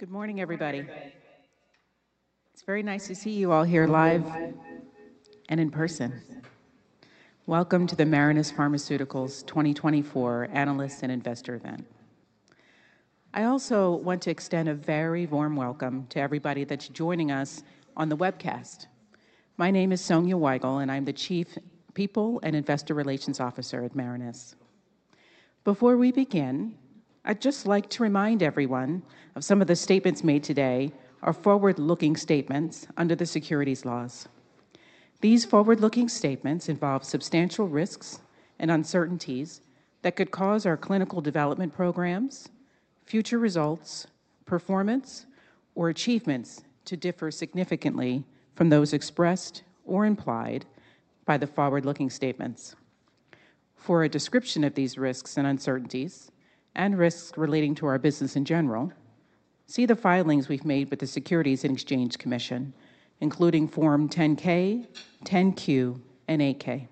Good morning, everybody. It's very nice to see you all here live and in person. Welcome to the Marinus Pharmaceuticals 2024 Analyst and Investor Event. I also want to extend a very warm welcome to everybody that's joining us on the webcast. My name is Sonya Weigle, and I'm the Chief People and Investor Relations Officer at Marinus. Before we begin, I'd just like to remind everyone of some of the statements made today are forward-looking statements under the securities laws. These forward-looking statements involve substantial risks and uncertainties that could cause our clinical development programs, future results, performance, or achievements to differ significantly from those expressed or implied by the forward-looking statements. For a description of these risks and uncertainties, and risks relating to our business in general, see the filings we've made with the Securities and Exchange Commission, including Form 10-K, 10-Q, and 8-K.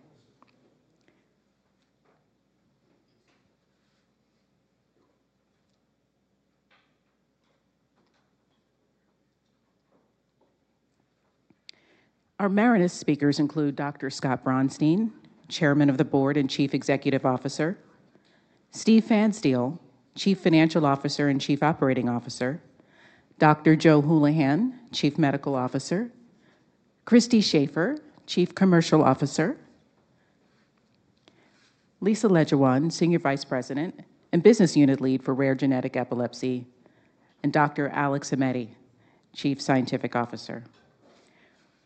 Our Marinus speakers include Dr. Scott Braunstein, Chairman of the Board and Chief Executive Officer. Steven Pfanstiel, Chief Financial Officer and Chief Operating Officer. Dr. Joe Hulihan, Chief Medical Officer. Christy Shafer, Chief Commercial Officer. Lisa Lejuwaan, Senior Vice President and Business Unit Lead for Rare Genetic Epilepsy. And Dr. Alex Aimetti, Chief Scientific Officer.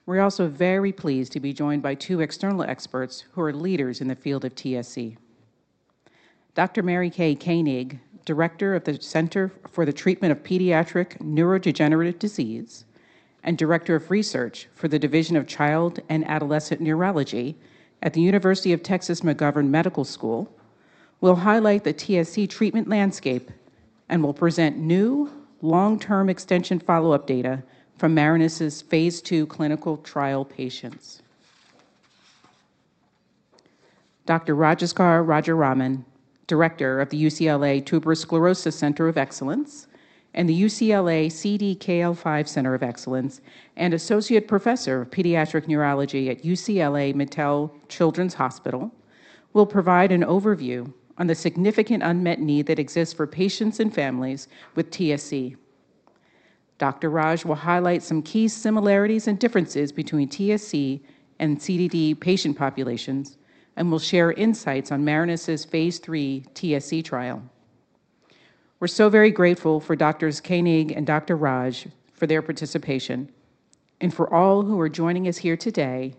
We're also very pleased to be joined by two external experts who are leaders in the field of TSC. Dr. Mary Kay Koenig, Director of the Center for the Treatment of Pediatric Neurodegenerative Disease and Director of Research for the Division of Child and Adolescent Neurology at the University of Texas McGovern Medical School, will highlight the TSC treatment landscape and will present new long-term extension follow-up data from Marinus' Phase 2 clinical trial patients. Dr. Rajsekar Rajaraman, Director of the UCLA Tuberous Sclerosis Center of Excellence and the UCLA CDKL5 Center of Excellence, and Associate Professor of Pediatric Neurology at UCLA Mattel Children's Hospital, will provide an overview on the significant unmet need that exists for patients and families with TSC. Dr. Raj will highlight some key similarities and differences between TSC and CDD patient populations and will share insights on Marinus' Phase 3 TSC trial. We're so very grateful for Doctors Koenig and Dr. Raj for their participation and for all who are joining us here today,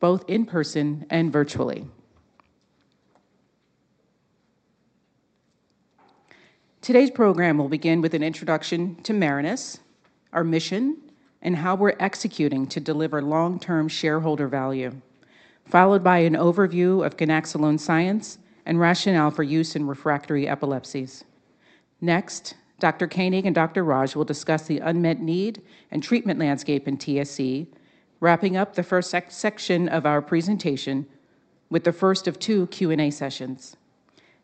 both in person and virtually. Today's program will begin with an introduction to Marinus, our mission, and how we're executing to deliver long-term shareholder value, followed by an overview of ganaxolone science and rationale for use in refractory epilepsies. Next, Dr. Koenig and Dr. Raj will discuss the unmet need and treatment landscape in TSC, wrapping up the first section of our presentation with the first of two Q&A sessions.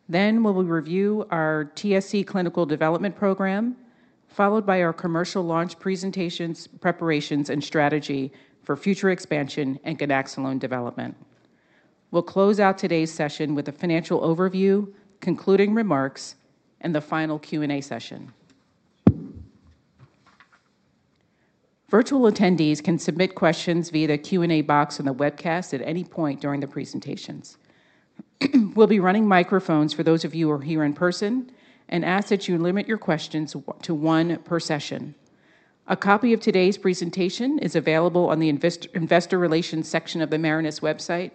Then we will review our TSC clinical development program, followed by our commercial launch presentations, preparations, and strategy for future expansion and ganaxolone development. We'll close out today's session with a financial overview, concluding remarks, and the final Q&A session. Virtual attendees can submit questions via the Q&A box on the webcast at any point during the presentations. We'll be running microphones for those of you who are here in person and ask that you limit your questions to one per session. A copy of today's presentation is available on the Investor Relations section of the Marinus website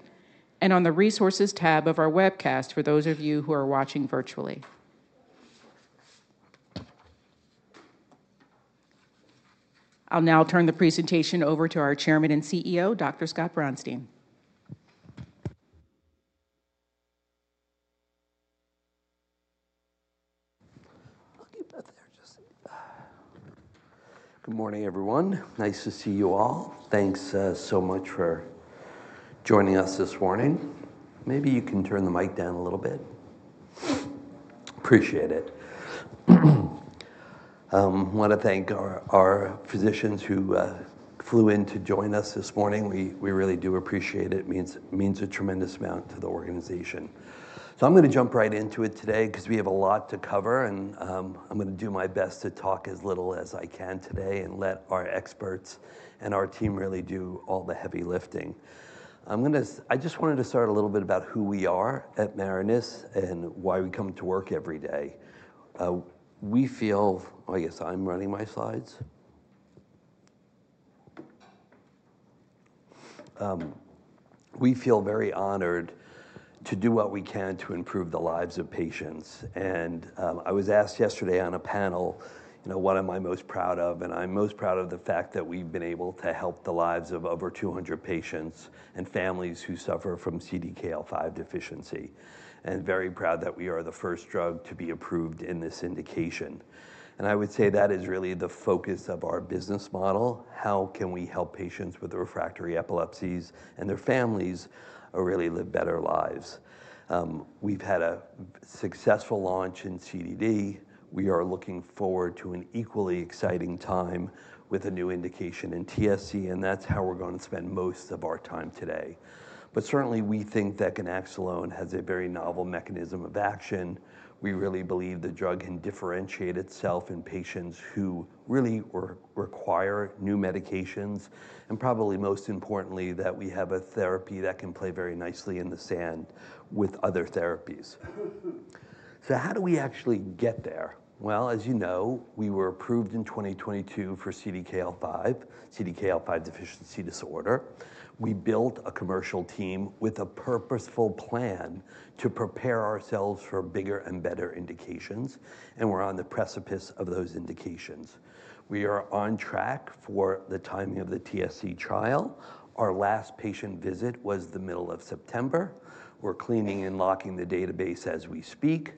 and on the Resources tab of our webcast for those of you who are watching virtually. I'll now turn the presentation over to our Chairman and CEO, Dr. Scott Braunstein. Good morning, everyone. Nice to see you all. Thanks so much for joining us this morning. Maybe you can turn the mic down a little bit. Appreciate it. I want to thank our physicians who flew in to join us this morning. We really do appreciate it. It means a tremendous amount to the organization. I'm going to jump right into it today because we have a lot to cover and I'm going to do my best to talk as little as I can today and let our experts and our team really do all the heavy lifting. I'm going to. I just wanted to start a little bit about who we are at Marinus and why we come to work every day. We feel. I guess I'm running my slides? We feel very honored to do what we can to improve the lives of patients. And I was asked yesterday on a panel, you know, what am I most proud of? And I'm most proud of the fact that we've been able to help the lives of over 200 patients and families who suffer from CDKL5 deficiency, and very proud that we are the first drug to be approved in this indication. And I would say that is really the focus of our business model: how can we help patients with refractory epilepsies and their families, really live better lives? We've had a successful launch in CDD. We are looking forward to an equally exciting time with a new indication in TSC, and that's how we're going to spend most of our time today. Certainly, we think that ganaxolone has a very novel mechanism of action. We really believe the drug can differentiate itself in patients who really require new medications, and probably most importantly, that we have a therapy that can play very nicely in tandem with other therapies. How do we actually get there? As you know, we were approved in 2022 for CDKL5, CDKL5 deficiency disorder. We built a commercial team with a purposeful plan to prepare ourselves for bigger and better indications, and we're on the precipice of those indications. We are on track for the timing of the TSC trial. Our last patient visit was the middle of September. We're cleaning and locking the database as we speak.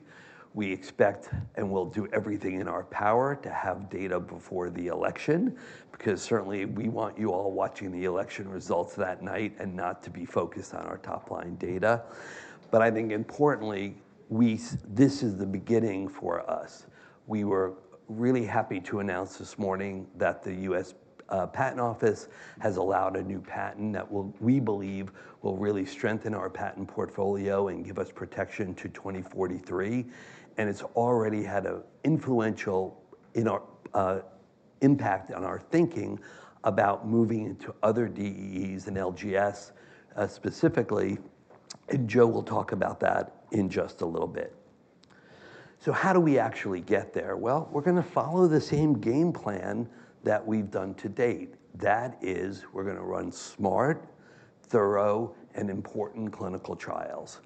We expect, and we'll do everything in our power, to have data before the election, because certainly we want you all watching the election results that night and not to be focused on our top-line data, but I think importantly, we, this is the beginning for us. We were really happy to announce this morning that the U.S. Patent Office has allowed a new patent that will, we believe, really strengthen our patent portfolio and give us protection to 2043, and it's already had an influence on our thinking about moving into other DEEs and LGS specifically, and Joe will talk about that in just a little bit, so how do we actually get there, well, we're going to follow the same game plan that we've done to date. That is, we're going to run smart, thorough, and important clinical trials.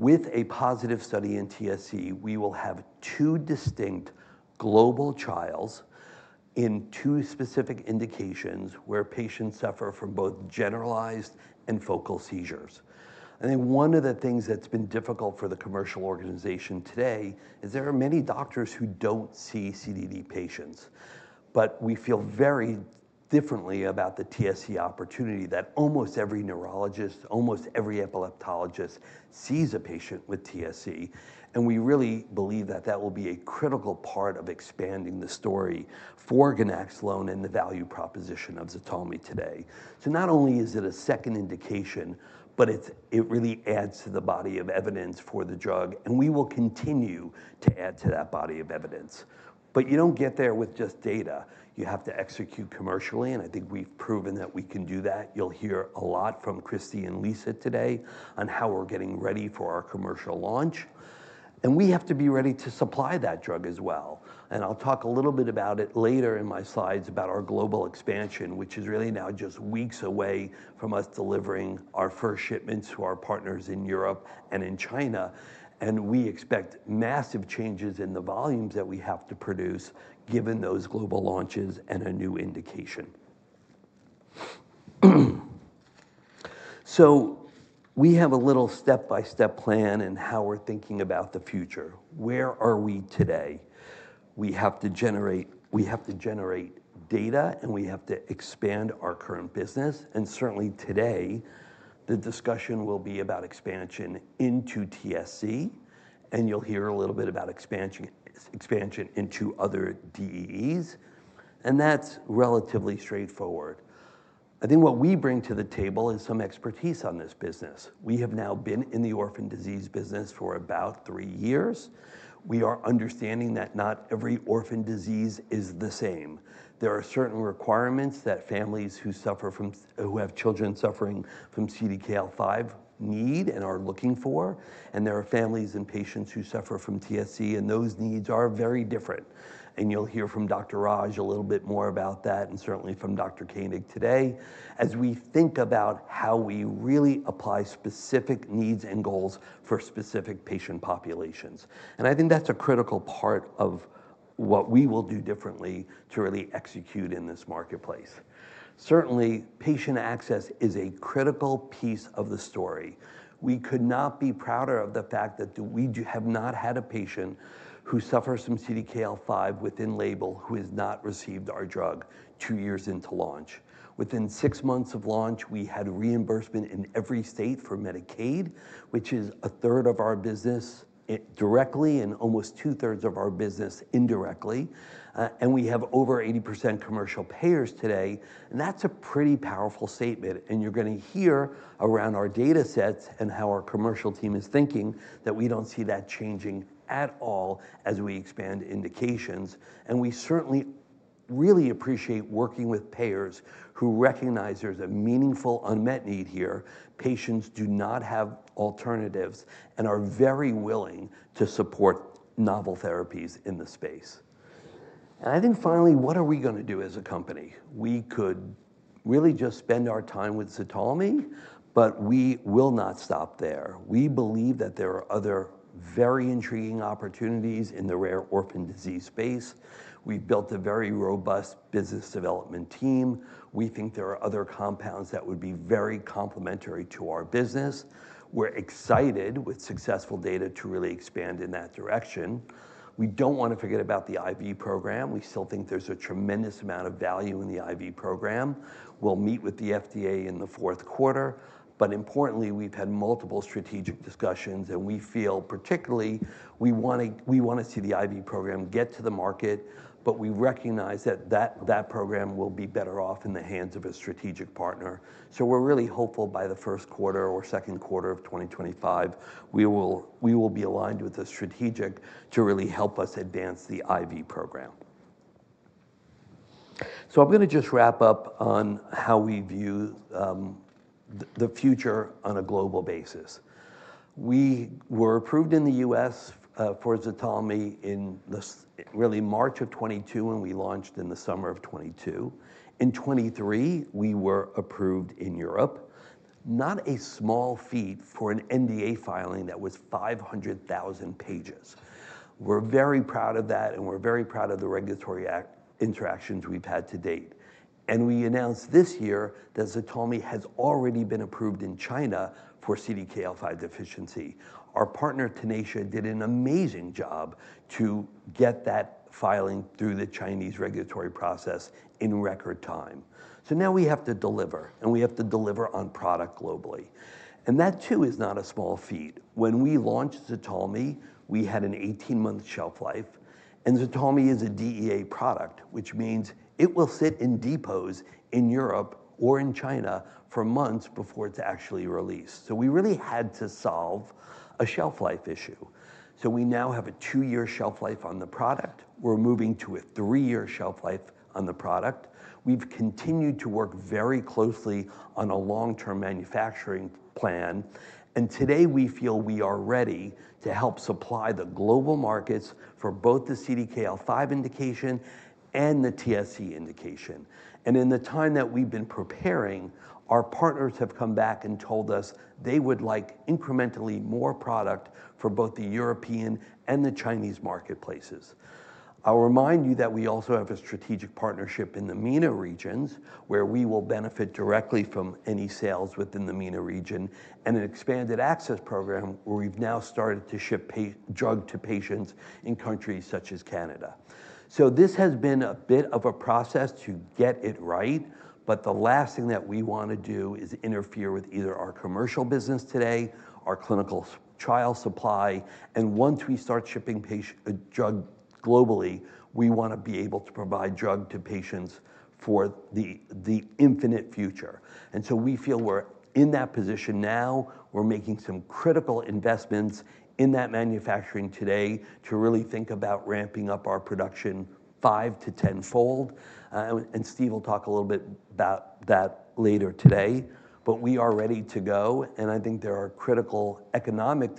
With a positive study in TSC, we will have two distinct global trials in two specific indications where patients suffer from both generalized and focal seizures. I think one of the things that's been difficult for the commercial organization today is there are many doctors who don't see CDD patients. But we feel very differently about the TSC opportunity, that almost every neurologist, almost every epileptologist, sees a patient with TSC, and we really believe that that will be a critical part of expanding the story for ganaxolone and the value proposition of ZTALMY today. So not only is it a second indication, but it, it really adds to the body of evidence for the drug, and we will continue to add to that body of evidence. But you don't get there with just data. You have to execute commercially, and I think we've proven that we can do that. You'll hear a lot from Christy and Lisa today on how we're getting ready for our commercial launch, and we have to be ready to supply that drug as well. I'll talk a little bit about it later in my slides about our global expansion, which is really now just weeks away from us delivering our first shipments to our partners in Europe and in China, and we expect massive changes in the volumes that we have to produce, given those global launches and a new indication. We have a little step-by-step plan in how we're thinking about the future. Where are we today? We have to generate, we have to generate data, and we have to expand our current business. Certainly today, the discussion will be about expansion into TSC, and you'll hear a little bit about expansion, expansion into other DEEs, and that's relatively straightforward. I think what we bring to the table is some expertise on this business. We have now been in the orphan disease business for about three years. We are understanding that not every orphan disease is the same. There are certain requirements that families who have children suffering from CDKL5 need and are looking for, and there are families and patients who suffer from TSC, and those needs are very different, and you'll hear from Dr. Raj a little bit more about that, and certainly from Dr. Koenig today, as we think about how we really apply specific needs and goals for specific patient populations, and I think that's a critical part of what we will do differently to really execute in this marketplace. Certainly, patient access is a critical piece of the story. We could not be prouder of the fact that we have not had a patient who suffers from CDKL5 within label, who has not received our drug two years into launch. Within six months of launch, we had reimbursement in every state for Medicaid, which is a third of our business, it directly and almost two-thirds of our business indirectly, and we have over 80% commercial payers today, and that's a pretty powerful statement. And you're going to hear around our data sets and how our commercial team is thinking that we don't see that changing at all as we expand indications. And we certainly really appreciate working with payers who recognize there's a meaningful unmet need here. Patients do not have alternatives and are very willing to support novel therapies in this space.... And I think finally, what are we going to do as a company? We could really just spend our time with ZTALMY, but we will not stop there. We believe that there are other very intriguing opportunities in the rare orphan disease space. We've built a very robust business development team. We think there are other compounds that would be very complementary to our business. We're excited with successful data to really expand in that direction. We don't want to forget about the IV program. We still think there's a tremendous amount of value in the IV program. We'll meet with the FDA in the fourth quarter, but importantly, we've had multiple strategic discussions, and we feel particularly, we want to see the IV program get to the market, but we recognize that that program will be better off in the hands of a strategic partner. We're really hopeful by the first quarter or second quarter of 2025, we will be aligned with a strategic to really help us advance the IV program. I'm going to just wrap up on how we view the future on a global basis. We were approved in the U.S. for ZTALMY in really March of 2022, and we launched in the summer of 2022. In 2022, we were approved in Europe. Not a small feat for an NDA filing that was 500,000 pages. We're very proud of that, and we're very proud of the regulatory interactions we've had to date. We announced this year that ZTALMY has already been approved in China for CDKL5 deficiency. Our partner, Tenacia, did an amazing job to get that filing through the Chinese regulatory process in record time. So now we have to deliver, and we have to deliver on product globally. And that, too, is not a small feat. When we launched ZTALMY, we had an eighteen-month shelf life, and ZTALMY is a DEA product, which means it will sit in depots in Europe or in China for months before it's actually released. So we really had to solve a shelf-life issue. So we now have a two-year shelf life on the product. We're moving to a three-year shelf life on the product. We've continued to work very closely on a long-term manufacturing plan, and today, we feel we are ready to help supply the global markets for both the CDKL5 indication and the TSC indication. And in the time that we've been preparing, our partners have come back and told us they would like incrementally more product for both the European and the Chinese marketplaces. I'll remind you that we also have a strategic partnership in the MENA regions, where we will benefit directly from any sales within the MENA region, and an expanded access program, where we've now started to ship drug to patients in countries such as Canada. So this has been a bit of a process to get it right, but the last thing that we want to do is interfere with either our commercial business today, our clinical trial supply, and once we start shipping patient drug globally, we want to be able to provide drug to patients for the, the infinite future. And so we feel we're in that position now. We're making some critical investments in that manufacturing today to really think about ramping up our production five to tenfold. And Steve will talk a little bit about that later today, but we are ready to go, and I think there are critical economic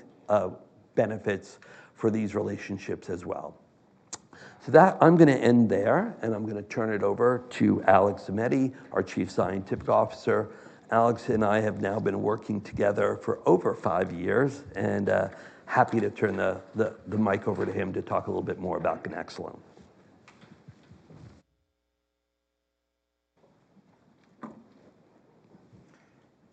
benefits for these relationships as well. So that, I'm going to end there, and I'm going to turn it over to Alex Aimetti, our Chief Scientific Officer. Alex and I have now been working together for over five years, and happy to turn the mic over to him to talk a little bit more about ganaxolone.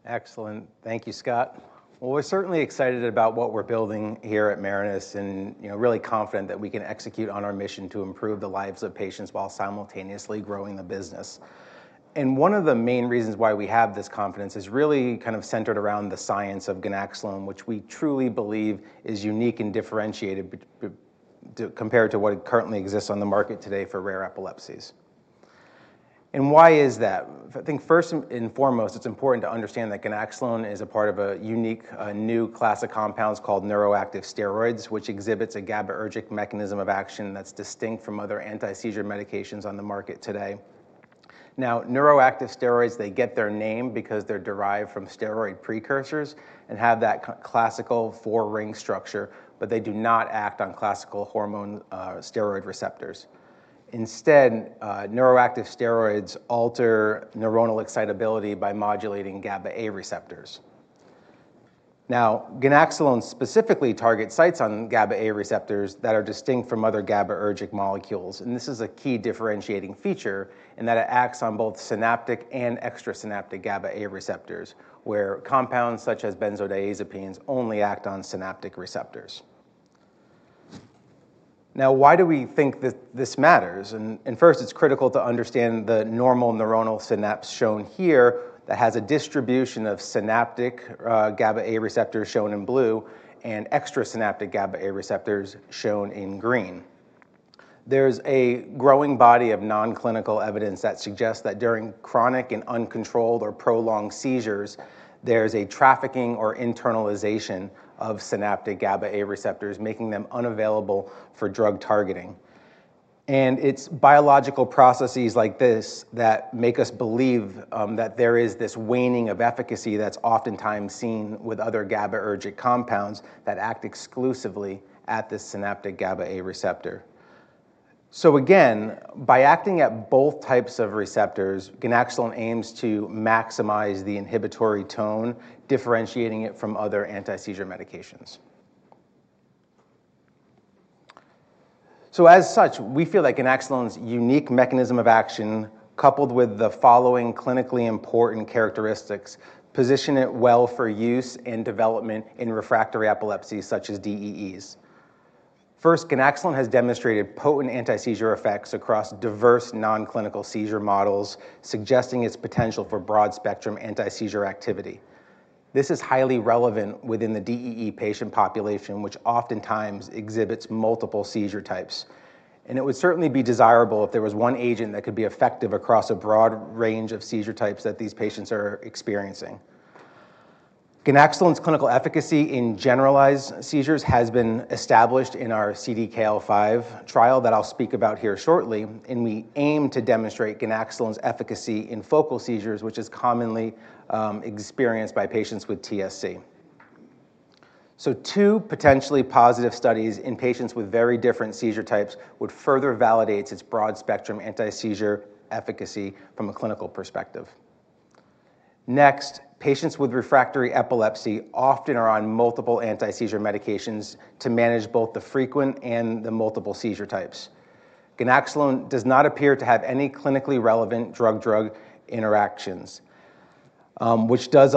Excellent. Thank you, Scott. We're certainly excited about what we're building here at Marinus, and, you know, really confident that we can execute on our mission to improve the lives of patients while simultaneously growing the business. One of the main reasons why we have this confidence is really kind of centered around the science of ganaxolone, which we truly believe is unique and differentiated compared to what currently exists on the market today for rare epilepsies. Why is that? I think first and foremost, it's important to understand that ganaxolone is a part of a unique, new class of compounds called neuroactive steroids, which exhibits a GABAergic mechanism of action that's distinct from other anti-seizure medications on the market today. Now, neuroactive steroids, they get their name because they're derived from steroid precursors and have that classical four-ring structure, but they do not act on classical hormone, steroid receptors. Instead, neuroactive steroids alter neuronal excitability by modulating GABA A receptors. Now, ganaxolone specifically targets sites on GABA A receptors that are distinct from other GABAergic molecules, and this is a key differentiating feature in that it acts on both synaptic and extrasynaptic GABA A receptors, where compounds such as benzodiazepines only act on synaptic receptors. Now, why do we think that this matters, and first, it's critical to understand the normal neuronal synapse shown here, that has a distribution of synaptic, GABA A receptors shown in blue and extrasynaptic GABA A receptors shown in green. There's a growing body of non-clinical evidence that suggests that during chronic and uncontrolled or prolonged seizures, there's a trafficking or internalization of synaptic GABA-A receptors, making them unavailable for drug targeting. And it's biological processes like this that make us believe that there is this waning of efficacy that's oftentimes seen with other GABAergic compounds that act exclusively at the synaptic GABA-A receptor. So again, by acting at both types of receptors, ganaxolone aims to maximize the inhibitory tone, differentiating it from other anti-seizure medications. So as such, we feel like ganaxolone's unique mechanism of action, coupled with the following clinically important characteristics, position it well for use and development in refractory epilepsy, such as DEEs. First, ganaxolone has demonstrated potent anti-seizure effects across diverse non-clinical seizure models, suggesting its potential for broad-spectrum anti-seizure activity. This is highly relevant within the DEE patient population, which oftentimes exhibits multiple seizure types, and it would certainly be desirable if there was one agent that could be effective across a broad range of seizure types that these patients are experiencing. Ganaxolone's clinical efficacy in generalized seizures has been established in our CDKL5 trial that I'll speak about here shortly, and we aim to demonstrate ganaxolone's efficacy in focal seizures, which is commonly experienced by patients with TSC. So two potentially positive studies in patients with very different seizure types would further validate its broad-spectrum anti-seizure efficacy from a clinical perspective. Next, patients with refractory epilepsy often are on multiple anti-seizure medications to manage both the frequent and the multiple seizure types. Ganaxolone does not appear to have any clinically relevant drug-drug interactions, which does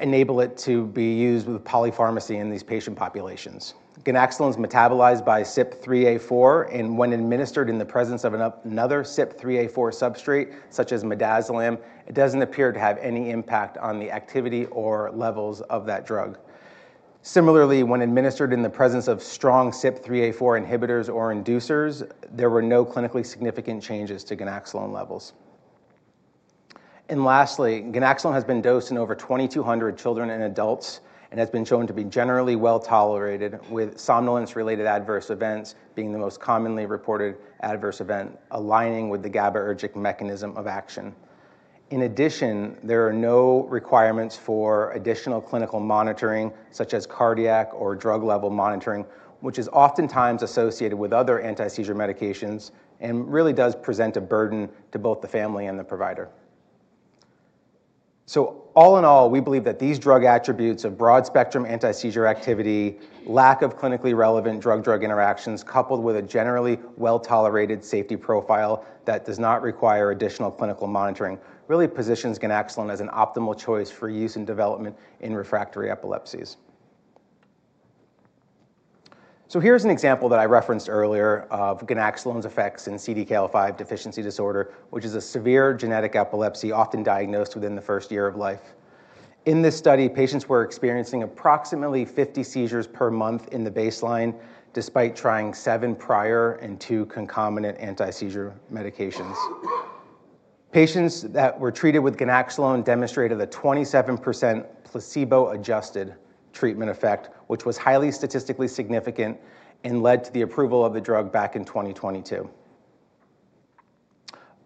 enable it to be used with polypharmacy in these patient populations. Ganaxolone is metabolized by CYP3A4, and when administered in the presence of another CYP3A4 substrate, such as midazolam, it doesn't appear to have any impact on the activity or levels of that drug. Similarly, when administered in the presence of strong CYP3A4 inhibitors or inducers, there were no clinically significant changes to ganaxolone levels. Lastly, ganaxolone has been dosed in over 2,200 children and adults and has been shown to be generally well-tolerated, with somnolence-related adverse events being the most commonly reported adverse event, aligning with the GABAergic mechanism of action. In addition, there are no requirements for additional clinical monitoring, such as cardiac or drug level monitoring, which is oftentimes associated with other anti-seizure medications and really does present a burden to both the family and the provider. So all in all, we believe that these drug attributes of broad-spectrum anti-seizure activity, lack of clinically relevant drug-drug interactions, coupled with a generally well-tolerated safety profile that does not require additional clinical monitoring, really positions ganaxolone as an optimal choice for use and development in refractory epilepsies. So here's an example that I referenced earlier of ganaxolone's effects in CDKL5 deficiency disorder, which is a severe genetic epilepsy often diagnosed within the first year of life. In this study, patients were experiencing approximately 50 seizures per month in the baseline, despite trying 7 prior and 2 concomitant anti-seizure medications. Patients that were treated with ganaxolone demonstrated a 27% placebo-adjusted treatment effect, which was highly statistically significant and led to the approval of the drug back in 2022.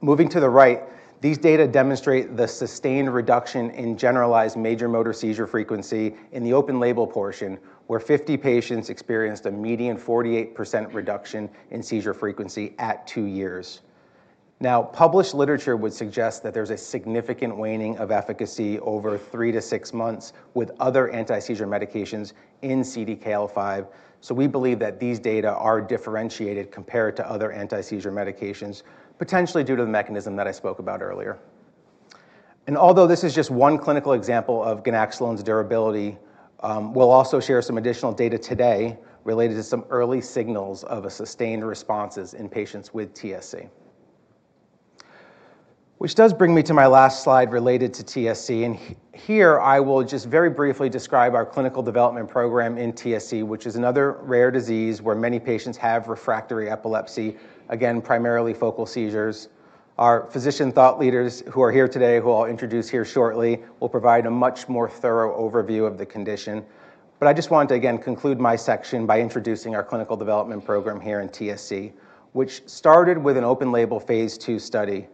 Moving to the right, these data demonstrate the sustained reduction in generalized major motor seizure frequency in the open-label portion, where 50 patients experienced a median 48% reduction in seizure frequency at two years. Now, published literature would suggest that there's a significant waning of efficacy over three to six months with other anti-seizure medications in CDKL5, so we believe that these data are differentiated compared to other anti-seizure medications, potentially due to the mechanism that I spoke about earlier. And although this is just one clinical example of ganaxolone's durability, we'll also share some additional data today related to some early signals of a sustained responses in patients with TSC. Which does bring me to my last slide related to TSC, and here I will just very briefly describe our clinical development program in TSC, which is another rare disease where many patients have refractory epilepsy, again, primarily focal seizures. Our physician thought leaders who are here today, who I'll introduce here shortly, will provide a much more thorough overview of the condition. But I just want to again conclude my section by introducing our clinical development program here in TSC, which started with an open-label Phase 2 study,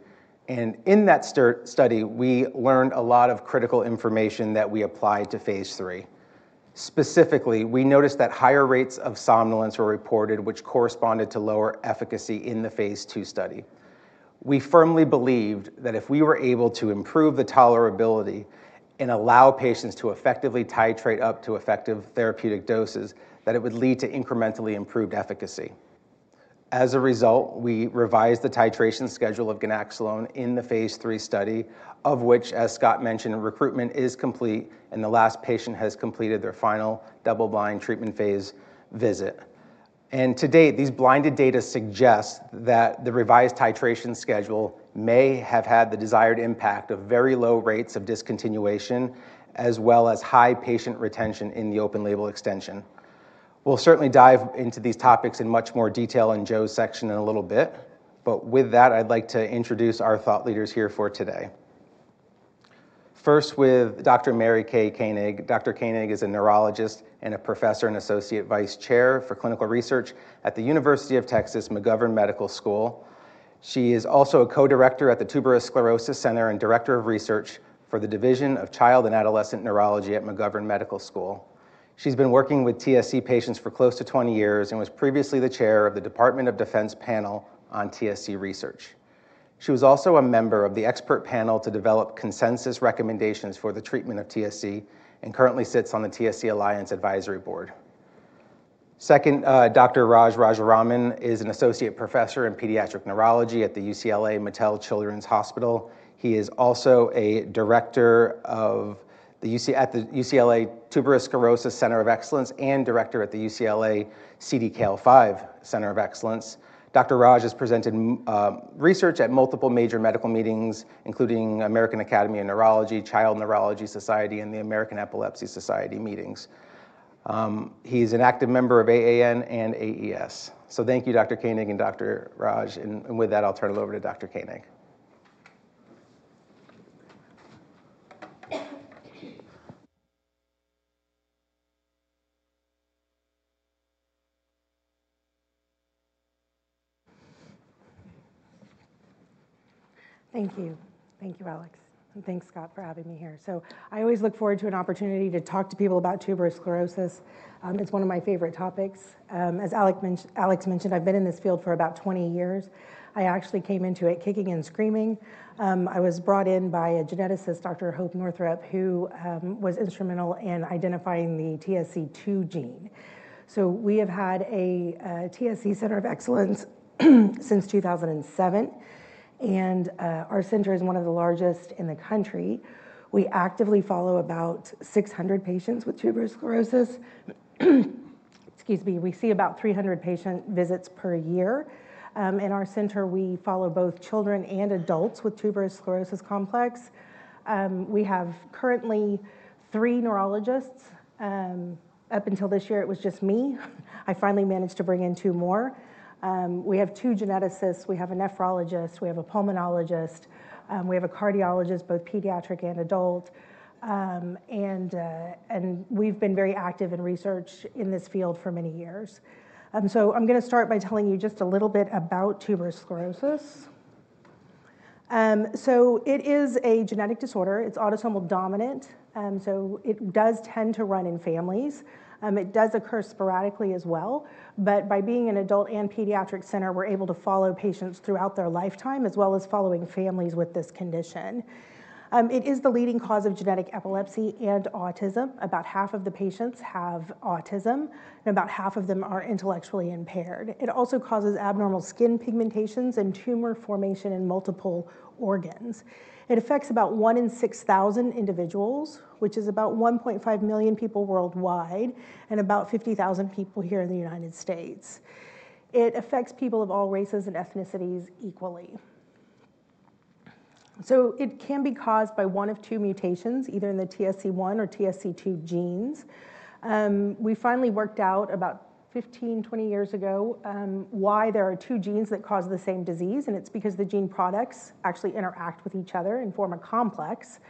and in that study, we learned a lot of critical information that we applied to Phase 3. Specifically, we noticed that higher rates of somnolence were reported, which corresponded to lower efficacy in the Phase 2 study. We firmly believed that if we were able to improve the tolerability and allow patients to effectively titrate up to effective therapeutic doses, that it would lead to incrementally improved efficacy. As a result, we revised the titration schedule of ganaxolone in the Phase 3 study, of which, as Scott mentioned, recruitment is complete and the last patient has completed their final double-blind treatment phase visit. And to date, these blinded data suggest that the revised titration schedule may have had the desired impact of very low rates of discontinuation, as well as high patient retention in the open-label extension. We'll certainly dive into these topics in much more detail in Joe's section in a little bit, but with that, I'd like to introduce our thought leaders here for today. First, with Dr. Mary Kay Koenig. Dr. Koenig is a neurologist and a professor and Associate Vice Chair for Clinical Research at the University of Texas McGovern Medical School. She is also a co-director at the Tuberous Sclerosis Center and Director of Research for the Division of Child and Adolescent Neurology at McGovern Medical School. She's been working with TSC patients for close to 20 years and was previously the chair of the Department of Defense Panel on TSC Research. She was also a member of the expert panel to develop consensus recommendations for the treatment of TSC, and currently sits on the TSC Alliance Advisory Board. Second, Dr. Rajaraman is an associate professor in pediatric neurology at the UCLA Mattel Children's Hospital. He is also a director of the UCLA Tuberous Sclerosis Center of Excellence and director at the UCLA CDKL5 Center of Excellence. Dr. Raj has presented research at multiple major medical meetings, including American Academy of Neurology, Child Neurology Society, and the American Epilepsy Society meetings. He's an active member of AAN and AES. So thank you, Dr. Koenig and Dr. Raj, and with that, I'll turn it over to Dr. Koenig. Thank you. Thank you, Alex, and thanks, Scott, for having me here. So I always look forward to an opportunity to talk to people about tuberous sclerosis. It's one of my favorite topics. As Alex mentioned, I've been in this field for about 20 years. I actually came into it kicking and screaming. I was brought in by a geneticist, Dr. Hope Northrup, who was instrumental in identifying the TSC2 gene. So we have had a TSC Center of Excellence since 2007, and our center is one of the largest in the country. We actively follow about 600 patients with tuberous sclerosis. Excuse me. We see about 300 patient visits per year. In our center, we follow both children and adults with tuberous sclerosis complex. We have currently three neurologists. Up until this year, it was just me. I finally managed to bring in two more. We have two geneticists, we have a nephrologist, we have a pulmonologist, we have a cardiologist, both pediatric and adult, and we've been very active in research in this field for many years. So I'm gonna start by telling you just a little bit about tuberous sclerosis. So it is a genetic disorder. It's autosomal dominant, so it does tend to run in families. It does occur sporadically as well, but by being an adult and pediatric center, we're able to follow patients throughout their lifetime, as well as following families with this condition. It is the leading cause of genetic epilepsy and autism. About half of the patients have autism, and about half of them are intellectually impaired. It also causes abnormal skin pigmentations and tumor formation in multiple organs. It affects about one in 6,000 individuals, which is about 1.5 million people worldwide, and about 50,000 people here in the United States. It affects people of all races and ethnicities equally. So it can be caused by one of two mutations, either in the TSC1 or TSC2 genes. We finally worked out about 15, 20 years ago, why there are two genes that cause the same disease, and it's because the gene products actually interact with each other and form a complex.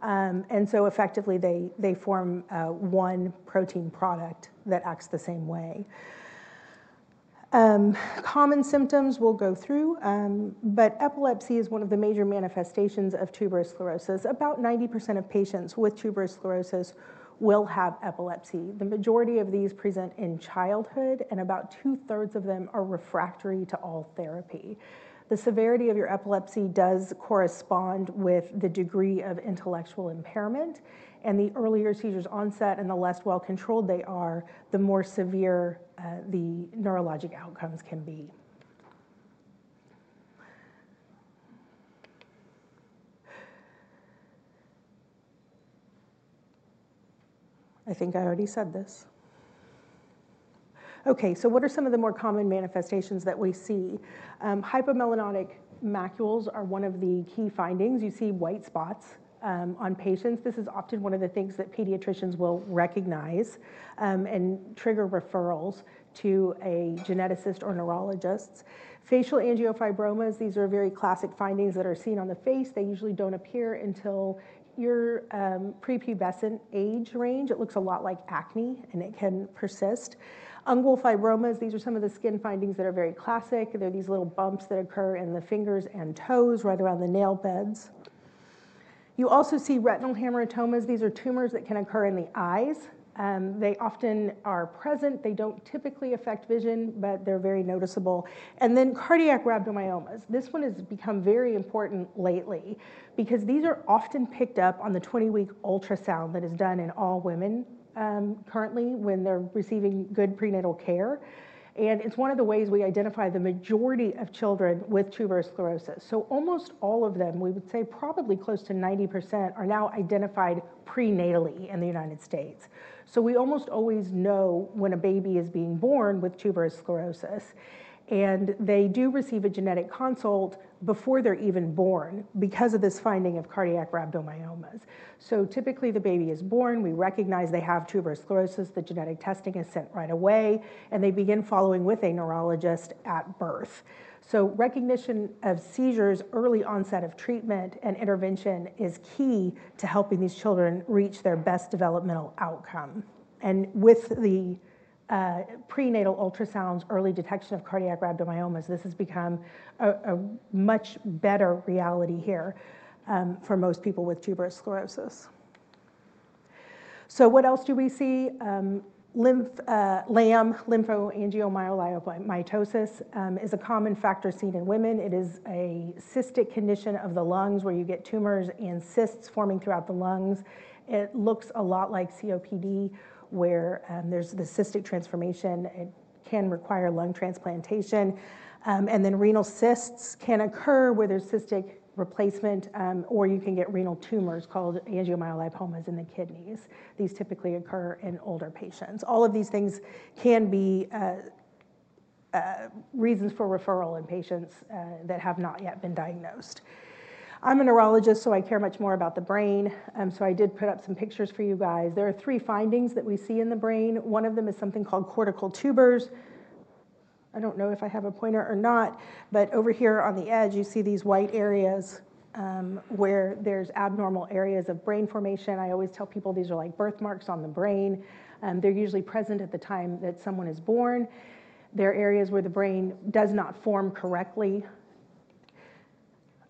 And so effectively, they, they form one protein product that acts the same way. Common symptoms we'll go through, but epilepsy is one of the major manifestations of tuberous sclerosis. About 90% of patients with tuberous sclerosis will have epilepsy. The majority of these present in childhood, and about two-thirds of them are refractory to all therapy. The severity of your epilepsy does correspond with the degree of intellectual impairment, and the earlier seizures onset and the less well controlled they are, the more severe, the neurologic outcomes can be. I think I already said this. Okay, so what are some of the more common manifestations that we see? Hypomelanotic macules are one of the key findings. You see white spots on patients. This is often one of the things that pediatricians will recognize and trigger referrals to a geneticist or neurologist. Facial angiofibromas, these are very classic findings that are seen on the face. They usually don't appear until your prepubescent age range. It looks a lot like acne, and it can persist. Ungual fibromas, these are some of the skin findings that are very classic. They're these little bumps that occur in the fingers and toes, right around the nail beds. You also see retinal hamartomas. These are tumors that can occur in the eyes. They often are present. They don't typically affect vision, but they're very noticeable. And then cardiac rhabdomyomas. This one has become very important lately because these are often picked up on the 20-week ultrasound that is done in all women, currently, when they're receiving good prenatal care, and it's one of the ways we identify the majority of children with tuberous sclerosis. So almost all of them, we would say probably close to 90%, are now identified prenatally in the United States. We almost always know when a baby is being born with tuberous sclerosis, and they do receive a genetic consult before they're even born because of this finding of cardiac rhabdomyomas. So typically, the baby is born, we recognize they have tuberous sclerosis, the genetic testing is sent right away, and they begin following with a neurologist at birth. So recognition of seizures, early onset of treatment, and intervention is key to helping these children reach their best developmental outcome. And with prenatal ultrasounds, early detection of cardiac rhabdomyomas. This has become a much better reality here for most people with tuberous sclerosis. So what else do we see? LAM, lymphangioleiomyomatosis is a common factor seen in women. It is a cystic condition of the lungs, where you get tumors and cysts forming throughout the lungs. It looks a lot like COPD, where there's the cystic transformation. It can require lung transplantation. And then renal cysts can occur, where there's cystic replacement, or you can get renal tumors called angiomyolipomas in the kidneys. These typically occur in older patients. All of these things can be reasons for referral in patients that have not yet been diagnosed. I'm a neurologist, so I care much more about the brain, so I did put up some pictures for you guys. There are three findings that we see in the brain. One of them is something called cortical tubers. I don't know if I have a pointer or not, but over here on the edge, you see these white areas, where there's abnormal areas of brain formation. I always tell people these are like birthmarks on the brain. They're usually present at the time that someone is born. They're areas where the brain does not form correctly.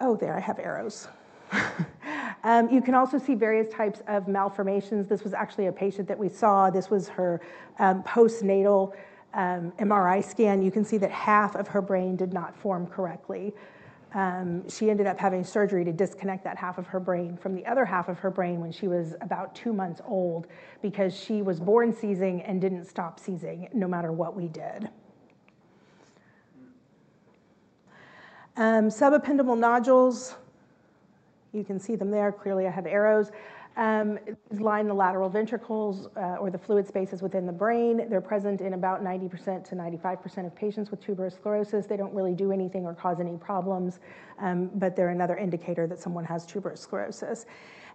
Oh, there, I have arrows. You can also see various types of malformations. This was actually a patient that we saw. This was her postnatal MRI scan. You can see that half of her brain did not form correctly. She ended up having surgery to disconnect that half of her brain from the other half of her brain when she was about two months old because she was born seizing and didn't stop seizing, no matter what we did. Subependymal nodules, you can see them there. Clearly, I have arrows. These line the lateral ventricles, or the fluid spaces within the brain. They're present in about 90% to 95% of patients with tuberous sclerosis. They don't really do anything or cause any problems, but they're another indicator that someone has tuberous sclerosis.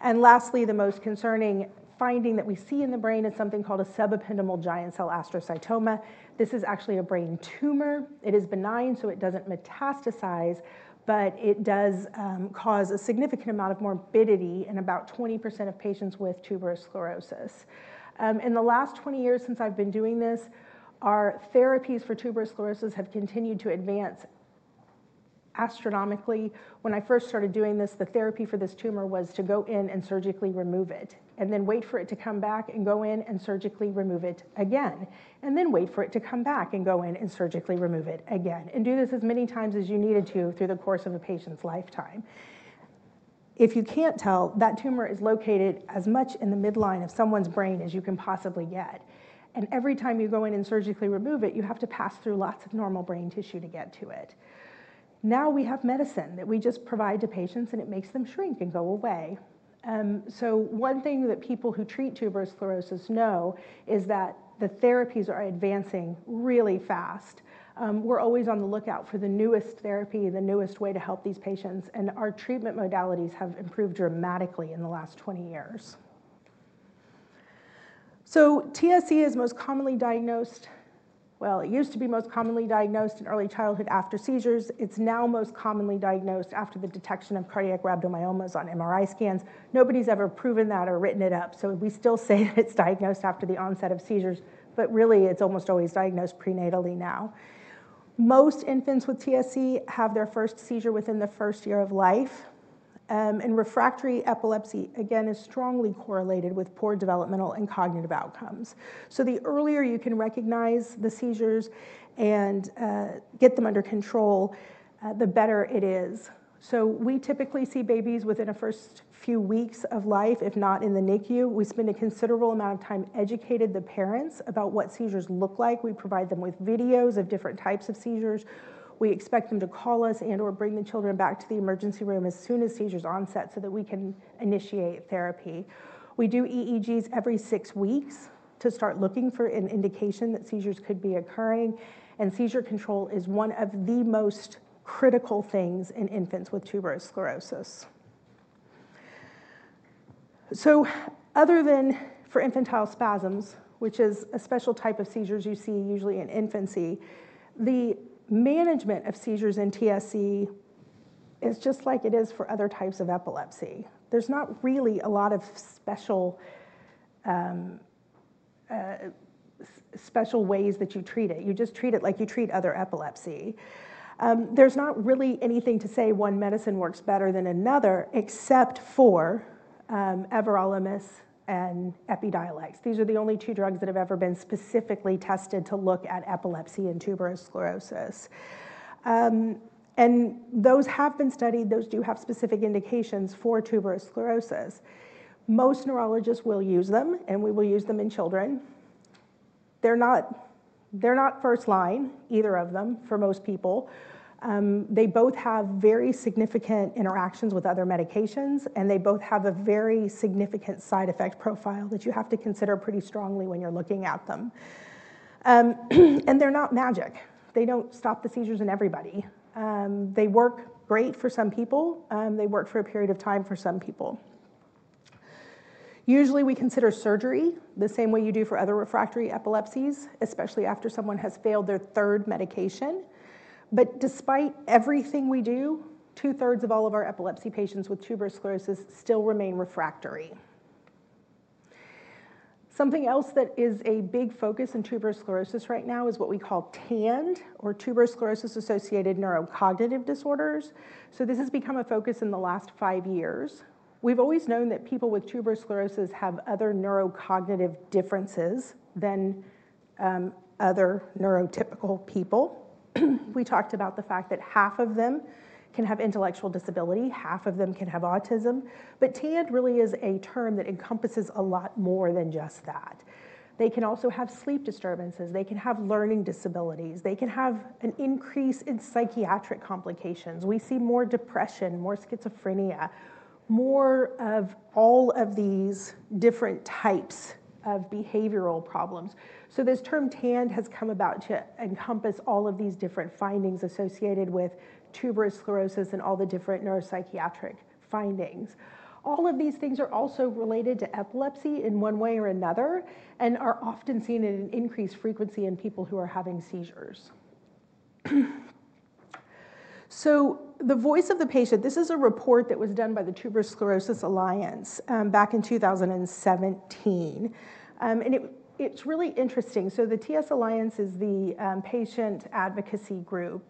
And lastly, the most concerning finding that we see in the brain is something called a subependymal giant cell astrocytoma. This is actually a brain tumor. It is benign, so it doesn't metastasize, but it does cause a significant amount of morbidity in about 20% of patients with tuberous sclerosis. In the last 20 years since I've been doing this, our therapies for tuberous sclerosis have continued to advance astronomically. When I first started doing this, the therapy for this tumor was to go in and surgically remove it, and then wait for it to come back and go in and surgically remove it again, and then wait for it to come back and go in and surgically remove it again. Do this as many times as you needed to through the course of a patient's lifetime. If you can't tell, that tumor is located as much in the midline of someone's brain as you can possibly get, and every time you go in and surgically remove it, you have to pass through lots of normal brain tissue to get to it. Now, we have medicine that we just provide to patients, and it makes them shrink and go away. So one thing that people who treat tuberous sclerosis know is that the therapies are advancing really fast. We're always on the lookout for the newest therapy, the newest way to help these patients, and our treatment modalities have improved dramatically in the last 20 years. So TSC is most commonly diagnosed. Well, it used to be most commonly diagnosed in early childhood after seizures. It's now most commonly diagnosed after the detection of cardiac rhabdomyomas on MRI scans. Nobody's ever proven that or written it up, so we still say that it's diagnosed after the onset of seizures, but really, it's almost always diagnosed prenatally now. Most infants with TSC have their first seizure within the first year of life. And refractory epilepsy, again, is strongly correlated with poor developmental and cognitive outcomes. So the earlier you can recognize the seizures and get them under control, the better it is. So we typically see babies within the first few weeks of life, if not in the NICU. We spend a considerable amount of time educating the parents about what seizures look like. We provide them with videos of different types of seizures. We expect them to call us and/or bring the children back to the emergency room as soon as seizures onset so that we can initiate therapy. We do EEGs every six weeks to start looking for an indication that seizures could be occurring, and seizure control is one of the most critical things in infants with tuberous sclerosis. So other than for infantile spasms, which is a special type of seizures you see usually in infancy, the management of seizures in TSC is just like it is for other types of epilepsy. There's not really a lot of special ways that you treat it. You just treat it like you treat other epilepsy. There's not really anything to say one medicine works better than another, except for everolimus and Epidiolex. These are the only two drugs that have ever been specifically tested to look at epilepsy and tuberous sclerosis, and those have been studied. Those do have specific indications for tuberous sclerosis. Most neurologists will use them, and we will use them in children. They're not first line, either of them, for most people. They both have very significant interactions with other medications, and they both have a very significant side effect profile that you have to consider pretty strongly when you're looking at them, and they're not magic. They don't stop the seizures in everybody. They work great for some people, they work for a period of time for some people. Usually, we consider surgery the same way you do for other refractory epilepsies, especially after someone has failed their third medication. Despite everything we do, two-thirds of all of our epilepsy patients with tuberous sclerosis still remain refractory. Something else that is a big focus in tuberous sclerosis right now is what we call TAND, or tuberous sclerosis associated neurocognitive disorders. This has become a focus in the last five years. We've always known that people with tuberous sclerosis have other neurocognitive differences than other neurotypical people. We talked about the fact that half of them can have intellectual disability, half of them can have autism, but TAND really is a term that encompasses a lot more than just that. They can also have sleep disturbances, they can have learning disabilities, they can have an increase in psychiatric complications. We see more depression, more schizophrenia, more of all of these different types of behavioral problems. So this term TAND has come about to encompass all of these different findings associated with Tuberous Sclerosis and all the different neuropsychiatric findings. All of these things are also related to epilepsy in one way or another, and are often seen in an increased frequency in people who are having seizures. So the voice of the patient, this is a report that was done by the Tuberous Sclerosis Alliance back in two thousand and seventeen. And it's really interesting. So the TS Alliance is the patient advocacy group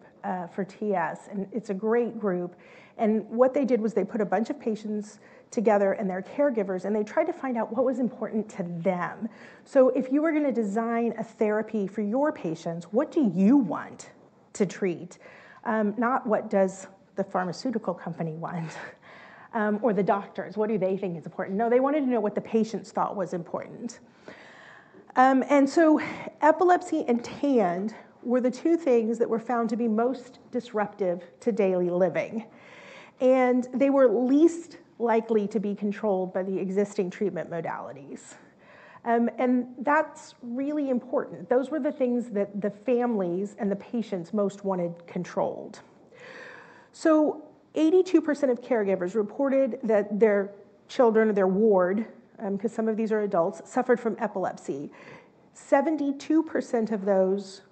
for TS, and it's a great group. And what they did was they put a bunch of patients together and their caregivers, and they tried to find out what was important to them. So if you were gonna design a therapy for your patients, what do you want to treat? Not what does the pharmaceutical company want, or the doctors, what do they think is important? No, they wanted to know what the patients thought was important, and so epilepsy and TAND were the two things that were found to be most disruptive to daily living, and they were least likely to be controlled by the existing treatment modalities, and that's really important. Those were the things that the families and the patients most wanted controlled, so 82% of caregivers reported that their children or their ward, 'cause some of these are adults, suffered from epilepsy. 72% of those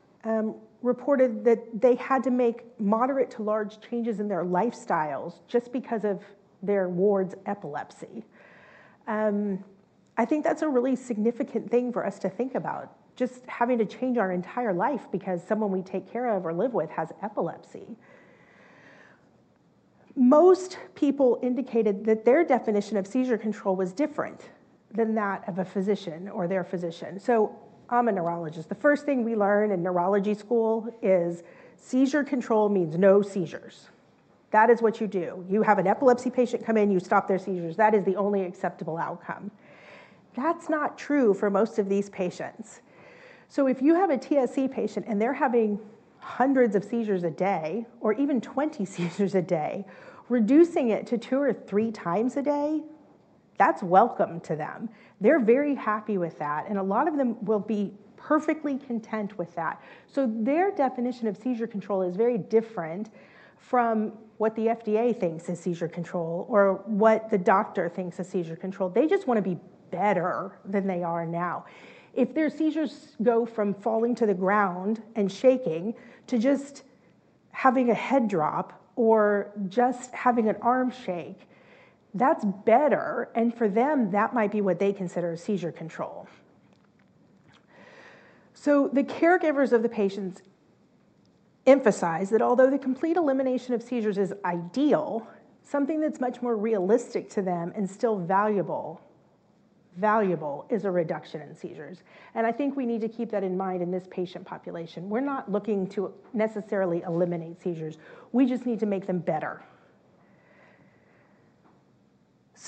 reported that they had to make moderate to large changes in their lifestyles just because of their ward's epilepsy. I think that's a really significant thing for us to think about, just having to change our entire life because someone we take care of or live with has epilepsy. Most people indicated that their definition of seizure control was different than that of a physician or their physician. I'm a neurologist. The first thing we learn in neurology school is seizure control means no seizures. That is what you do. You have an epilepsy patient come in, you stop their seizures. That is the only acceptable outcome. That's not true for most of these patients. If you have a TSC patient and they're having hundreds of seizures a day, or even 20 seizures a day, reducing it to two or three times a day, that's welcome to them. They're very happy with that, and a lot of them will be perfectly content with that. Their definition of seizure control is very different from what the FDA thinks is seizure control or what the doctor thinks is seizure control. They just want to be better than they are now. If their seizures go from falling to the ground and shaking to just having a head drop or just having an arm shake, that's better, and for them, that might be what they consider seizure control. The caregivers of the patients emphasize that although the complete elimination of seizures is ideal, something that's much more realistic to them and still valuable is a reduction in seizures. I think we need to keep that in mind in this patient population. We're not looking to necessarily eliminate seizures, we just need to make them better.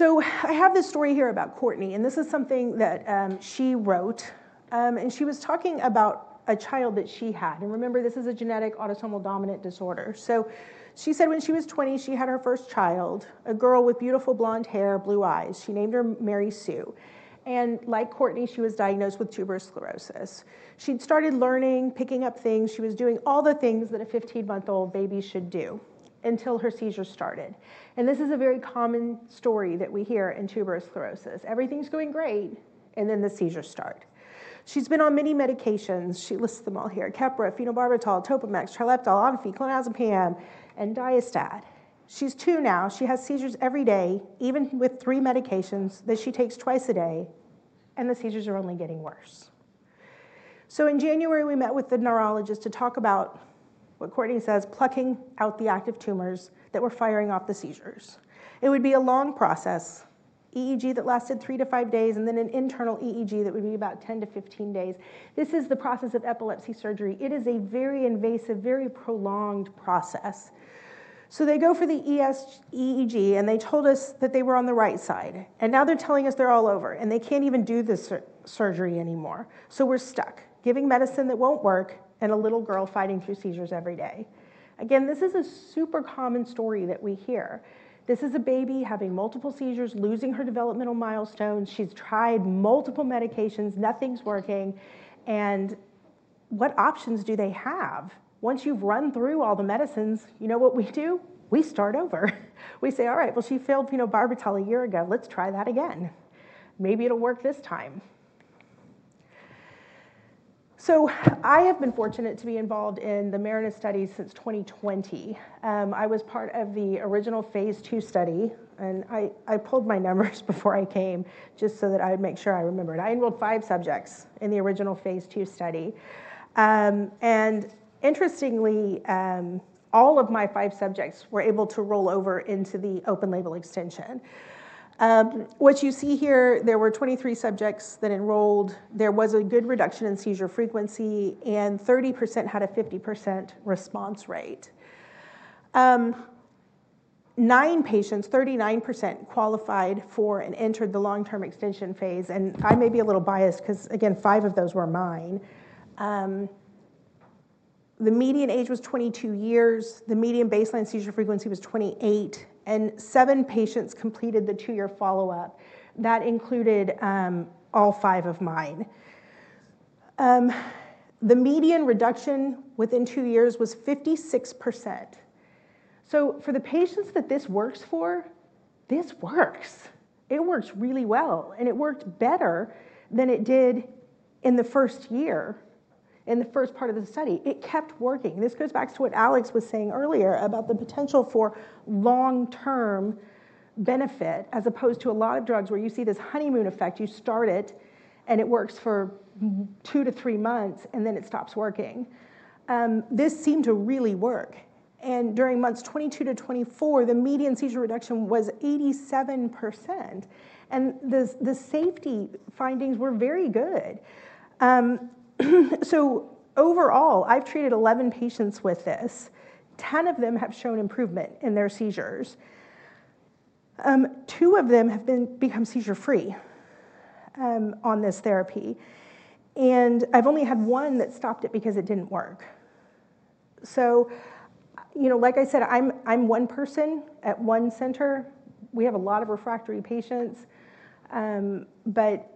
I have this story here about Courtney, and this is something that she wrote. And she was talking about a child that she had, and remember, this is a genetic autosomal dominant disorder. So she said when she was 20, she had her first child, a girl with beautiful blonde hair, blue eyes. She named her Mary Sue, and like Courtney, she was diagnosed with tuberous sclerosis. She'd started learning, picking up things. She was doing all the things that a 15-month-old baby should do until her seizures started. And this is a very common story that we hear in tuberous sclerosis. Everything's going great, and then the seizures start. She's been on many medications. She lists them all here: Keppra, phenobarbital, Topamax, Trileptal, Onfi, clonazepam, and Diastat. She's 2 now. She has seizures every day, even with three medications that she takes twice a day, and the seizures are only getting worse. In January, we met with the neurologist to talk about what Courtney says, "Plucking out the active tumors that were firing off the seizures." It would be a long process, EEG that lasted three to five days, and then an internal EEG that would be about 10 to 15 days. This is the process of epilepsy surgery. It is a very invasive, very prolonged process. So they go for the EEG, and they told us that they were on the right side, and now they're telling us they're all over, and they can't even do this surgery anymore. So we're stuck giving medicine that won't work and a little girl fighting through seizures every day. Again, this is a super common story that we hear. This is a baby having multiple seizures, losing her developmental milestones. She's tried multiple medications, nothing's working, and what options do they have? Once you've run through all the medicines, you know what we do? We start over. We say, "All right, well, she failed phenobarbital a year ago. Let's try that again. Maybe it'll work this time."... So, I have been fortunate to be involved in the Marinus study since 2020. I was part of the original Phase 2 study, and I pulled my numbers before I came, just so that I would make sure I remembered. I enrolled five subjects in the original Phase 2 study. And interestingly, all of my five subjects were able to roll over into the open-label extension. What you see here, there were 23 subjects that enrolled. There was a good reduction in seizure frequency, and 30% had a 50% response rate. Nine patients, 39%, qualified for and entered the long-term extension phase, and I may be a little biased because, again, five of those were mine. The median age was 22 years, the median baseline seizure frequency was 28, and seven patients completed the 2-year follow-up. That included all five of mine. The median reduction within two years was 56%. So for the patients that this works for, this works! It works really well, and it worked better than it did in the first year, in the first part of the study. It kept working. This goes back to what Alex was saying earlier about the potential for long-term benefit, as opposed to a lot of drugs, where you see this honeymoon effect. You start it, and it works for 2 to 3 months, and then it stops working. This seemed to really work, and during months 22 to 24, the median seizure reduction was 87%, and the safety findings were very good. So overall, I've treated 11 patients with this. 10 of them have shown improvement in their seizures. Two of them have become seizure free on this therapy, and I've only had 1 that stopped it because it didn't work. You know, like I said, I'm one person at one center. We have a lot of refractory patients, but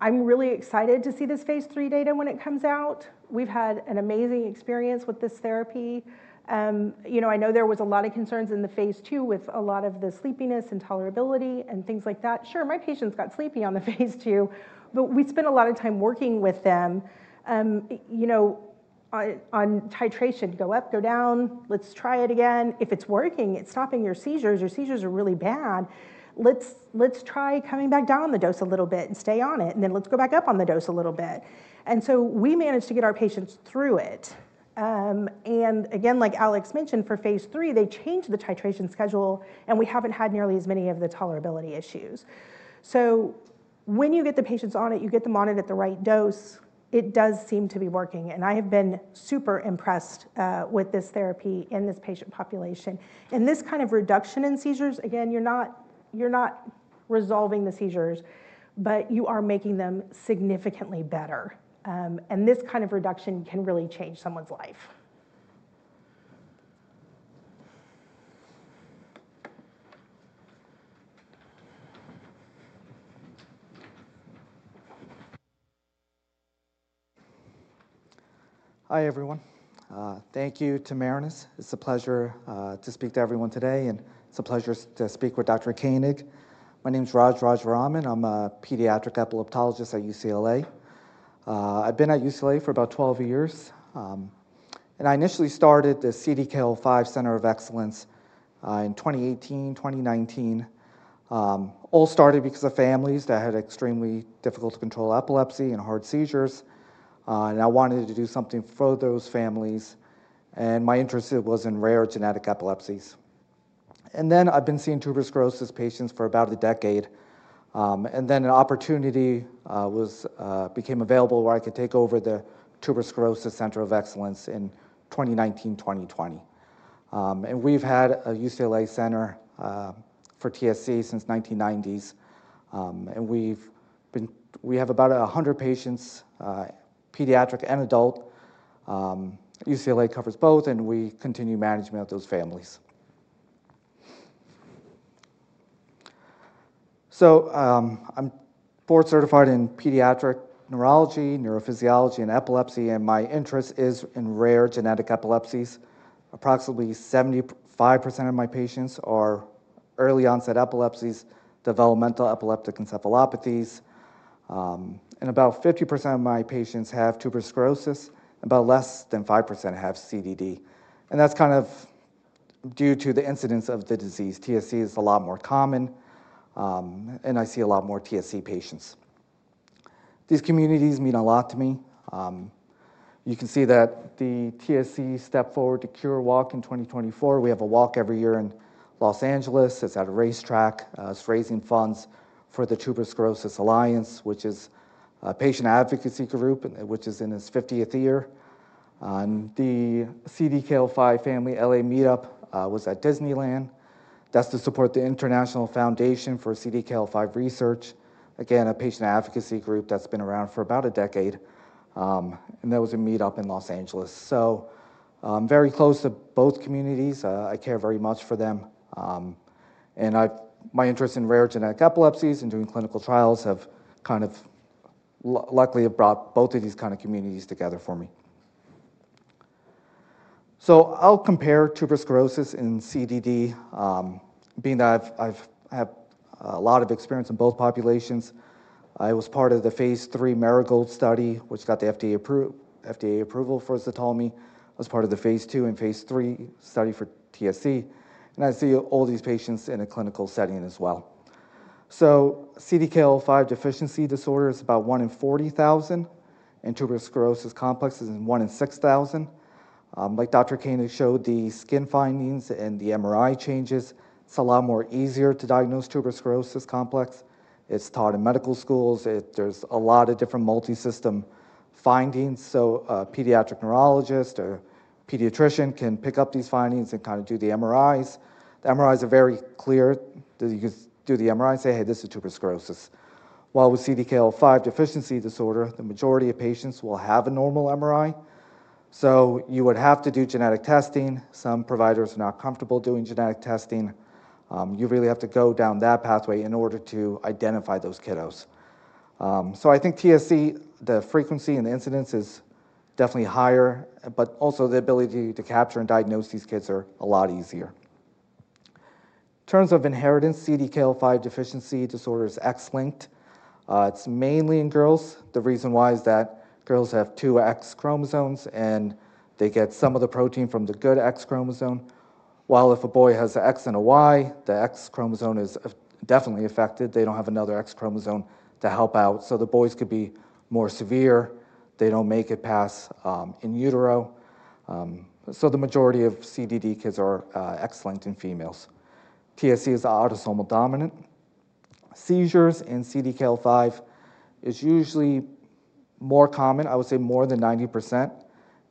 I'm really excited to see this Phase 3 data when it comes out. We've had an amazing experience with this therapy. You know, I know there was a lot of concerns in the Phase 2 with a lot of the sleepiness and tolerability and things like that. Sure, my patients got sleepy on the Phase 2, but we spent a lot of time working with them, you know, on titration. Go up, go down, let's try it again. If it's working, it's stopping your seizures. Your seizures are really bad. Let's try coming back down the dose a little bit and stay on it, and then let's go back up on the dose a little bit. And so we managed to get our patients through it. And again, like Alex mentioned, for Phase 3, they changed the titration schedule, and we haven't had nearly as many of the tolerability issues. So when you get the patients on it, you get them on it at the right dose, it does seem to be working, and I have been super impressed with this therapy in this patient population. This kind of reduction in seizures, again, you're not resolving the seizures, but you are making them significantly better. This kind of reduction can really change someone's life. Hi, everyone. Thank you to Marinus. It's a pleasure to speak to everyone today, and it's a pleasure to speak with Dr. Koenig. My name is Raj Rajaraman. I'm a pediatric epileptologist at UCLA. I've been at UCLA for about 12 years, and I initially started the CDKL5 Center of Excellence in 2018, 2019. All started because of families that had extremely difficult to control epilepsy and hard seizures, and I wanted to do something for those families, and my interest was in rare genetic epilepsies. Then I've been seeing tuberous sclerosis patients for about a decade. And then an opportunity became available where I could take over the Tuberous Sclerosis Center of Excellence in 2019, 2020. And we've had a UCLA Center for TSC since 1990s, and we have about 100 patients, pediatric and adult. UCLA covers both, and we continue management of those families. So, I'm board-certified in pediatric neurology, neurophysiology, and epilepsy, and my interest is in rare genetic epilepsies. Approximately 75% of my patients are early-onset epilepsies, developmental epileptic encephalopathies, and about 50% of my patients have tuberous sclerosis, about less than 5% have CDD, and that's kind of due to the incidence of the disease. TSC is a lot more common, and I see a lot more TSC patients. These communities mean a lot to me. You can see that the TSC Step Forward to Cure Walk in 2024, we have a walk every year in Los Angeles. It's at a racetrack. It's raising funds for the Tuberous Sclerosis Alliance, which is a patient advocacy group, which is in its fiftieth year. The CDKL5 Family LA Meetup was at Disneyland. That's to support the International Foundation for CDKL5 Research. Again, a patient advocacy group that's been around for about a decade, and there was a meetup in Los Angeles. I'm very close to both communities. I care very much for them. And my interest in rare genetic epilepsies and doing clinical trials have kind of luckily brought both of these kind of communities together for me. I'll compare tuberous sclerosis and CDD, being that I have a lot of experience in both populations. I was part of the Phase 3 Marigold Study, which got the FDA-approved, FDA approval for ZTALMY. I was part of the Phase 2 and Phase 3 study for TSC, and I see all these patients in a clinical setting as well. So CDKL5 deficiency disorder is about one in 40,000, and tuberous sclerosis complex is in one in 6,000. Like Dr. Koenig showed, the skin findings and the MRI changes, it's a lot more easier to diagnose tuberous sclerosis complex. It's taught in medical schools. There's a lot of different multisystem findings, so a pediatric neurologist or pediatrician can pick up these findings and kind of do the MRIs. The MRIs are very clear. You could do the MRI and say, "Hey, this is tuberous sclerosis." While with CDKL5 deficiency disorder, the majority of patients will have a normal MRI, so you would have to do genetic testing. Some providers are not comfortable doing genetic testing. You really have to go down that pathway in order to identify those kiddos, so I think TSC, the frequency and the incidence is definitely higher, but also the ability to capture and diagnose these kids are a lot easier. In terms of inheritance, CDKL5 deficiency disorder is X-linked. It's mainly in girls. The reason why is that girls have two X chromosomes, and they get some of the protein from the good X chromosome, while if a boy has a X and a Y, the X chromosome is definitely affected. They don't have another X chromosome to help out, so the boys could be more severe. They don't make it past in utero, so the majority of CDD kids are X-linked in females. TSC is autosomal dominant. Seizures in CDKL5 is usually more common, I would say more than 90%,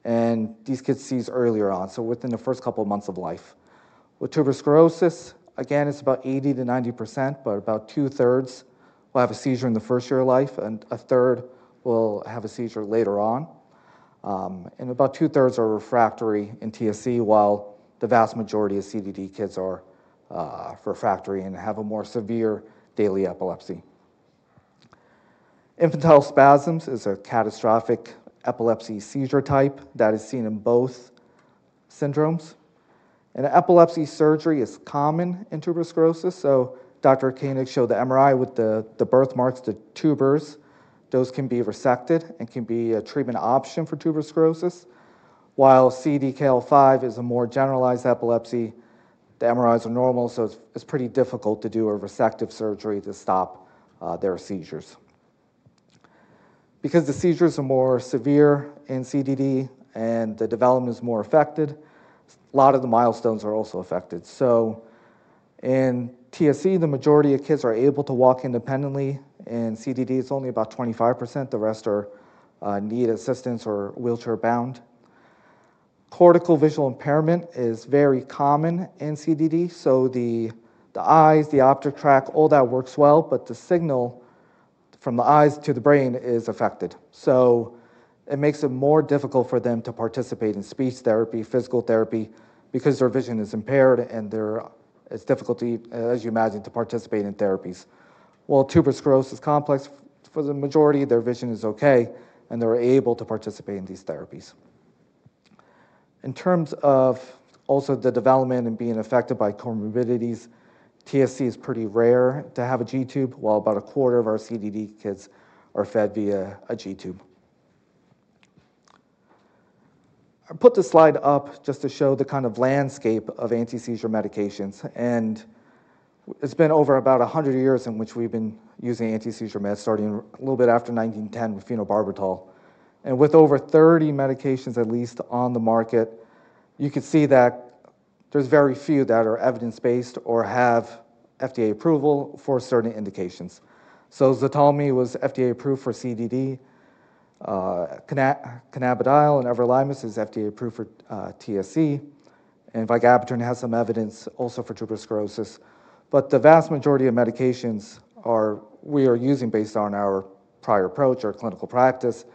and these kids seize earlier on, so within the first couple of months of life. With tuberous sclerosis, again, it's about 80%-90%, but about two-thirds will have a seizure in the first year of life, and a third will have a seizure later on. And about two-thirds are refractory in TSC, while the vast majority of CDD kids are refractory and have a more severe daily epilepsy. Infantile spasms is a catastrophic epilepsy seizure type that is seen in both syndromes, and epilepsy surgery is common in tuberous sclerosis. So Dr. Koenig showed the MRI with the birthmarks, the tubers. Those can be resected and can be a treatment option for tuberous sclerosis. While CDKL5 is a more generalized epilepsy, the MRIs are normal, so it's pretty difficult to do a resective surgery to stop their seizures. Because the seizures are more severe in CDD and the development is more affected, a lot of the milestones are also affected. So in TSC, the majority of kids are able to walk independently, in CDD, it's only about 25%, the rest need assistance or wheelchair-bound. Cortical visual impairment is very common in CDD, so the eyes, the optic tract, all that works well, but the signal from the eyes to the brain is affected. So it makes it more difficult for them to participate in speech therapy, physical therapy, because their vision is impaired and there is difficulty, as you imagine, to participate in therapies. While tuberous sclerosis complex, for the majority, their vision is okay, and they're able to participate in these therapies. In terms of also the development and being affected by comorbidities, TSC is pretty rare to have a G tube, while about a quarter of our CDD kids are fed via a G tube. I put this slide up just to show the kind of landscape of anti-seizure medications, and it's been over about 100 years in which we've been using anti-seizure meds, starting a little bit after 1910 with phenobarbital. And with over 30 medications, at least on the market, you can see that there's very few that are evidence-based or have FDA approval for certain indications. So ZTALMY was FDA approved for CDD, cannabidiol and everolimus is FDA approved for TSC, and vigabatrin has some evidence also for tuberous sclerosis. But the vast majority of medications are we are using based on our prior approach, our clinical practice,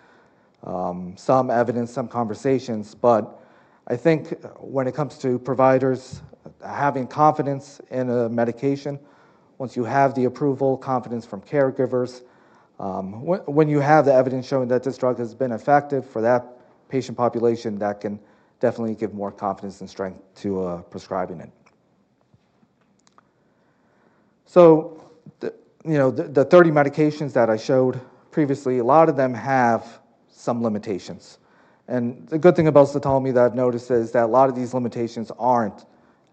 some evidence, some conversations. But I think when it comes to providers having confidence in a medication, once you have the approval, confidence from caregivers, when you have the evidence showing that this drug has been effective for that patient population, that can definitely give more confidence and strength to prescribing it. So you know, the thirty medications that I showed previously, a lot of them have some limitations. And the good thing about ZTALMY that I've noticed is that a lot of these limitations aren't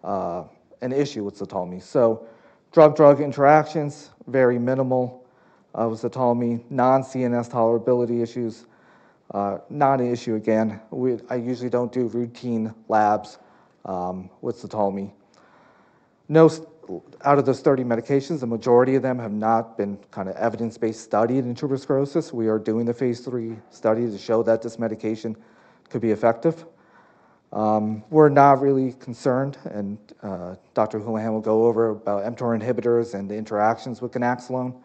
an issue with ZTALMY. So drug-drug interactions, very minimal of ZTALMY, non-CNS tolerability issues, not an issue again. We I usually don't do routine labs with ZTALMY. No, out of those 30 medications, the majority of them have not been kind of evidence-based studied in tuberous sclerosis. We are doing a Phase 3 study to show that this medication could be effective. We're not really concerned, and, Dr. Hulihan will go over about mTOR inhibitors and the interactions with ganaxolone.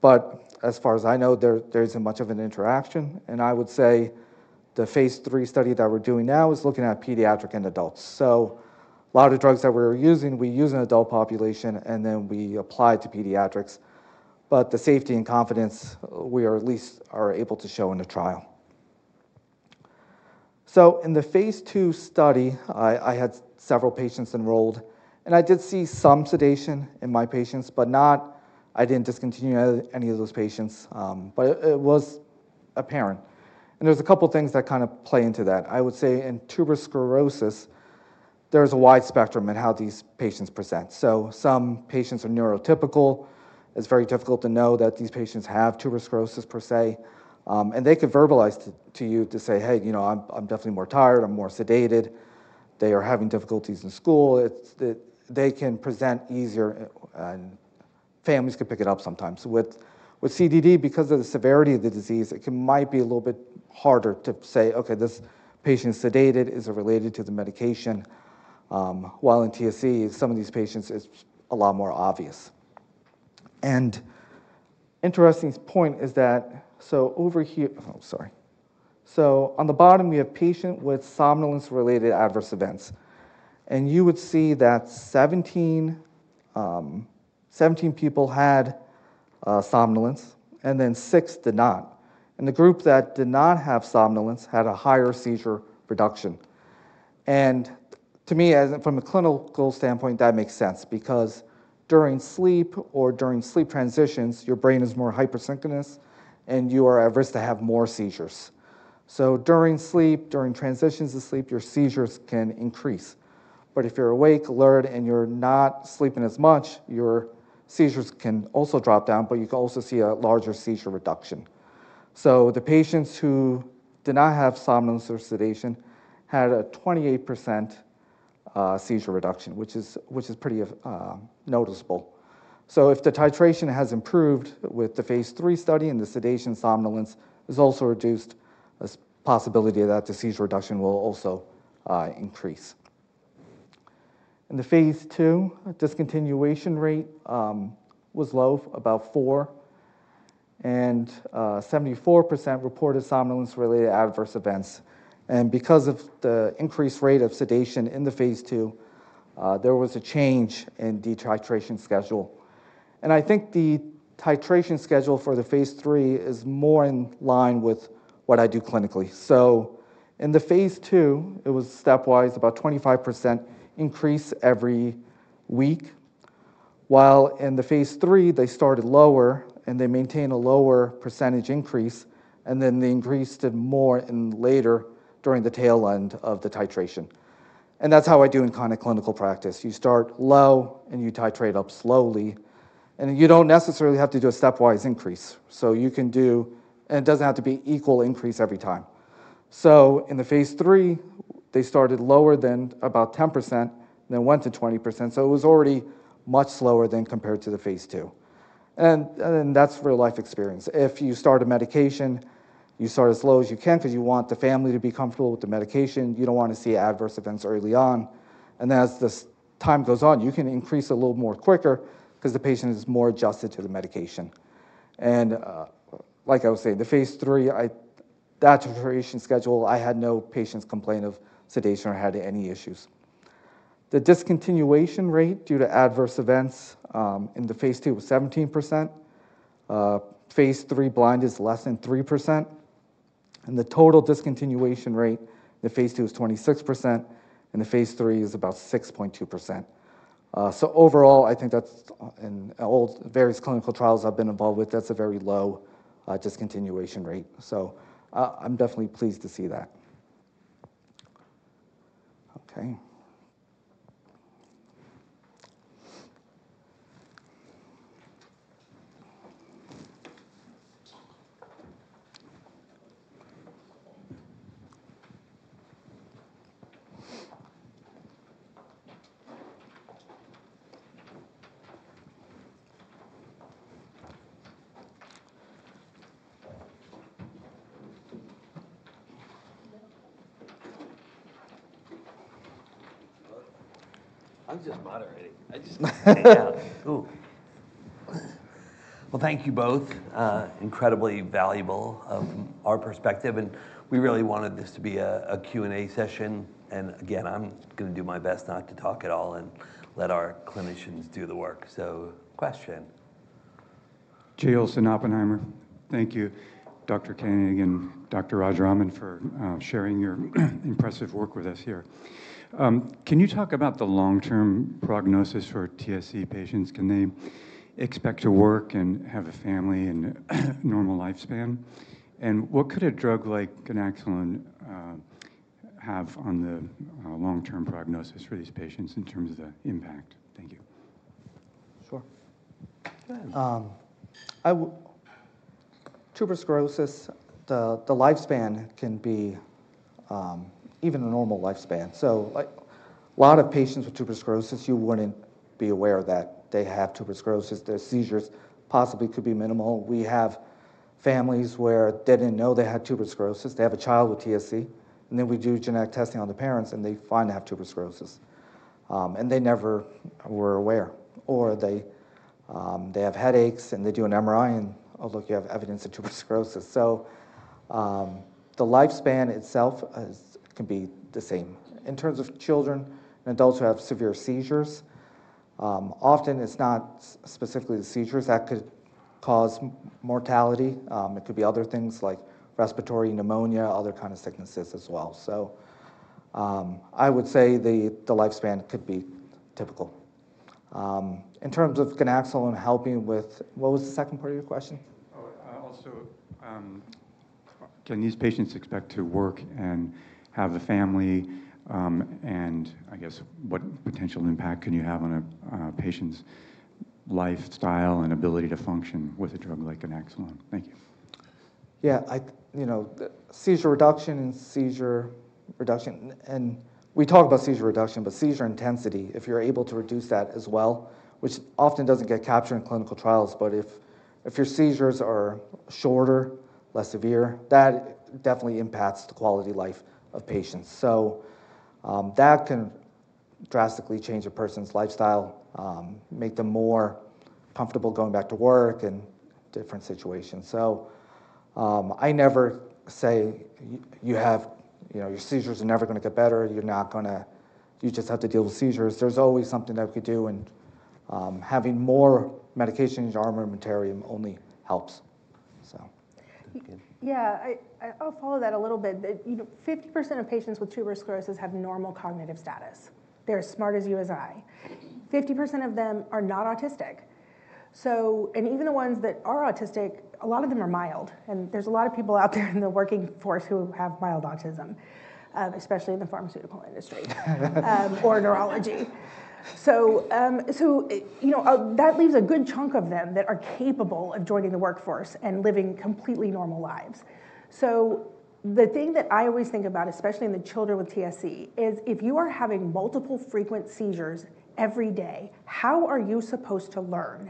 But as far as I know, there isn't much of an interaction, and I would say the Phase 3 study that we're doing now is looking at pediatric and adults. So a lot of drugs that we're using, we use in adult population, and then we apply to pediatrics, but the safety and confidence we are at least able to show in the trial. In the Phase 2 study, I had several patients enrolled, and I did see some sedation in my patients, but not-- I didn't discontinue any of those patients, but it was apparent. And there's a couple things that kind of play into that. I would say in tuberous sclerosis, there's a wide spectrum in how these patients present. So some patients are neurotypical. It's very difficult to know that these patients have tuberous sclerosis per se, and they could verbalize to you to say, "Hey, you know, I'm definitely more tired. I'm more sedated." They are having difficulties in school. It's the-- They can present easier, and families can pick it up sometimes. With CDD, because of the severity of the disease, it might be a little bit harder to say: "Okay, this patient's sedated. Is it related to the medication?" While in TSC, some of these patients, it's a lot more obvious, and an interesting point is that. So on the bottom, we have patient with somnolence-related adverse events, and you would see that 17 people had somnolence, and then six did not. The group that did not have somnolence had a higher seizure reduction. To me, as from a clinical standpoint, that makes sense because during sleep or during sleep transitions, your brain is more hypersynchronous, and you are at risk to have more seizures. During sleep, during transitions of sleep, your seizures can increase. If you're awake, alert, and you're not sleeping as much, your seizures can also drop down, but you can also see a larger seizure reduction. So the patients who did not have somnolence or sedation had a 28% seizure reduction, which is pretty noticeable. So if the titration has improved with the Phase 3 study and the sedation somnolence is also reduced, a possibility that the seizure reduction will also increase. In the Phase 2, discontinuation rate was low, about 4, and 74% reported somnolence-related adverse events, and because of the increased rate of sedation in the Phase 2, there was a change in the titration schedule, and I think the titration schedule for the Phase 3 is more in line with what I do clinically. In the Phase 2, it was stepwise, about 25% increase every week, while in the Phase 3, they started lower, and they maintained a lower percentage increase, and then they increased it more in later during the tail end of the titration. And that's how I do in kind of clinical practice. You start low, and you titrate up slowly, and you don't necessarily have to do a stepwise increase. So you can do... And it doesn't have to be equal increase every time. So in the Phase 3, they started lower than about 10%, then went to 20%, so it was already much slower than compared to the Phase 2. And then that's real-life experience. If you start a medication, you start as low as you can because you want the family to be comfortable with the medication. You don't want to see adverse events early on, and as this time goes on, you can increase a little more quicker because the patient is more adjusted to the medication. Like I was saying, the Phase 3, that titration schedule, I had no patients complain of sedation or had any issues. The discontinuation rate due to adverse events in the Phase 2 was 17%. Phase 3 blind is less than 3%, and the total discontinuation rate in the Phase 2 is 26%, and the Phase 3 is about 6.2%. So overall, I think that's, in all the various clinical trials I've been involved with, that's a very low discontinuation rate. So I'm definitely pleased to see that. Okay. I'm just moderating. Thank you both. Incredibly valuable from our perspective, and we really wanted this to be a Q&A session. Again, I'm gonna do my best not to talk at all and let our clinicians do the work. Question? Jay Olson, Oppenheimer. Thank you, Dr. Koenig and Dr. Rajaraman, for sharing your impressive work with us here. Can you talk about the long-term prognosis for TSC patients? Can they expect to work and have a family and normal lifespan? And what could a drug like ganaxolone have on the long-term prognosis for these patients in terms of the impact? Thank you. Sure. Go ahead. Tuberous sclerosis, the lifespan can be even a normal lifespan. So, like, a lot of patients with tuberous sclerosis, you wouldn't be aware that they have tuberous sclerosis. Their seizures possibly could be minimal. We have families where they didn't know they had tuberous sclerosis. They have a child with TSC, and then we do genetic testing on the parents, and they find they have tuberous sclerosis, and they never were aware, or they, they have headaches, and they do an MRI, and, "Oh, look, you have evidence of tuberous sclerosis." The lifespan itself is, can be the same. In terms of children and adults who have severe seizures, often it's not specifically the seizures that could cause mortality. It could be other things like respiratory pneumonia, other kind of sicknesses as well. I would say the lifespan could be typical. In terms of ganaxolone helping with... What was the second part of your question? Also, can these patients expect to work and have a family? And I guess what potential impact can you have on a patient's lifestyle and ability to function with a drug like ganaxolone? Thank you. Yeah, you know, seizure reduction, and we talk about seizure reduction, but seizure intensity, if you're able to reduce that as well, which often doesn't get captured in clinical trials, but if your seizures are shorter, less severe, that definitely impacts the quality of life of patients. So, that can drastically change a person's lifestyle, make them more comfortable going back to work and different situations. So, I never say, "You have. You know, your seizures are never going to get better. You're not gonna. You just have to deal with seizures." There's always something that we could do, and having more medications in our armamentarium only helps, so. Yeah, I'll follow that a little bit. That, you know, 50% of patients with tuberous sclerosis have normal cognitive status. They're as smart as you as I. 50% of them are not autistic. So, and even the ones that are autistic, a lot of them are mild, and there's a lot of people out there in the workforce who have mild autism, especially in the pharmaceutical industry or neurology. So, you know, that leaves a good chunk of them that are capable of joining the workforce and living completely normal lives. So, the thing that I always think about, especially in the children with TSC, is if you are having multiple frequent seizures every day, how are you supposed to learn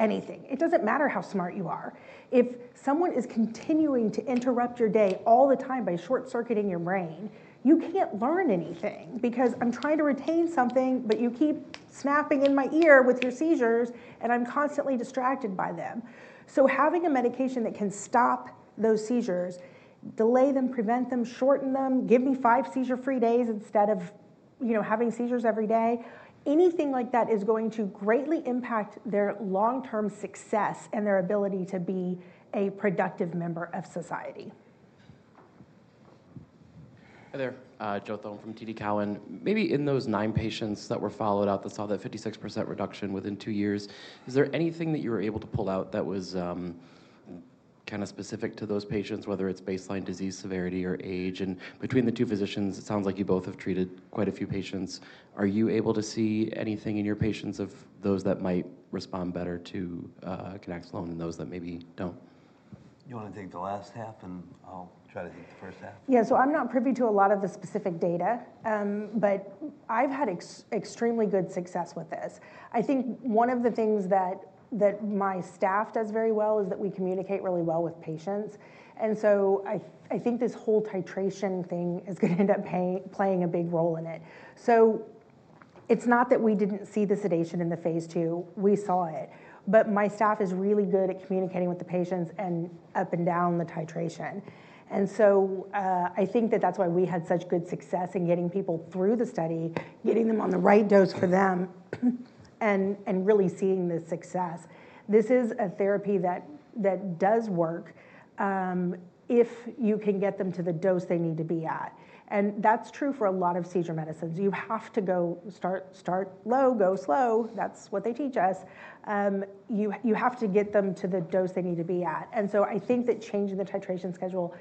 anything? It doesn't matter how smart you are. If someone is continuing to interrupt your day all the time by short-circuiting your brain, you can't learn anything because I'm trying to retain something, but you keep snapping in my ear with your seizures, and I'm constantly distracted by them. So having a medication that can stop those seizures, delay them, prevent them, shorten them, give me five seizure-free days instead of, you know, having seizures every day, anything like that is going to greatly impact their long-term success and their ability to be a productive member of society. Hi, there. Joseph Thome from TD Cowen. Maybe in those nine patients that were followed up that saw that 56% reduction within two years, is there anything that you were able to pull out that was, kind of specific to those patients, whether it's baseline disease severity or age? And between the two physicians, it sounds like you both have treated quite a few patients. Are you able to see anything in your patients of those that might respond better to, ganaxolone than those that maybe don't? You want to take the last half, and I'll try to take the first half? Yeah. So I'm not privy to a lot of the specific data, but I've had extremely good success with this. I think one of the things that my staff does very well is that we communicate really well with patients. And so I think this whole titration thing is going to end up playing a big role in it. So it's not that we didn't see the sedation in the Phase 2, we saw it, but my staff is really good at communicating with the patients and up and down the titration. And so I think that that's why we had such good success in getting people through the study, getting them on the right dose for them, and really seeing the success. This is a therapy that does work, if you can get them to the dose they need to be at. And that's true for a lot of seizure medicines. You have to start low, go slow. That's what they teach us. You have to get them to the dose they need to be at. And so I think that changing the titration schedule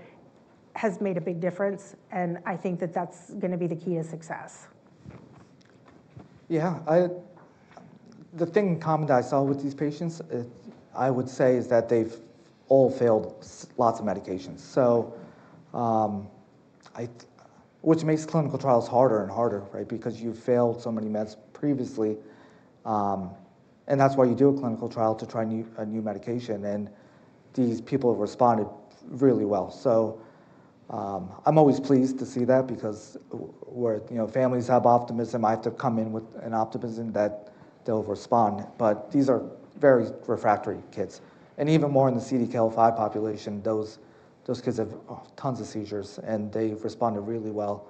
has made a big difference, and I think that that's going to be the key to success. Yeah, the thing in common that I saw with these patients, I would say, is that they've all failed lots of medications. So, which makes clinical trials harder and harder, right? Because you've failed so many meds previously, and that's why you do a clinical trial to try a new medication, and these people responded really well. So, I'm always pleased to see that because where, you know, families have optimism, I have to come in with an optimism that they'll respond. But these are very refractory kids, and even more in the CDKL5 population, those kids have tons of seizures, and they've responded really well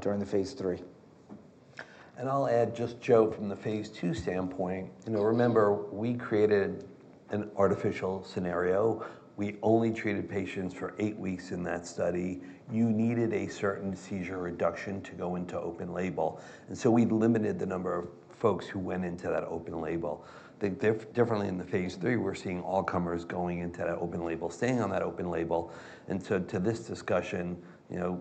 during the Phase 3. And I'll add, just Joe, from the Phase 2 standpoint, you know, remember, we created an artificial scenario. We only treated patients for eight weeks in that study. You needed a certain seizure reduction to go into open-label, and so we limited the number of folks who went into that open-label. I think differently in the Phase 3, we're seeing all comers going into that open-label, staying on that open-label. And so to this discussion, you know,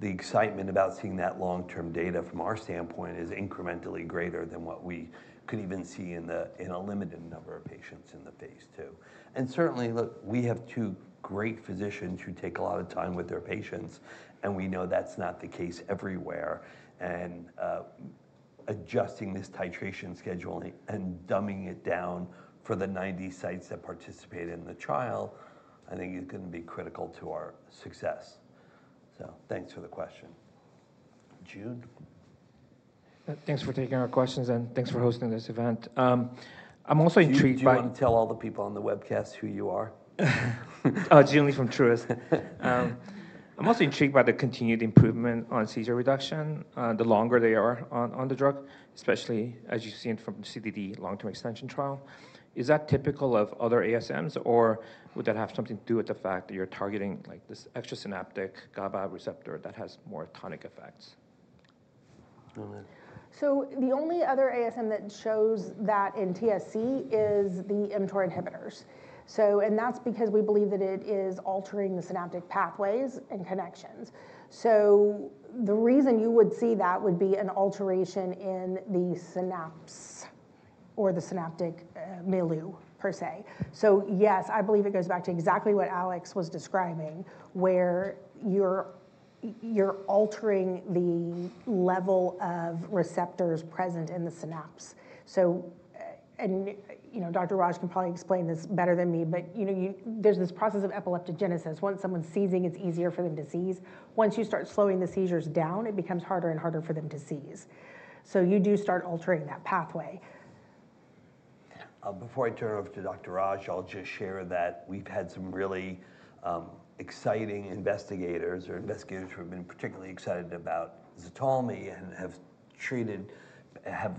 the excitement about seeing that long-term data from our standpoint is incrementally greater than what we could even see in a limited number of patients in the Phase 2. And certainly, look, we have two great physicians who take a lot of time with their patients, and we know that's not the case everywhere. Adjusting this titration schedule and dumbing it down for the 90 sites that participated in the trial, I think is going to be critical to our success. So thanks for the question. Jude? Thanks for taking our questions, and thanks for hosting this event. I'm also intrigued by- Do you want to tell all the people on the webcast who you are? Oh, Joon Lee from Truist. I'm also intrigued by the continued improvement on seizure reduction, the longer they are on the drug, especially as you've seen from the CDD long-term extension trial. Is that typical of other ASMs, or would that have something to do with the fact that you're targeting, like, this extrasynaptic GABA receptor that has more tonic effects? Go ahead. The only other ASM that shows that in TSC is the mTOR inhibitors. And that's because we believe that it is altering the synaptic pathways and connections. The reason you would see that would be an alteration in the synapse or the synaptic milieu, per se. Yes, I believe it goes back to exactly what Alex was describing, where you're altering the level of receptors present in the synapse. You know, Dr. Raj can probably explain this better than me, but you know, there's this process of epileptogenesis. Once someone's seizing, it's easier for them to seize. Once you start slowing the seizures down, it becomes harder and harder for them to seize. You do start altering that pathway. Before I turn it over to Dr. Raj, I'll just share that we've had some really exciting investigators who have been particularly excited about ZTALMY and have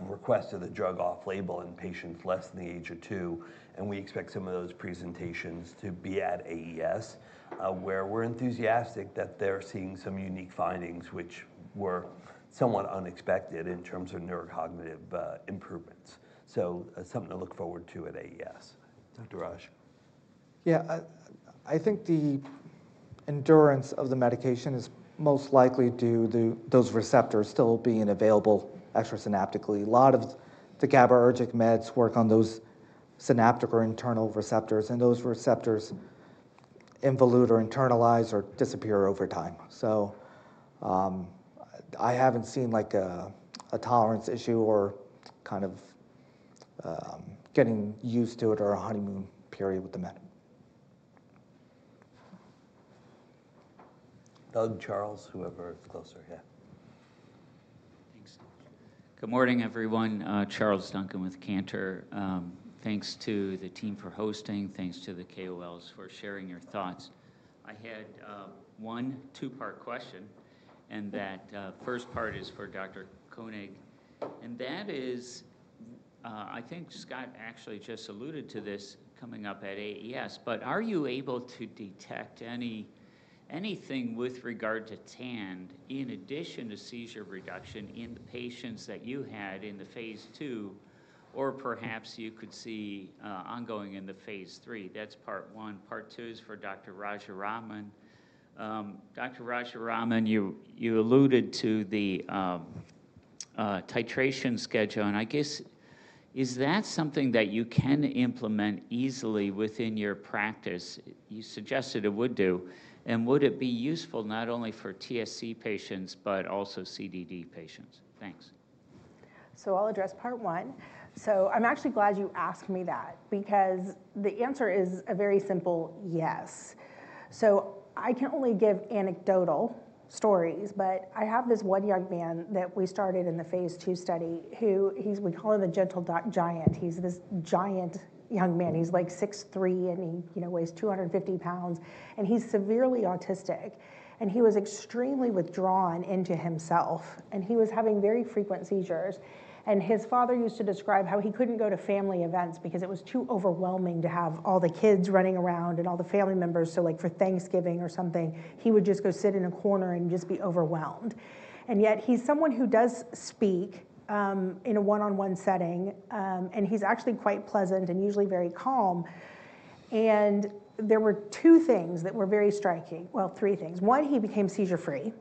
requested the drug off-label in patients less than the age of two, and we expect some of those presentations to be at AES, where we're enthusiastic that they're seeing some unique findings, which were somewhat unexpected in terms of neurocognitive improvements. So that's something to look forward to at AES. Dr. Raj? Yeah, I think the endurance of the medication is most likely due to those receptors still being available extrasynaptically. A lot of the GABAergic meds work on those synaptic or internal receptors, and those receptors involute or internalize or disappear over time. So, I haven't seen, like, a tolerance issue or kind of, getting used to it or a honeymoon period with the med. Doug, Charles, whoever is closer. Yeah. Thanks. Good morning, everyone, Charles Duncan with Cantor. Thanks to the team for hosting. Thanks to the KOLs for sharing your thoughts. I had one two-part question, and that first part is for Dr. Koenig, and that is... I think Scott actually just alluded to this coming up at AES. But are you able to detect anything with regard to TAND in addition to seizure reduction in the patients that you had in the Phase 2, or perhaps you could see ongoing in the Phase 3? That's part one. Part two is for Dr. Rajaraman. Dr. Rajaraman, you alluded to the titration schedule, and I guess, is that something that you can implement easily within your practice? You suggested it would do, and would it be useful not only for TSC patients but also CDD patients? Thanks. I'll address part one. I'm actually glad you asked me that because the answer is a very simple yes. I can only give anecdotal stories, but I have this one young man that we started in the Phase 2 study, who, he's, we call him a gentle giant. He's this giant young man. He's, like, six-three, and he, you know, weighs 250 pounds, and he's severely autistic, and he was extremely withdrawn into himself, and he was having very frequent seizures. His father used to describe how he couldn't go to family events because it was too overwhelming to have all the kids running around and all the family members. So, like, for Thanksgiving or something, he would just go sit in a corner and just be overwhelmed. And yet he's someone who does speak in a one-on-one setting, and he's actually quite pleasant and usually very calm. And there were two things that were very striking, well, three things. One, he became seizure-free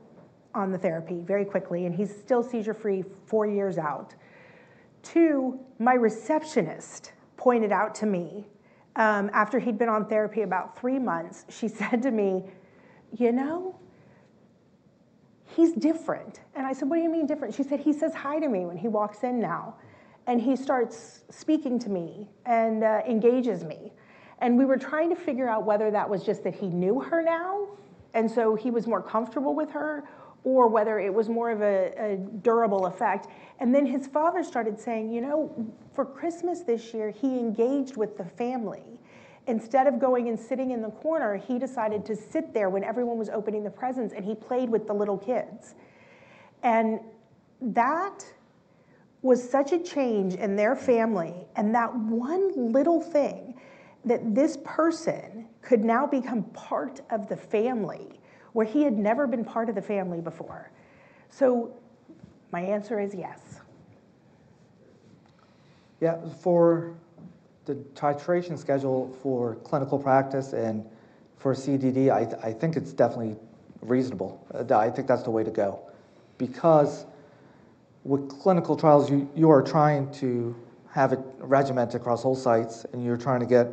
on the therapy very quickly, and he's still seizure-free four years out. Two, my receptionist pointed out to me after he'd been on therapy about three months, she said to me: "You know, he's different." And I said: "What do you mean different?" She said, "He says hi to me when he walks in now, and he starts speaking to me and engages me." And we were trying to figure out whether that was just that he knew her now, and so he was more comfortable with her, or whether it was more of a durable effect. Then his father started saying, "You know, for Christmas this year, he engaged with the family. Instead of going and sitting in the corner, he decided to sit there when everyone was opening the presents, and he played with the little kids." That was such a change in their family, and that one little thing, that this person could now become part of the family, where he had never been part of the family before. My answer is yes. Yeah, for the titration schedule for clinical practice and for CDD, I think it's definitely reasonable. I think that's the way to go because with clinical trials, you are trying to have it regimented across all sites, and you're trying to get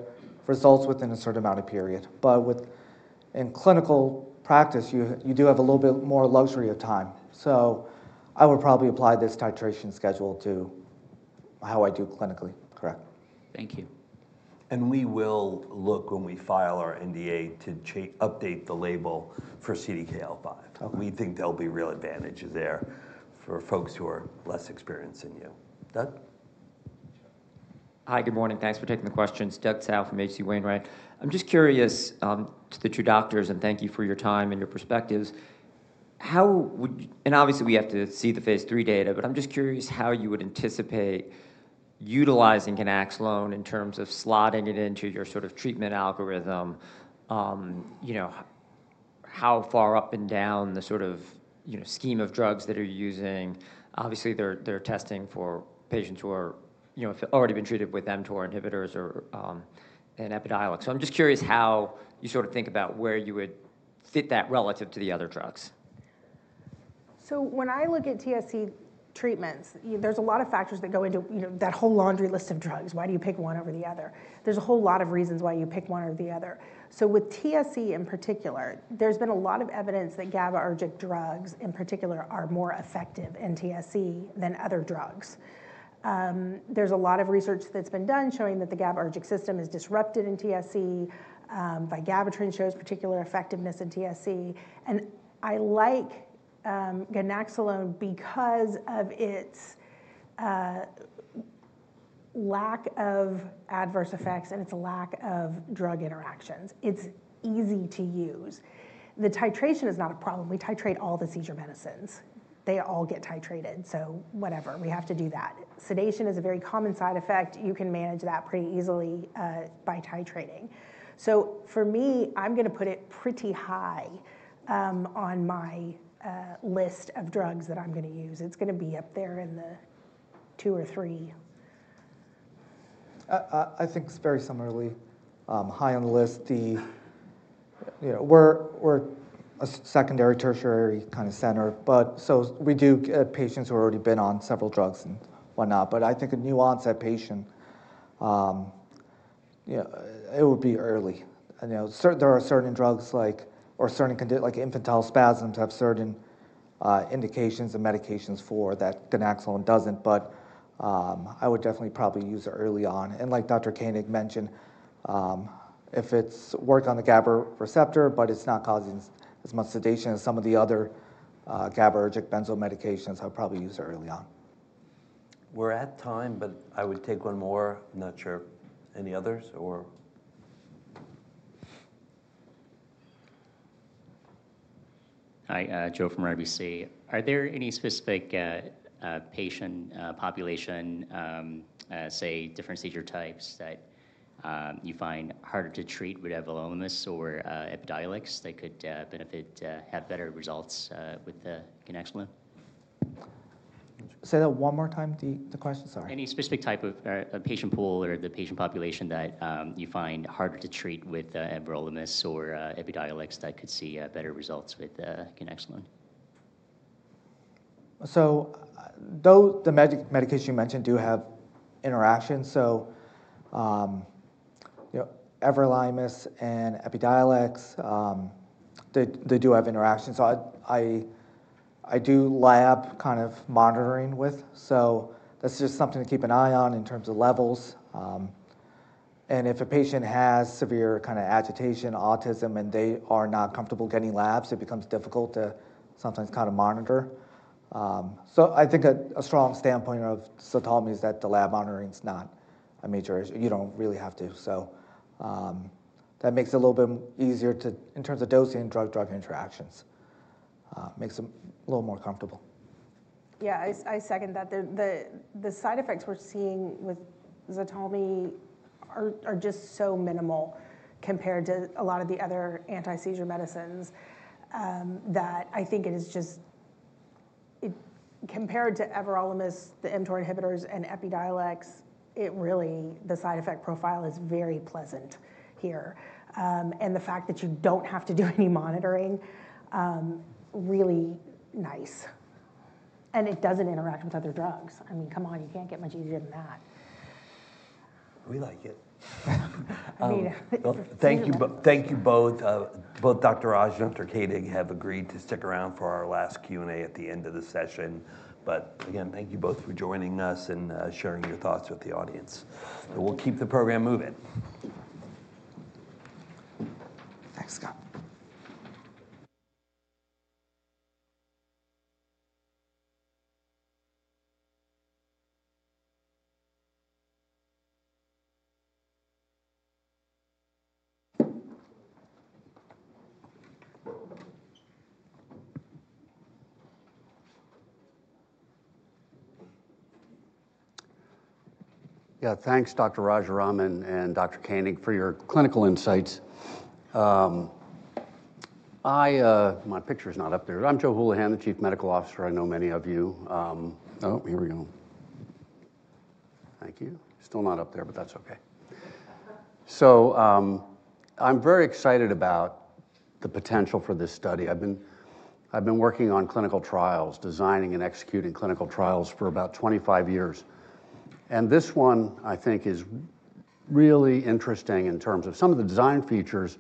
results within a certain amount of period. But in clinical practice, you do have a little bit more luxury of time. So I would probably apply this titration schedule to how I do clinically? Correct. Thank you. We will look when we file our NDA to update the label for CDKL5. Okay. We think there'll be real advantage there for folks who are less experienced than you. Doug? Hi, good morning. Thanks for taking the questions. Douglas Tsao from H.C. Wainwright. I'm just curious to the two doctors, and thank you for your time and your perspectives. And obviously, we have to see the Phase 3 data, but I'm just curious how you would anticipate utilizing ganaxolone in terms of slotting it into your sort of treatment algorithm. You know, how far up and down the sort of, you know, scheme of drugs that are using. Obviously, they're testing for patients who are, you know, have already been treated with mTOR inhibitors or and Epidiolex. So I'm just curious how you sort of think about where you would fit that relative to the other drugs. So when I look at TSC treatments, there's a lot of factors that go into, you know, that whole laundry list of drugs. Why do you pick one over the other? There's a whole lot of reasons why you pick one over the other. So with TSC in particular, there's been a lot of evidence that GABAergic drugs, in particular, are more effective in TSC than other drugs. There's a lot of research that's been done showing that the GABAergic system is disrupted in TSC. Vigabatrin shows particular effectiveness in TSC. And I like ganaxolone because of its lack of adverse effects and its lack of drug interactions. It's easy to use. The titration is not a problem. We titrate all the seizure medicines. They all get titrated, so whatever, we have to do that. Sedation is a very common side effect. You can manage that pretty easily by titrating. So for me, I'm gonna put it pretty high on my list of drugs that I'm gonna use. It's gonna be up there in the two or three. I think it's very similarly high on the list. You know, we're a secondary, tertiary kind of center, but so we do get patients who have already been on several drugs and whatnot. But I think a nuance at patient, you know, it would be early. You know, there are certain drugs like certain conditions. Like infantile spasms have certain indications and medications for that ganaxolone doesn't, but I would definitely probably use it early on. And like Dr. Koenig mentioned, if it's worked on the GABA receptor, but it's not causing as much sedation as some of the other GABAergic benzo medications, I'll probably use it early on. We're at time, but I would take one more. Not sure any others or...? Hi, Joe from RBC. Are there any specific patient population, say, different seizure types that you find harder to treat with everolimus or Epidiolex that could benefit, have better results, with the ganaxolone? Say that one more time, the question. Sorry. Any specific type of patient pool or the patient population that you find harder to treat with everolimus or Epidiolex that could see better results with the ganaxolone? So, though the medication you mentioned do have interactions, so, you know, everolimus and Epidiolex, they do have interactions. So I do lab kind of monitoring with, so that's just something to keep an eye on in terms of levels. And if a patient has severe kind of agitation, autism, and they are not comfortable getting labs, it becomes difficult to sometimes kind of monitor. So I think a strong standpoint of ZTALMY is that the lab monitoring is not a major issue. You don't really have to. So, that makes it a little bit easier to, in terms of dosing drug-drug interactions, makes them a little more comfortable. Yeah, I second that. The side effects we're seeing with ZTALMY are just so minimal compared to a lot of the other anti-seizure medicines that I think it is just. Compared to everolimus, the mTOR inhibitors, and Epidiolex, it really, the side effect profile is very pleasant here. And the fact that you don't have to do any monitoring, really nice. And it doesn't interact with other drugs. I mean, come on, you can't get much easier than that. We like it. I mean. Thank you, thank you, both. Both Dr. Raj and Dr. Koenig have agreed to stick around for our last Q&A at the end of the session. But again, thank you both for joining us and sharing your thoughts with the audience. Thank you. We'll keep the program moving. Thanks, Scott. Yeah, thanks, Dr. Rajaraman and Dr. Koenig, for your clinical insights. My picture is not up there. I'm Joe Hulihan, the Chief Medical Officer. I know many of you. Oh, here we go. Thank you. Still not up there, but that's okay. I'm very excited about the potential for this study. I've been working on clinical trials, designing and executing clinical trials for about 25 years, and this one, I think, is really interesting in terms of some of the design features,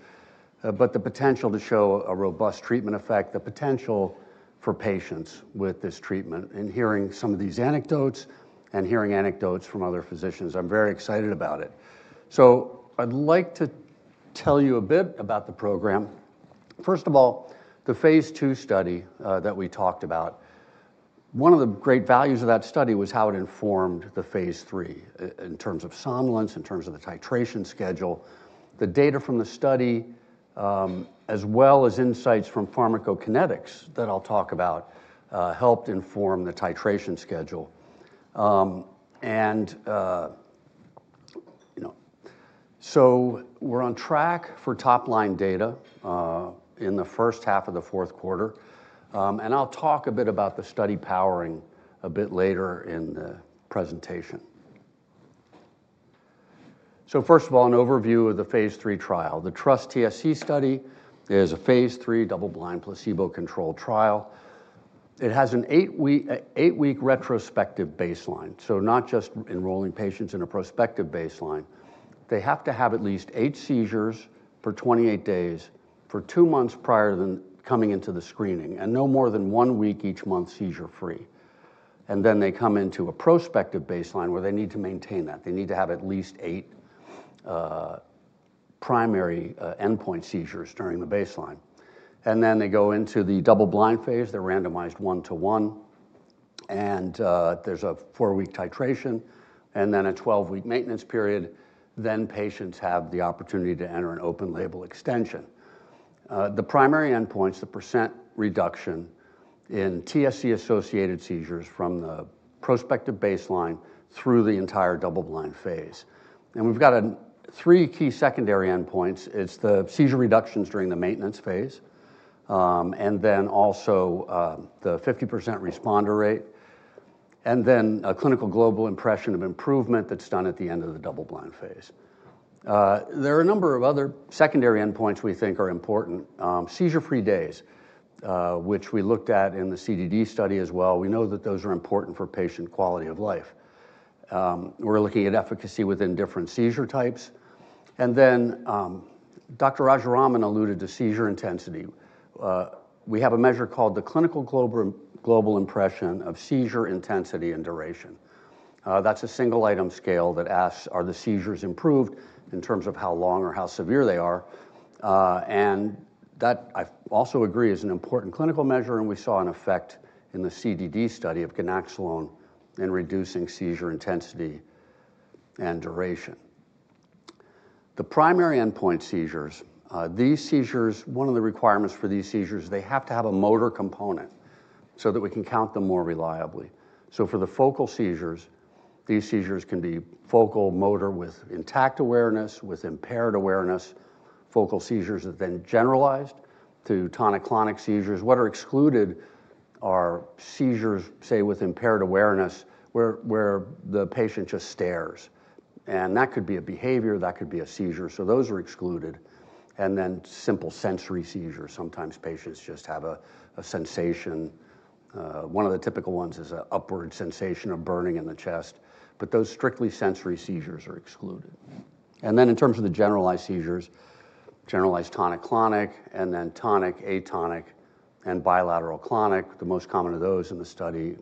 but the potential to show a robust treatment effect, the potential for patients with this treatment, and hearing some of these anecdotes and hearing anecdotes from other physicians, I'm very excited about it, so I'd like to tell you a bit about the program. First of all, the Phase 2 study that we talked about, one of the great values of that study was how it informed the Phase 3 in terms of somnolence, in terms of the titration schedule. The data from the study, as well as insights from pharmacokinetics that I'll talk about, helped inform the titration schedule. And, you know, so we're on track for top-line data in the first half of the fourth quarter. And I'll talk a bit about the study powering a bit later in the presentation. So first of all, an overview of the Phase 3 trial. The TrustTSC study is a Phase 3 double-blind, placebo-controlled trial. It has an eight-week retrospective baseline, so not just enrolling patients in a prospective baseline. They have to have at least eight seizures for 28 days, for two months prior to coming into the screening, and no more than one week each month seizure-free. And then they come into a prospective baseline, where they need to maintain that. They need to have at least eight primary endpoint seizures during the baseline. And then they go into the double-blind phase. They're randomized 1-to-1, and there's a 4-week titration and then a 12-week maintenance period. Then patients have the opportunity to enter an open-label extension. The primary endpoint is the percent reduction in TSC-associated seizures from the prospective baseline through the entire double-blind phase. And we've got three key secondary endpoints. It's the seizure reductions during the maintenance phase, and then also, the 50% responder rate, and then a Clinical Global Impression of Improvement that's done at the end of the double-blind phase. There are a number of other secondary endpoints we think are important. Seizure-free days, which we looked at in the CDD study as well. We know that those are important for patient quality of life. We're looking at efficacy within different seizure types, and then, Dr. Rajaraman alluded to seizure intensity. We have a measure called the Clinical Global Impression of Seizure Intensity and Duration. That's a single-item scale that asks, are the seizures improved in terms of how long or how severe they are? And that, I also agree, is an important clinical measure, and we saw an effect in the CDD study of ganaxolone in reducing seizure intensity and duration. The primary endpoint seizures. These seizures, one of the requirements for these seizures, they have to have a motor component so that we can count them more reliably. So for the focal seizures, these seizures can be focal motor with intact awareness, with impaired awareness, focal seizures that then generalized to tonic-clonic seizures. What are excluded are seizures, say, with impaired awareness, where the patient just stares, and that could be a behavior, that could be a seizure, so those are excluded. And then simple sensory seizures. Sometimes patients just have a sensation. One of the typical ones is an upward sensation of burning in the chest, but those strictly sensory seizures are excluded. And then in terms of the generalized seizures, generalized tonic-clonic, and then tonic, atonic, and bilateral clonic. The most common of those in the study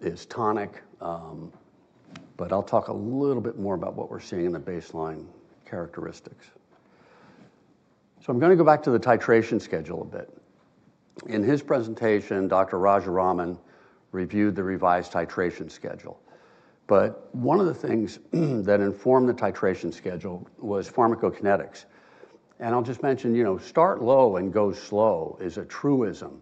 is tonic, but I'll talk a little bit more about what we're seeing in the baseline characteristics. So I'm going to go back to the titration schedule a bit. In his presentation, Dr. Rajaraman reviewed the revised titration schedule. But one of the things that informed the titration schedule was pharmacokinetics. And I'll just mention, you know, start low and go slow is a truism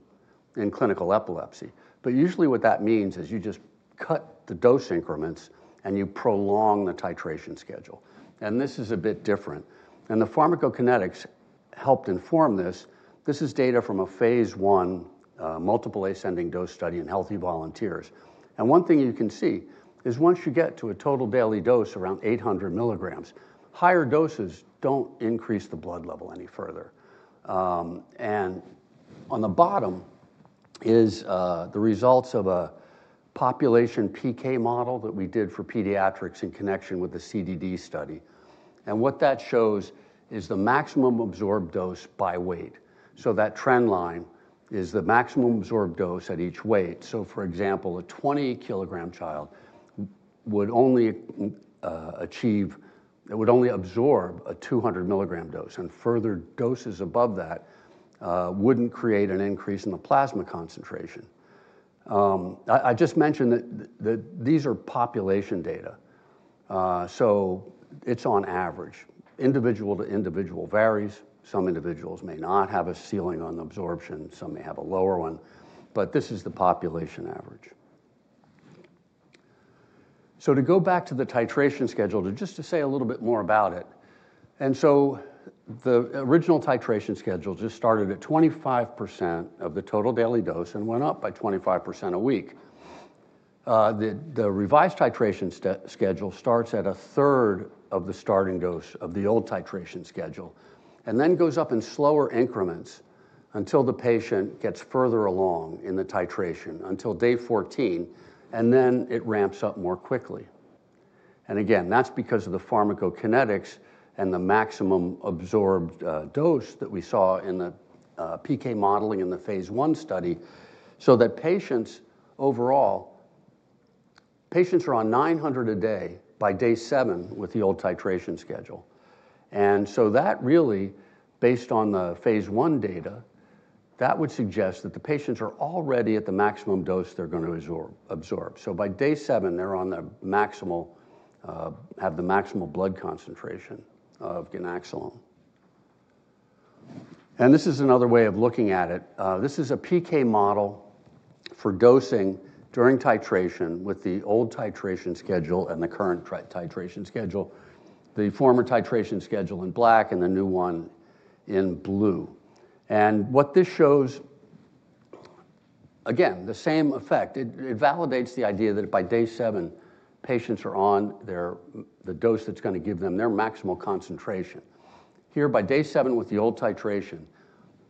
in clinical epilepsy. But usually, what that means is you just cut the dose increments and you prolong the titration schedule. And this is a bit different, and the pharmacokinetics helped inform this. This is data from a Phase 1 multiple-ascending dose study in healthy volunteers. And one thing you can see is once you get to a total daily dose, around 800 milligrams, higher doses don't increase the blood level any further. And on the bottom is the results of a population PK model that we did for pediatrics in connection with the CDD study. And what that shows is the maximum absorbed dose by weight. So that trend line is the maximum absorbed dose at each weight. So, for example, a 20-kilogram child would only absorb a 200-milligram dose, and further doses above that wouldn't create an increase in the plasma concentration. I just mentioned that these are population data, so it's on average. Individual to individual varies. Some individuals may not have a ceiling on absorption, some may have a lower one, but this is the population average. To go back to the titration schedule, just to say a little bit more about it. The original titration schedule just started at 25% of the total daily dose and went up by 25% a week. The revised titration schedule starts at a third of the starting dose of the old titration schedule and then goes up in slower increments until the patient gets further along in the titration, until day 14, and then it ramps up more quickly. And again, that's because of the pharmacokinetics and the maximum absorbed dose that we saw in the PK modeling in the Phase 1 study. That patients overall, patients are on 900 a day by day 7 with the old titration schedule. And so that really, based on the Phase 1 data, that would suggest that the patients are already at the maximum dose they're going to absorb. So by day seven, they're on the maximal, have the maximal blood concentration of ganaxolone. And this is another way of looking at it. This is a PK model for dosing during titration with the old titration schedule and the current titration schedule, the former titration schedule in black and the new one in blue. And what this shows, again, the same effect. It validates the idea that by day seven, patients are on their, the dose that's going to give them their maximal concentration. Here, by day seven, with the old titration,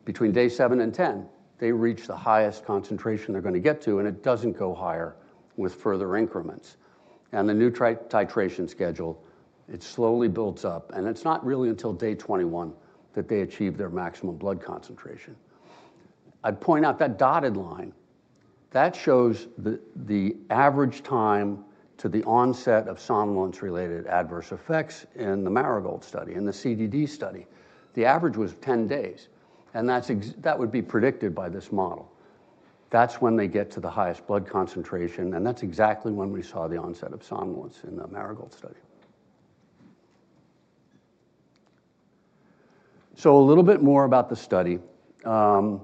between day seven and 10, they reach the highest concentration they're going to get to, and it doesn't go higher with further increments. The new tri-titration schedule slowly builds up, and it's not really until day 21 that they achieve their maximal blood concentration. I'd point out that dotted line. That shows the average time to the onset of somnolence-related adverse effects in the Marigold Study, in the CDD study. The average was ten days, and that's that would be predicted by this model. That's when they get to the highest blood concentration, and that's exactly when we saw the onset of somnolence in the Marigold Study. So a little bit more about the study. There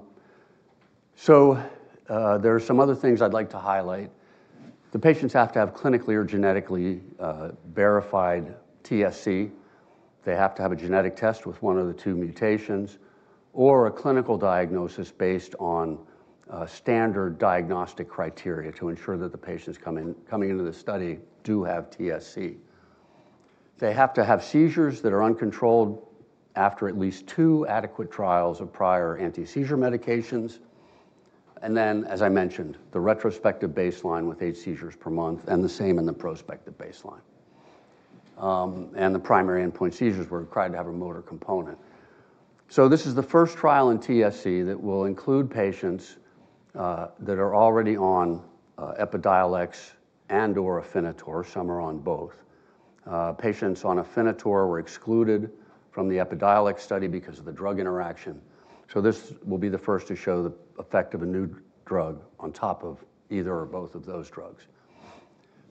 are some other things I'd like to highlight. The patients have to have clinically or genetically verified TSC. They have to have a genetic test with one of the two mutations or a clinical diagnosis based on standard diagnostic criteria to ensure that the patients coming into the study do have TSC. They have to have seizures that are uncontrolled after at least two adequate trials of prior anti-seizure medications. And then, as I mentioned, the retrospective baseline with eight seizures per month, and the same in the prospective baseline. And the primary endpoint seizures were required to have a motor component. So this is the first trial in TSC that will include patients that are already on Epidiolex and/or Afinitor. Some are on both. Patients on Afinitor were excluded from the Epidiolex study because of the drug interaction. So this will be the first to show the effect of a new drug on top of either or both of those drugs.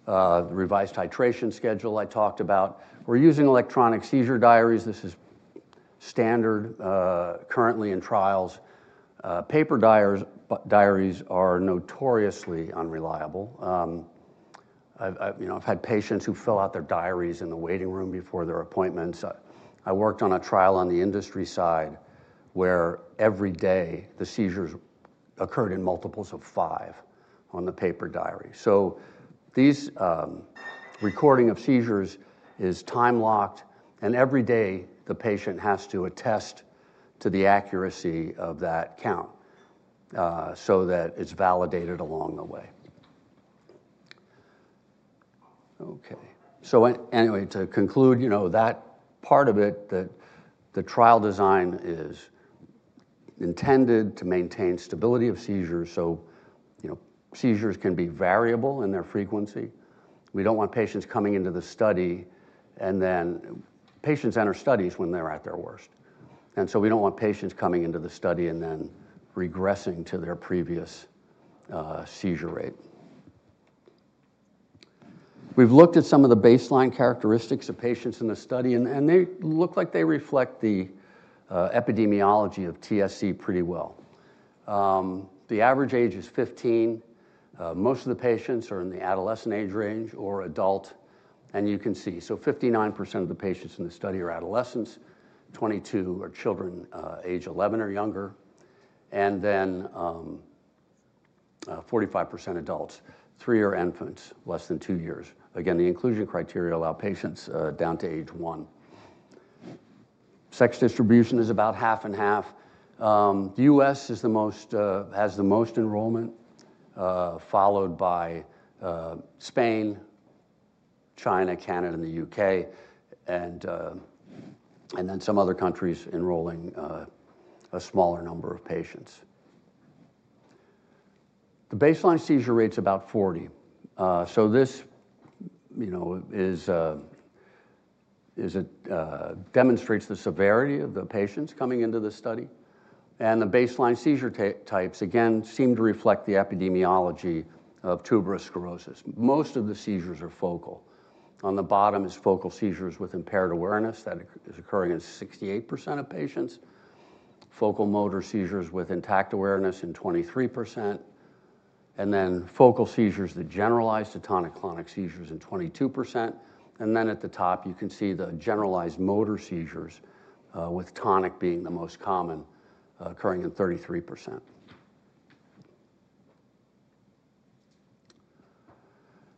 The revised titration schedule I talked about. We're using electronic seizure diaries. This is standard, currently in trials. Paper diaries are notoriously unreliable. I've you know, had patients who fill out their diaries in the waiting room before their appointments. I worked on a trial on the industry side, where every day, the seizures occurred in multiples of five on the paper diary. So these recording of seizures is time-locked, and every day, the patient has to attest to the accuracy of that count, so that it's validated along the way. Okay, so anyway, to conclude, you know, that part of it, that the trial design is intended to maintain stability of seizures. So, you know, seizures can be variable in their frequency. We don't want patients coming into the study, and then patients enter studies when they're at their worst, so we don't want patients coming into the study and then regressing to their previous seizure rate. We've looked at some of the baseline characteristics of patients in the study, and they look like they reflect the epidemiology of TSC pretty well. The average age is fifteen. Most of the patients are in the adolescent age range or adult, and you can see, so 59% of the patients in the study are adolescents, 22 are children age 11 or younger, and then 45% adults, 3 are infants less than 2 years. Again, the inclusion criteria allow patients down to age 1. Sex distribution is about half and half. U.S. is the most, has the most enrollment, followed by Spain, China, Canada, and the U.K., and then some other countries enrolling a smaller number of patients. The baseline seizure rate's about 40. So this, you know, is, demonstrates the severity of the patients coming into the study, and the baseline seizure types, again, seem to reflect the epidemiology of tuberous sclerosis. Most of the seizures are focal. On the bottom is focal seizures with impaired awareness, that is occurring in 68% of patients, focal motor seizures with intact awareness in 23%, and then focal seizures that generalize to tonic-clonic seizures in 22%. And then at the top, you can see the generalized motor seizures, with tonic being the most common, occurring in 33%.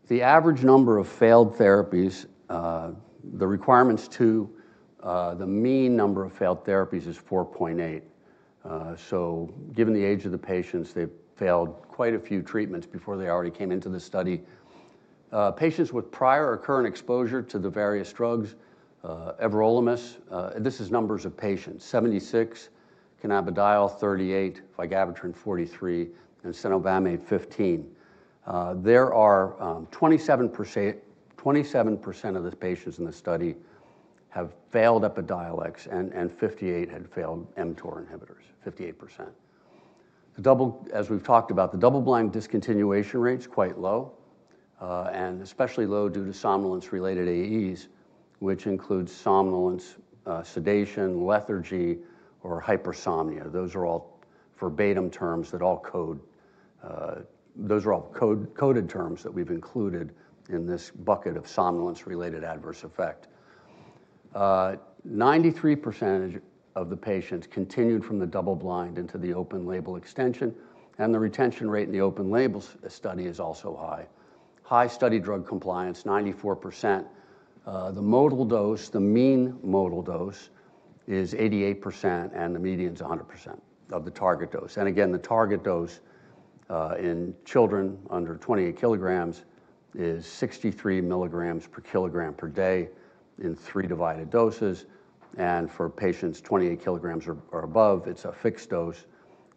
The average number of failed therapies, the mean number of failed therapies is 4.8. So given the age of the patients, they've failed quite a few treatments before they already came into the study. Patients with prior or current exposure to the various drugs, everolimus, this is numbers of patients, 76, cannabidiol 38, vigabatrin 43, and cenobamate 15. There are 27% of the patients in the study have failed Epidiolex, and 58 had failed mTOR inhibitors, 58%. As we've talked about, the double-blind discontinuation rate is quite low, and especially low due to somnolence-related AEs, which includes somnolence, sedation, lethargy, or hypersomnia. Those are all verbatim terms that all code, coded terms that we've included in this bucket of somnolence-related adverse effect. 93% of the patients continued from the double-blind into the open-label extension, and the retention rate in the open-label study is also high. High study drug compliance, 94%. The modal dose, the mean modal dose, is 88%, and the median is 100% of the target dose. Again, the target dose, in children under 28 kilograms is 63 milligrams per kilogram per day in three divided doses, and for patients 28 kilograms or above, it's a fixed dose,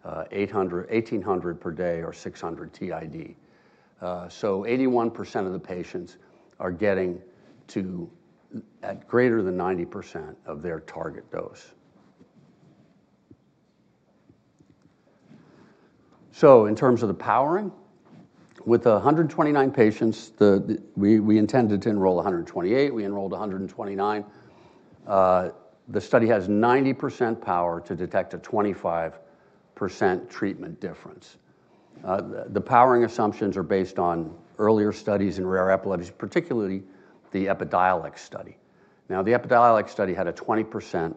1,800 per day or 600 TID. So 81% of the patients are getting to at greater than 90% of their target dose. So in terms of the powering, with 129 patients, we intended to enroll 128, we enrolled 129. The study has 90% power to detect a 25% treatment difference. The powering assumptions are based on earlier studies in rare epilepsies, particularly the Epidiolex study. Now, the Epidiolex study had a 20%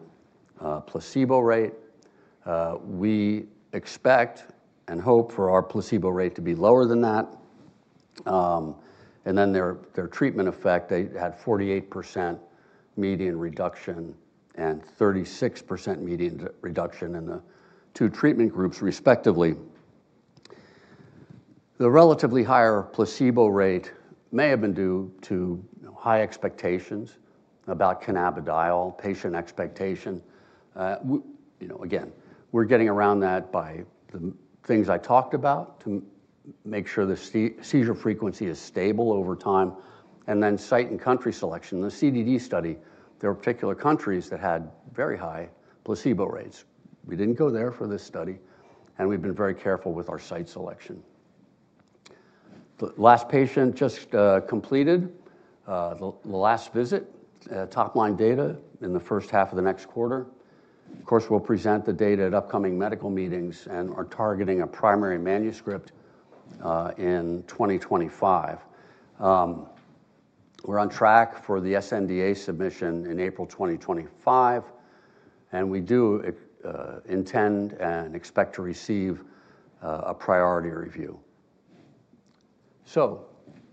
placebo rate. We expect and hope for our placebo rate to be lower than that. And then their treatment effect, they had 48% median reduction and 36% median reduction in the two treatment groups, respectively. The relatively higher placebo rate may have been due to high expectations about cannabidiol, patient expectation. You know, again, we're getting around that by the things I talked about, to make sure the seizure frequency is stable over time, and then site and country selection. The CDD study, there were particular countries that had very high placebo rates. We didn't go there for this study, and we've been very careful with our site selection. The last patient just completed the last visit. Top-line data in the first half of the next quarter. Of course, we'll present the data at upcoming medical meetings and are targeting a primary manuscript in 2025. We're on track for the sNDA submission in April 2025, and we do intend and expect to receive a priority review. So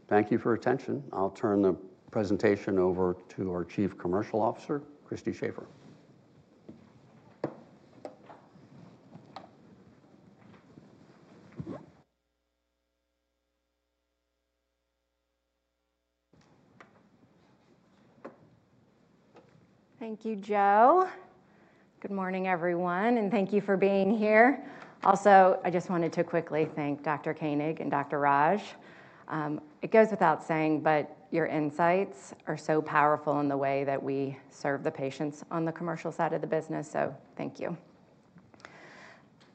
thank you for your attention. I'll turn the presentation over to our Chief Commercial Officer, Christy Shafer. Thank you, Joe. Good morning, everyone, and thank you for being here. Also, I just wanted to quickly thank Dr. Koenig and Dr. Raj. It goes without saying, but your insights are so powerful in the way that we serve the patients on the commercial side of the business, so thank you.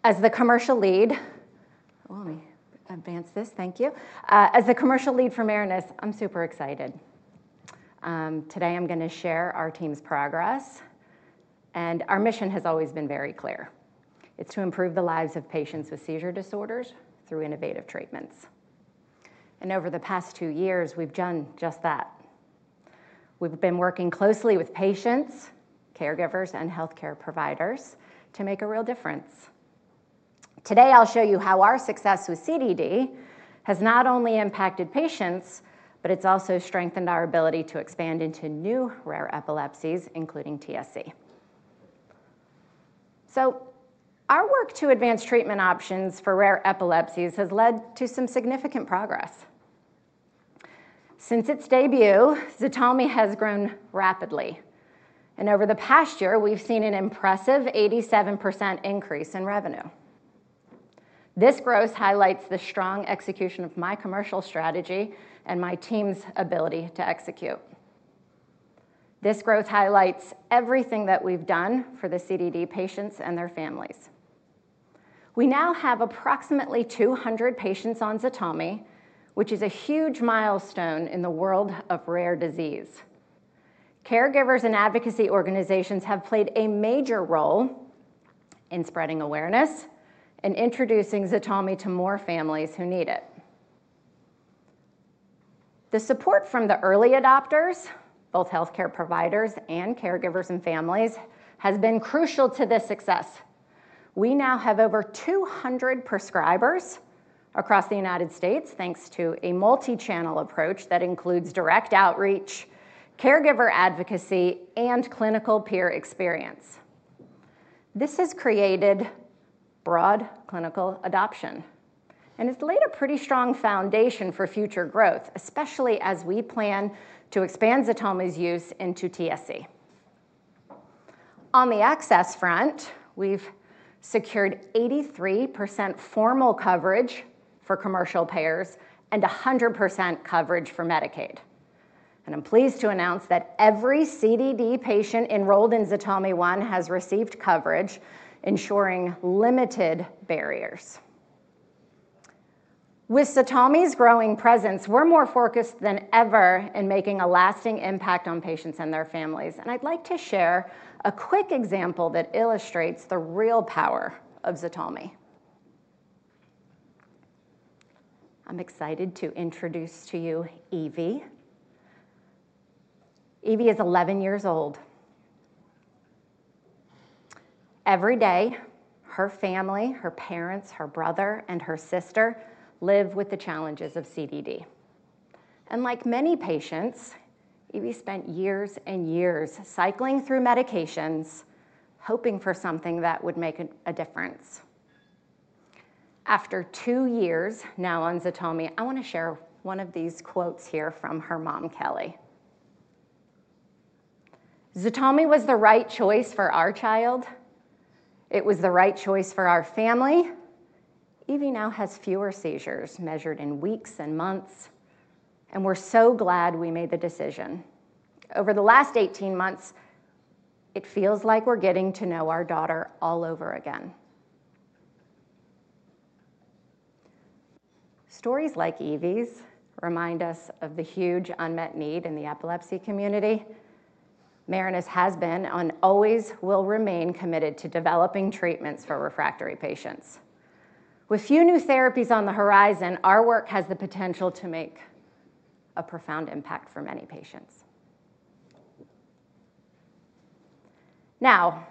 As the commercial lead... Oh, let me advance this. Thank you. As the commercial lead for Marinus, I'm super excited. Today I'm gonna share our team's progress, and our mission has always been very clear. It's to improve the lives of patients with seizure disorders through innovative treatments. And over the past two years, we've done just that. We've been working closely with patients, caregivers, and healthcare providers to make a real difference. Today, I'll show you how our success with CDD has not only impacted patients, but it's also strengthened our ability to expand into new rare epilepsies, including TSC, so our work to advance treatment options for rare epilepsies has led to some significant progress. Since its debut, ZTALMY has grown rapidly, and over the past year, we've seen an impressive 87% increase in revenue. This growth highlights the strong execution of my commercial strategy and my team's ability to execute. This growth highlights everything that we've done for the CDD patients and their families. We now have approximately 200 patients on ZTALMY, which is a huge milestone in the world of rare disease. Caregivers and advocacy organizations have played a major role in spreading awareness and introducing ZTALMY to more families who need it. The support from the early adopters, both healthcare providers and caregivers and families, has been crucial to this success... We now have over 200 prescribers across the United States, thanks to a multi-channel approach that includes direct outreach, caregiver advocacy, and clinical peer experience. This has created broad clinical adoption, and it's laid a pretty strong foundation for future growth, especially as we plan to expand ZTALMY's use into TSC. On the access front, we've secured 83% formal coverage for commercial payers and 100% coverage for Medicaid. I'm pleased to announce that every CDD patient enrolled in ZTALMY One has received coverage, ensuring limited barriers. With ZTALMY's growing presence, we're more focused than ever in making a lasting impact on patients and their families, and I'd like to share a quick example that illustrates the real power of ZTALMY. I'm excited to introduce to you Evie. Evie is eleven years old. Every day, her family, her parents, her brother, and her sister live with the challenges of CDD, and like many patients, Evie spent years and years cycling through medications, hoping for something that would make a difference. After two years now on ZTALMY, I want to share one of these quotes here from her mom, Kelly: "ZTALMY was the right choice for our child. It was the right choice for our family. Evie now has fewer seizures, measured in weeks and months, and we're so glad we made the decision. Over the last eighteen months, it feels like we're getting to know our daughter all over again." Stories like Evie's remind us of the huge unmet need in the epilepsy community. Marinus has been, and always will remain, committed to developing treatments for refractory patients. With few new therapies on the horizon, our work has the potential to make a profound impact for many patients. Now,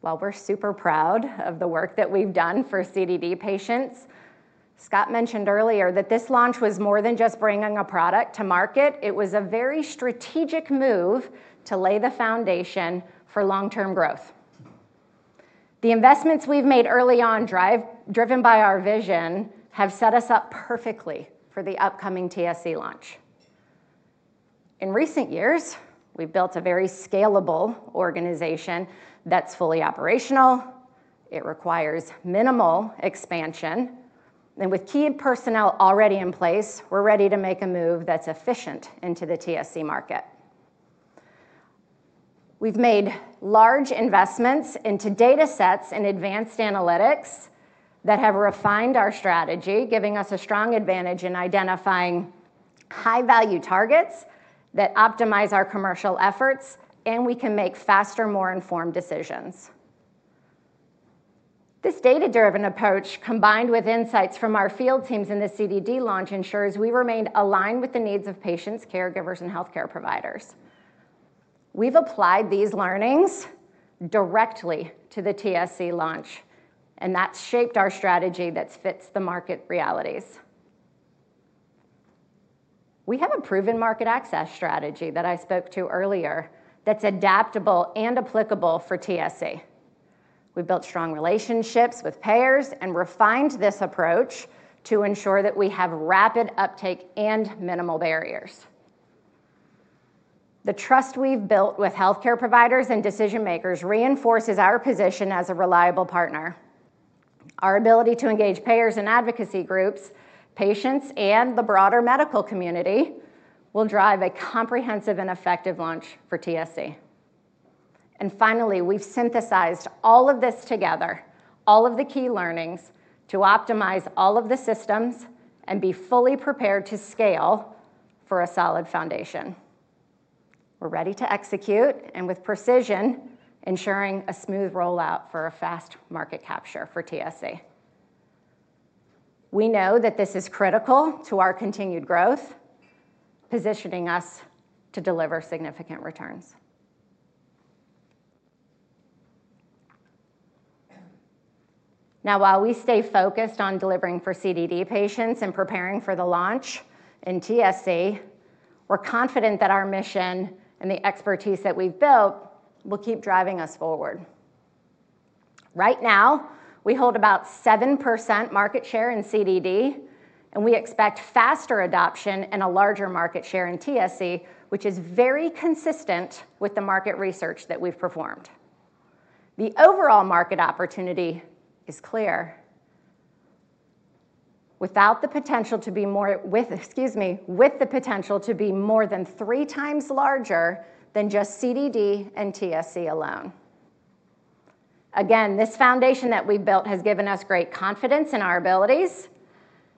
while we're super proud of the work that we've done for CDD patients, Scott mentioned earlier that this launch was more than just bringing a product to market. It was a very strategic move to lay the foundation for long-term growth. The investments we've made early on, driven by our vision, have set us up perfectly for the upcoming TSC launch. In recent years, we've built a very scalable organization that's fully operational. It requires minimal expansion, and with key personnel already in place, we're ready to make a move that's efficient into the TSC market. We've made large investments into datasets and advanced analytics that have refined our strategy, giving us a strong advantage in identifying high-value targets that optimize our commercial efforts, and we can make faster, more informed decisions. This data-driven approach, combined with insights from our field teams in the CDD launch, ensures we remain aligned with the needs of patients, caregivers, and healthcare providers. We've applied these learnings directly to the TSC launch, and that's shaped our strategy that fits the market realities. We have a proven market access strategy that I spoke to earlier that's adaptable and applicable for TSC. We've built strong relationships with payers and refined this approach to ensure that we have rapid uptake and minimal barriers. The trust we've built with healthcare providers and decision-makers reinforces our position as a reliable partner. Our ability to engage payers and advocacy groups, patients, and the broader medical community will drive a comprehensive and effective launch for TSC. And finally, we've synthesized all of this together, all of the key learnings, to optimize all of the systems and be fully prepared to scale for a solid foundation. We're ready to execute, and with precision, ensuring a smooth rollout for a fast market capture for TSC. We know that this is critical to our continued growth, positioning us to deliver significant returns. Now, while we stay focused on delivering for CDD patients and preparing for the launch in TSC, we're confident that our mission and the expertise that we've built will keep driving us forward. Right now, we hold about 7% market share in CDD, and we expect faster adoption and a larger market share in TSC, which is very consistent with the market research that we've performed. The overall market opportunity is clear. With, excuse me, with the potential to be more than three times larger than just CDD and TSC alone. Again, this foundation that we've built has given us great confidence in our abilities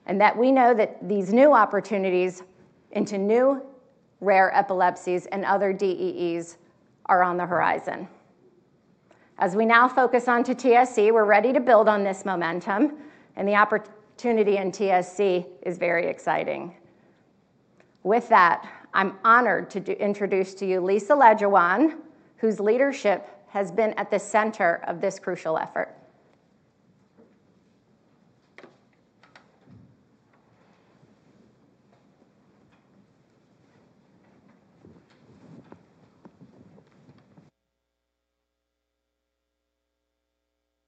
and that we know that these new opportunities into new rare epilepsies and other DEEs are on the horizon. As we now focus on to TSC, we're ready to build on this momentum, and the opportunity in TSC is very exciting. With that, I'm honored to introduce to you Lisa Lejuwaan, whose leadership has been at the center of this crucial effort.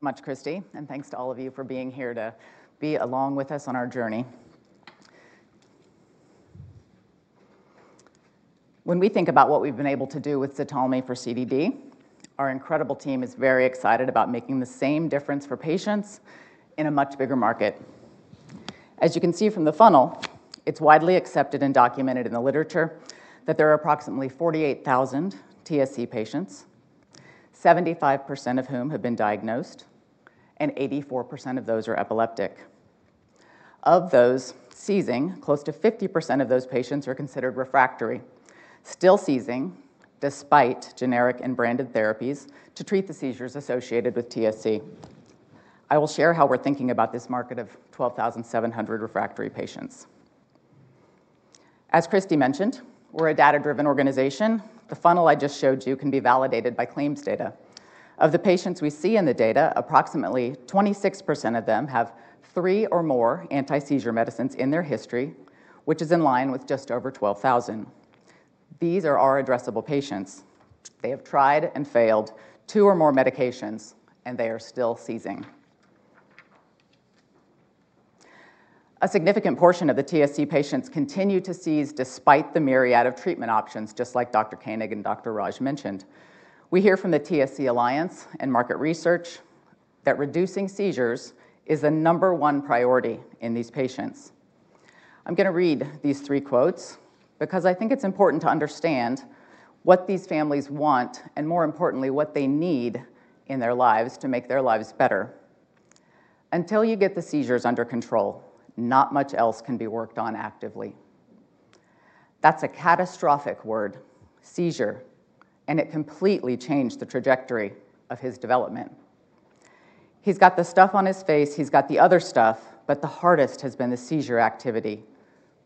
Thanks, Christy, and thanks to all of you for being here to be along with us on our journey. When we think about what we've been able to do with ZTALMY for CDD, our incredible team is very excited about making the same difference for patients in a much bigger market. As you can see from the funnel, it's widely accepted and documented in the literature that there are approximately 48,000 TSC patients, 75% of whom have been diagnosed, and 84% of those are epileptic. Of those seizing, close to 50% of those patients are considered refractory, still seizing despite generic and branded therapies to treat the seizures associated with TSC. I will share how we're thinking about this market of 12,700 refractory patients. As Christy mentioned, we're a data-driven organization. The funnel I just showed you can be validated by claims data. Of the patients we see in the data, approximately 26% of them have three or more anti-seizure medicines in their history, which is in line with just over 12,000. These are our addressable patients. They have tried and failed two or more medications, and they are still seizing. A significant portion of the TSC patients continue to seize despite the myriad of treatment options, just like Dr. Koenig and Dr. Raj mentioned. We hear from the TSC Alliance and market research that reducing seizures is a number one priority in these patients. I'm gonna read these three quotes because I think it's important to understand what these families want, and more importantly, what they need in their lives to make their lives better. Until you get the seizures under control, not much else can be worked on actively." "That's a catastrophic word, seizure, and it completely changed the trajectory of his development. He's got the stuff on his face, he's got the other stuff, but the hardest has been the seizure activity,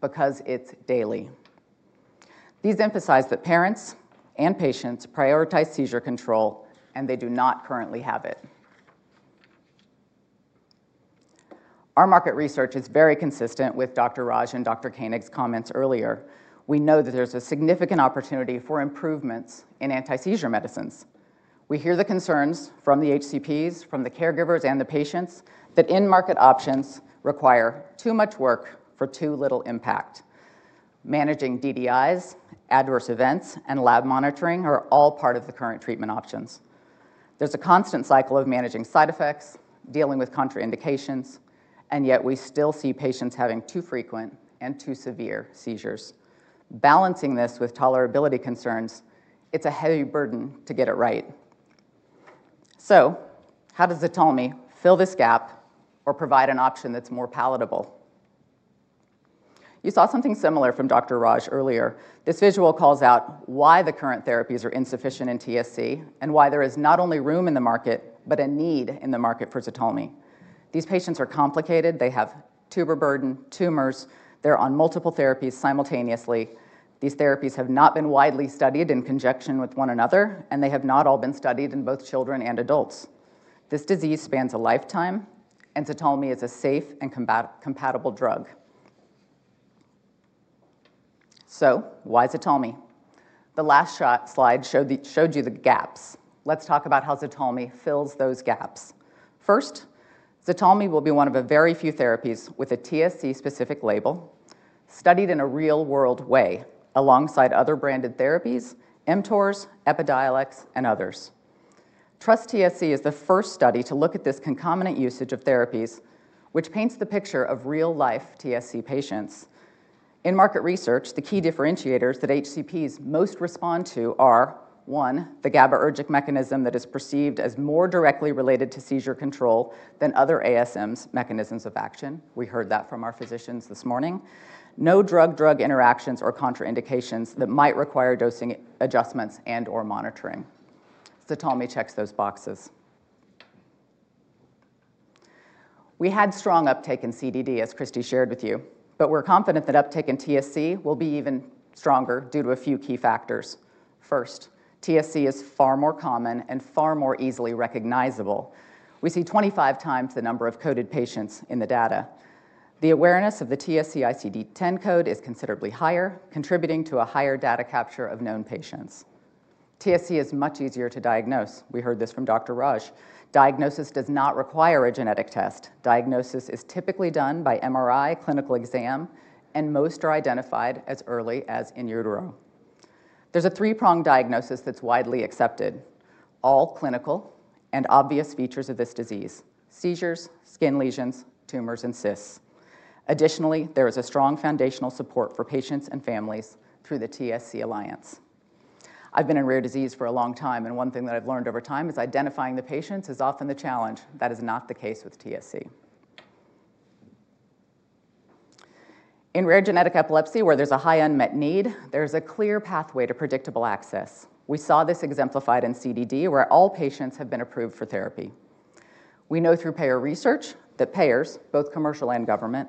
because it's daily." These emphasize that parents and patients prioritize seizure control, and they do not currently have it. Our market research is very consistent with Dr. Raj and Dr. Koenig's comments earlier. We know that there's a significant opportunity for improvements in anti-seizure medicines. We hear the concerns from the HCPs, from the caregivers, and the patients, that in-market options require too much work for too little impact. Managing DDIs, adverse events, and lab monitoring are all part of the current treatment options. There's a constant cycle of managing side effects, dealing with contraindications, and yet we still see patients having too frequent and too severe seizures. Balancing this with tolerability concerns, it's a heavy burden to get it right. So how does ZTALMY fill this gap or provide an option that's more palatable? You saw something similar from Dr. Raj earlier. This visual calls out why the current therapies are insufficient in TSC and why there is not only room in the market, but a need in the market for ZTALMY. These patients are complicated. They have tuber burden, tumors. They're on multiple therapies simultaneously. These therapies have not been widely studied in conjunction with one another, and they have not all been studied in both children and adults. This disease spans a lifetime, and ZTALMY is a safe and concomitant-compatible drug. So why ZTALMY? The last slide showed you the gaps. Let's talk about how ZTALMY fills those gaps. First, ZTALMY will be one of a very few therapies with a TSC-specific label, studied in a real-world way alongside other branded therapies, mTORs, Epidiolex, and others. TrustTSC is the first study to look at this concomitant usage of therapies, which paints the picture of real-life TSC patients. In market research, the key differentiators that HCPs most respond to are: one, the GABAergic mechanism that is perceived as more directly related to seizure control than other ASMs' mechanisms of action. We heard that from our physicians this morning. No drug-drug interactions or contraindications that might require dosing adjustments and/or monitoring. ZTALMY checks those boxes. We had strong uptake in CDD, as Christy shared with you, but we're confident that uptake in TSC will be even stronger due to a few key factors. First, TSC is far more common and far more easily recognizable. We see 25 times the number of coded patients in the data. The awareness of the TSC ICD-10 code is considerably higher, contributing to a higher data capture of known patients. TSC is much easier to diagnose. We heard this from Dr. Raj. Diagnosis does not require a genetic test. Diagnosis is typically done by MRI, clinical exam, and most are identified as early as in utero. There's a three-prong diagnosis that's widely accepted, all clinical and obvious features of this disease: seizures, skin lesions, tumors, and cysts. Additionally, there is a strong foundational support for patients and families through the TSC Alliance. I've been in rare disease for a long time, and one thing that I've learned over time is identifying the patients is often the challenge. That is not the case with TSC. In rare genetic epilepsy, where there's a high unmet need, there's a clear pathway to predictable access. We saw this exemplified in CDD, where all patients have been approved for therapy. We know through payer research that payers, both commercial and government,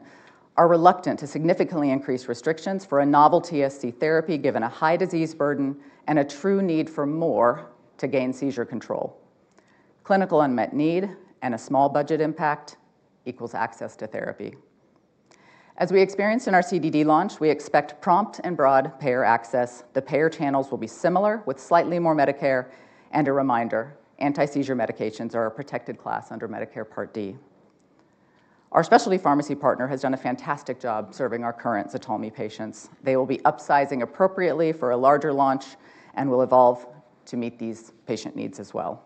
are reluctant to significantly increase restrictions for a novel TSC therapy, given a high disease burden and a true need for more to gain seizure control. Clinical unmet need and a small budget impact equals access to therapy. As we experienced in our CDD launch, we expect prompt and broad payer access. The payer channels will be similar, with slightly more Medicare and a reminder, anti-seizure medications are a protected class under Medicare Part D. Our specialty pharmacy partner has done a fantastic job serving our current ZTALMY patients. They will be upsizing appropriately for a larger launch and will evolve to meet these patient needs as well.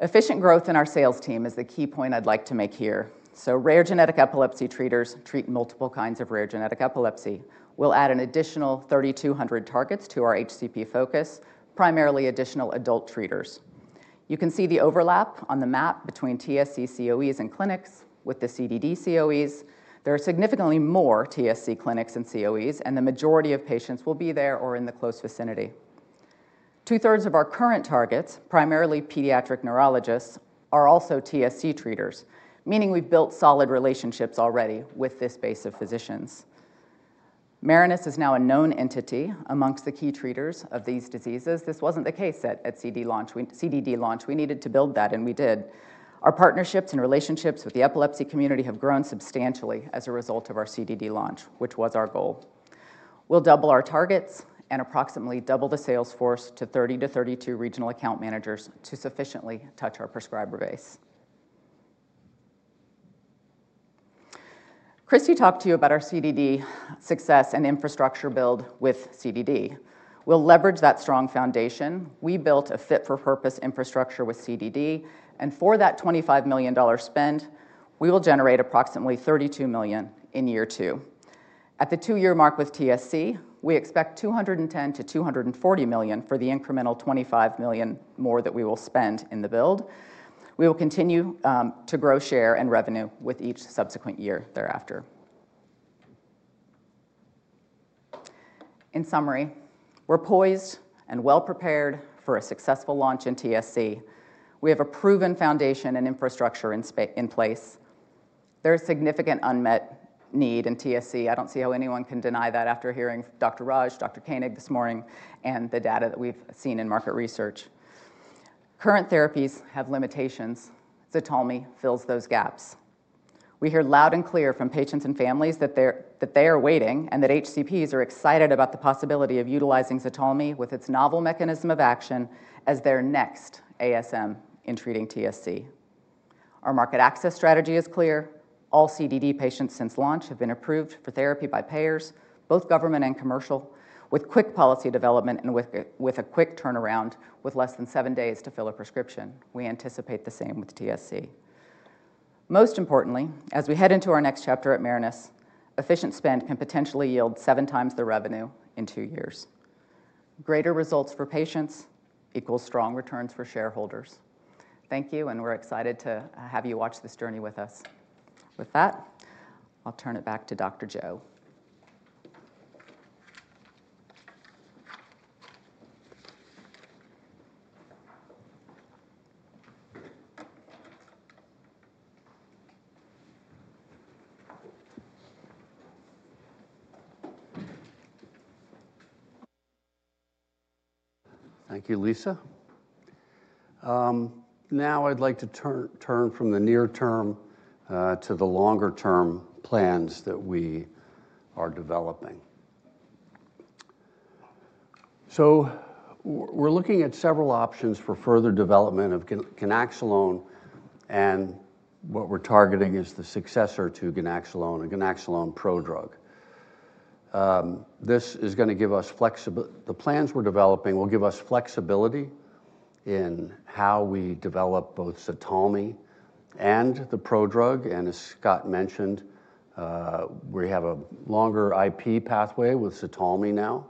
Efficient growth in our sales team is the key point I'd like to make here. So rare genetic epilepsy treaters treat multiple kinds of rare genetic epilepsy. We'll add an additional 3,200 targets to our HCP focus, primarily additional adult treaters. You can see the overlap on the map between TSC COEs and clinics with the CDD COEs. There are significantly more TSC clinics than COEs, and the majority of patients will be there or in the close vicinity. Two-thirds of our current targets, primarily pediatric neurologists, are also TSC treaters, meaning we've built solid relationships already with this base of physicians. Marinus is now a known entity amongst the key treaters of these diseases. This wasn't the case at CDD launch, CDD launch. We needed to build that, and we did. Our partnerships and relationships with the epilepsy community have grown substantially as a result of our CDD launch, which was our goal. We'll double our targets and approximately double the sales force to 30 to 32 regional account managers to sufficiently touch our prescriber base. Christy talked to you about our CDD success and infrastructure build with CDD. We'll leverage that strong foundation. We built a fit-for-purpose infrastructure with CDD, and for that $25 million dollar spend, we will generate approximately $32 million in year two. At the two-year mark with TSC, we expect $210 million-$240 million for the incremental $25 million more that we will spend in the build. We will continue to grow, share, and revenue with each subsequent year thereafter. In summary, we're poised and well-prepared for a successful launch in TSC. We have a proven foundation and infrastructure in place. There is significant unmet need in TSC. I don't see how anyone can deny that after hearing Dr. Raj, Dr. Koenig this morning, and the data that we've seen in market research. Current therapies have limitations. ZTALMY fills those gaps. We hear loud and clear from patients and families that they're, that they are waiting, and that HCPs are excited about the possibility of utilizing ZTALMY, with its novel mechanism of action, as their next ASM in treating TSC. Our market access strategy is clear. All CDD patients since launch have been approved for therapy by payers, both government and commercial, with quick policy development and with a quick turnaround, with less than seven days to fill a prescription. We anticipate the same with TSC. Most importantly, as we head into our next chapter at Marinus, efficient spend can potentially yield seven times the revenue in two years. Greater results for patients equals strong returns for shareholders. Thank you, and we're excited to have you watch this journey with us. With that, I'll turn it back to Dr. Joe. Thank you, Lisa. Now I'd like to turn from the near term to the longer-term plans that we are developing. So we're looking at several options for further development of ganaxolone, and what we're targeting is the successor to ganaxolone, a ganaxolone prodrug. The plans we're developing will give us flexibility in how we develop both ZTALMY and the prodrug, and as Scott mentioned, we have a longer IP pathway with ZTALMY now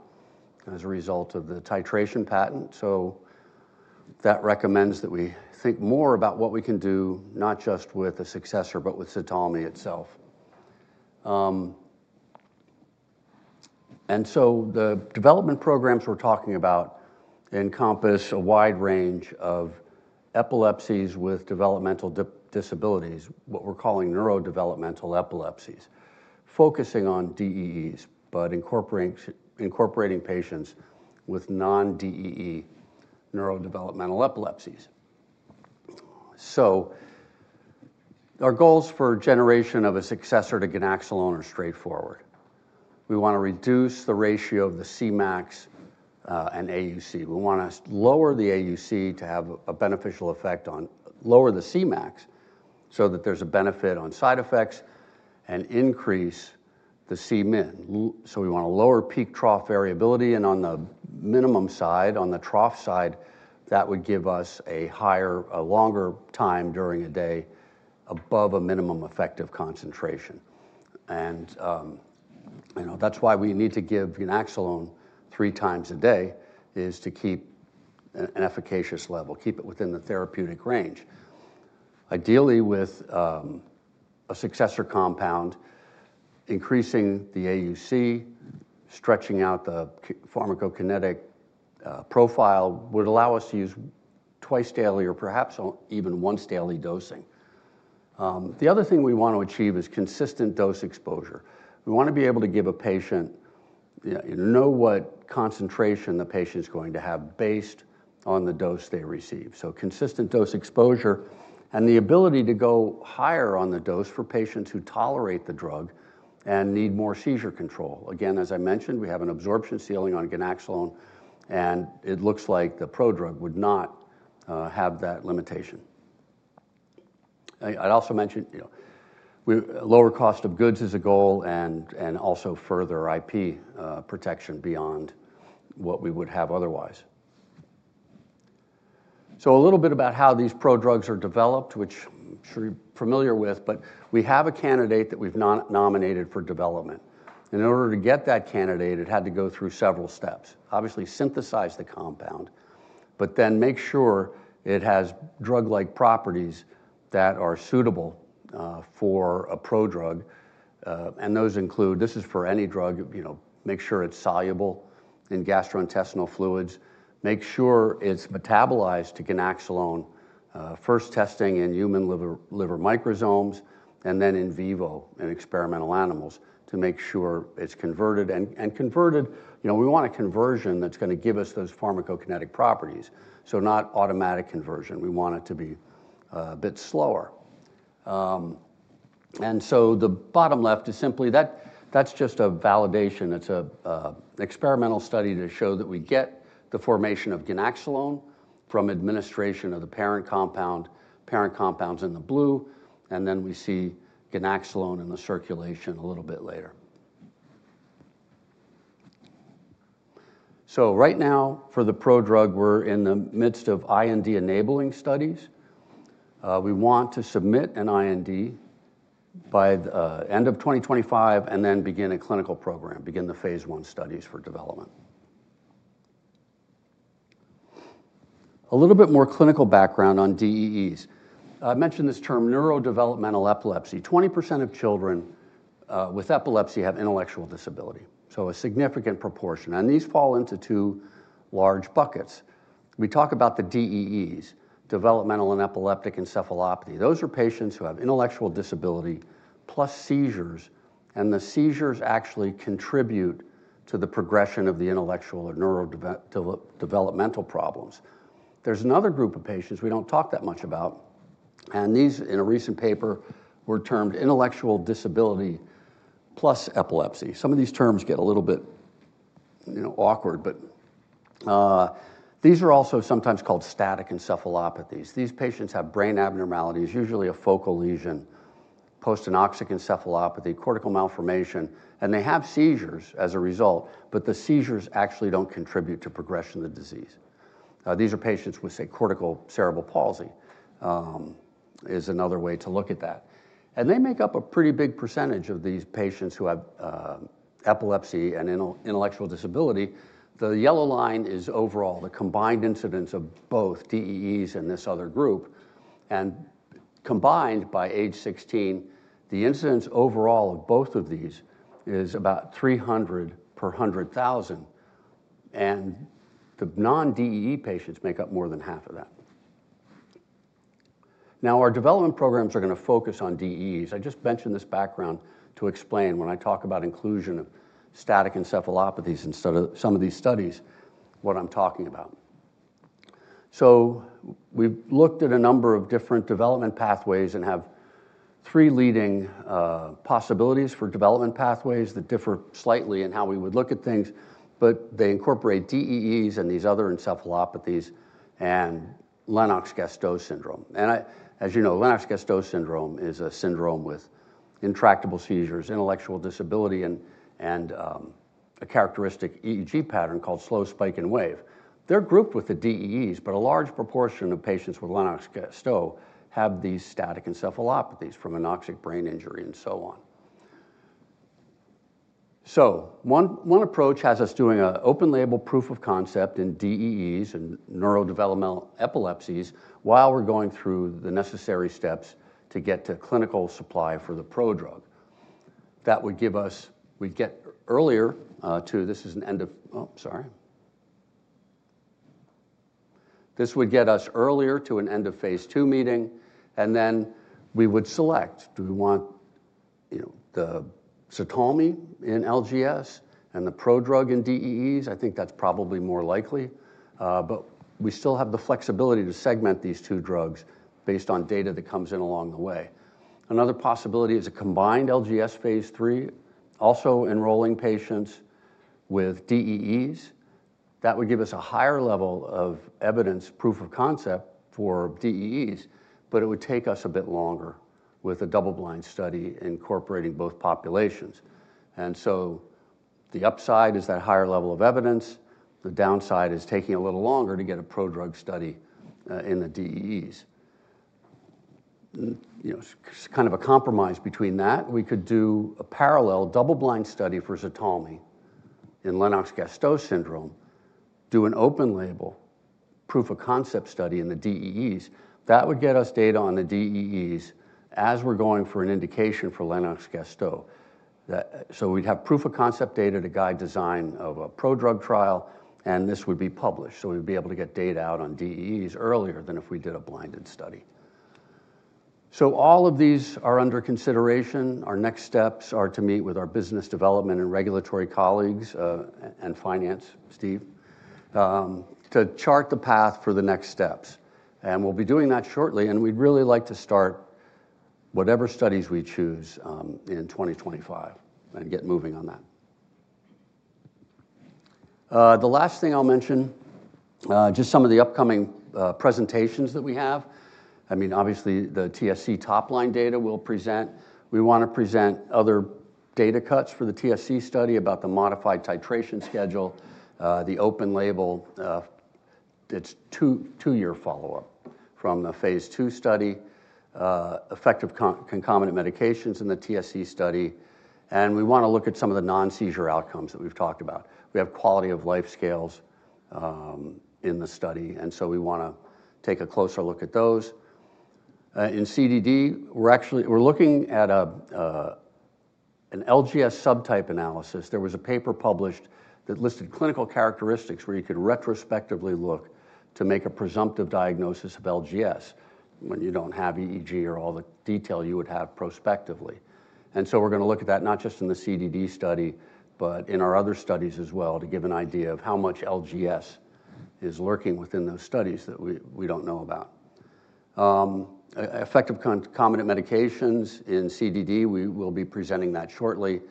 as a result of the titration patent. So that recommends that we think more about what we can do, not just with a successor, but with ZTALMY itself. And so the development programs we're talking about encompass a wide range of epilepsies with developmental disabilities, what we're calling neurodevelopmental epilepsies, focusing on DEEs, but incorporating patients with non-DEE neurodevelopmental epilepsies. Our goals for generation of a successor to ganaxolone are straightforward. We want to reduce the ratio of the Cmax and AUC. We want to lower the AUC to have a beneficial effect on lower the Cmax, so that there's a benefit on side effects, and increase the Cmin. So we want to lower peak trough variability, and on the minimum side, on the trough side, that would give us a higher, a longer time during a day above a minimum effective concentration. And, you know, that's why we need to give ganaxolone three times a day, is to keep an efficacious level, keep it within the therapeutic range. Ideally with a successor compound, increasing the AUC, stretching out the pharmacokinetic profile would allow us to use twice daily or perhaps or even once daily dosing. The other thing we want to achieve is consistent dose exposure. We want to be able to give a patient, you know, what concentration the patient is going to have based on the dose they receive. So consistent dose exposure and the ability to go higher on the dose for patients who tolerate the drug and need more seizure control. Again, as I mentioned, we have an absorption ceiling on ganaxolone, and it looks like the prodrug would not have that limitation. I'd also mention, you know, lower cost of goods is a goal, and also further IP protection beyond what we would have otherwise. A little bit about how these prodrugs are developed, which I'm sure you're familiar with, but we have a candidate that we've nominated for development. In order to get that candidate, it had to go through several steps. Obviously, synthesize the compound, but then make sure it has drug-like properties that are suitable for a prodrug, and those include. This is for any drug, you know, make sure it's soluble in gastrointestinal fluids. Make sure it's metabolized to ganaxolone, first testing in human liver microsomes, and then in vivo, in experimental animals, to make sure it's converted. And converted, you know, we want a conversion that's going to give us those pharmacokinetic properties, so not automatic conversion. We want it to be a bit slower. And so the bottom left is simply that, that's just a validation. It's an experimental study to show that we get the formation of ganaxolone from administration of the parent compound. Parent compound's in the blue, and then we see ganaxolone in the circulation a little bit later. So right now, for the prodrug, we're in the midst of IND-enabling studies. We want to submit an IND by the end of 2025 and then begin a clinical program, begin the Phase 1 studies for development. A little bit more clinical background on DEEs. I mentioned this term, neurodevelopmental epilepsy. 20% of children with epilepsy have intellectual disability, so a significant proportion, and these fall into two large buckets. We talk about the DEEs, developmental and epileptic encephalopathy. Those are patients who have intellectual disability plus seizures, and the seizures actually contribute to the progression of the intellectual or neurodevelopmental problems. There's another group of patients we don't talk that much about, and these, in a recent paper, were termed intellectual disability plus epilepsy. Some of these terms get a little bit, you know, awkward, but these are also sometimes called static encephalopathies. These patients have brain abnormalities, usually a focal lesion, postanoxic encephalopathy, cortical malformation, and they have seizures as a result, but the seizures actually don't contribute to progression of the disease. These are patients with, say, cortical cerebral palsy, is another way to look at that, and they make up a pretty big percentage of these patients who have epilepsy and intellectual disability. The yellow line is overall, the combined incidence of both DEEs and this other group, and combined by age 16, the incidence overall of both of these is about 300 per 100,000, and the non-DEE patients make up more than half of that. Now, our development programs are going to focus on DEEs. I just mentioned this background to explain when I talk about inclusion of static encephalopathies in some of these studies, what I'm talking about. We've looked at a number of different development pathways and have three leading possibilities for development pathways that differ slightly in how we would look at things, but they incorporate DEEs and these other encephalopathies and Lennox-Gastaut syndrome. As you know, Lennox-Gastaut syndrome is a syndrome with intractable seizures, intellectual disability, and a characteristic EEG pattern called slow spike and wave. They're grouped with the DEEs, but a large proportion of patients with Lennox-Gastaut have these static encephalopathies from anoxic brain injury and so on. One approach has us doing an open-label proof of concept in DEEs and neurodevelopmental epilepsies while we're going through the necessary steps to get to clinical supply for the prodrug. That would give us. We'd get earlier to this is an end of Phase 2 meeting, and then we would select, do we want, you know, the ZTALMY in LGS and the prodrug in DEEs? I think that's probably more likely, but we still have the flexibility to segment these two drugs based on data that comes in along the way. Another possibility is a combined LGS Phase 3, also enrolling patients with DEEs. That would give us a higher level of evidence, proof of concept for DEEs, but it would take us a bit longer with a double-blind study incorporating both populations. And so the upside is that higher level of evidence, the downside is taking a little longer to get a prodrug study in the DEEs. You know, kind of a compromise between that, we could do a parallel double-blind study for ZTALMY in Lennox-Gastaut syndrome, do an open-label, proof of concept study in the DEEs, that would get us data on the DEEs as we're going for an indication for Lennox-Gastaut. That, so we'd have proof of concept data to guide design of a pro-drug trial, and this would be published, so we'd be able to get data out on DEEs earlier than if we did a blinded study. So all of these are under consideration. Our next steps are to meet with our business development and regulatory colleagues, and finance, Steve, to chart the path for the next steps. And we'll be doing that shortly, and we'd really like to start whatever studies we choose, in 2025 and get moving on that. The last thing I'll mention, just some of the upcoming presentations that we have. I mean, obviously, the TSC top line data we'll present. We want to present other data cuts for the TSC study about the modified titration schedule, the open-label, its two-year follow-up from the Phase 2 study, effective concomitant medications in the TSC study, and we want to look at some of the non-seizure outcomes that we've talked about. We have quality of life scales, in the study, and so we want to take a closer look at those. In CDD, we're actually, we're looking at a, an LGS subtype analysis. There was a paper published that listed clinical characteristics where you could retrospectively look to make a presumptive diagnosis of LGS when you don't have EEG or all the detail you would have prospectively. And so we're going to look at that, not just in the CDD study, but in our other studies as well, to give an idea of how much LGS is lurking within those studies that we don't know about. Effective concomitant medications in CDD, we will be presenting that shortly.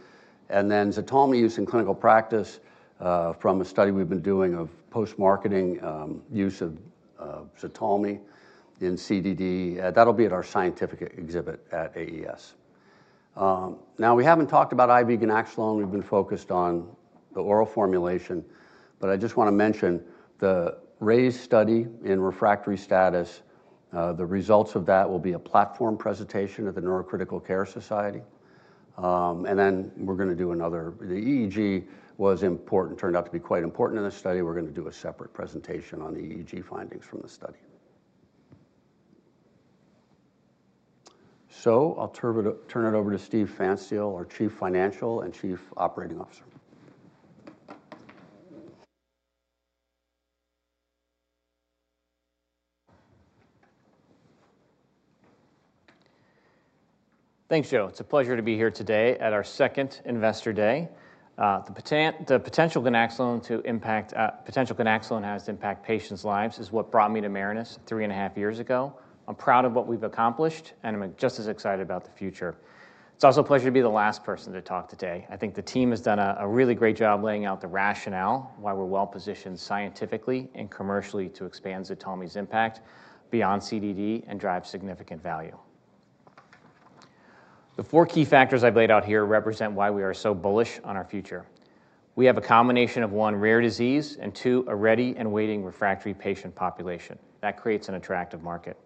And then ZTALMY use in clinical practice, from a study we've been doing of post-marketing use of ZTALMY in CDD, that'll be at our scientific exhibit at AES. Now, we haven't talked about IV ganaxolone. We've been focused on the oral formulation, but I just want to mention the RAISE study in refractory status, the results of that will be a platform presentation at the Neurocritical Care Society. And then we're going to do another. The EEG was important, turned out to be quite important in this study. We're going to do a separate presentation on the EEG findings from the study, so I'll turn it over to Steven Pfanstiel, our Chief Financial and Chief Operating Officer. Thanks, Joe. It's a pleasure to be here today at our second Investor Day. The potential ganaxolone has to impact patients' lives is what brought me to Marinus three and a half years ago. I'm proud of what we've accomplished, and I'm just as excited about the future. It's also a pleasure to be the last person to talk today. I think the team has done a really great job laying out the rationale, why we're well-positioned scientifically and commercially to expand ZTALMY's impact beyond CDD and drive significant value. The four key factors I've laid out here represent why we are so bullish on our future. We have a combination of, one, rare disease, and two, a ready and waiting refractory patient population. That creates an attractive market.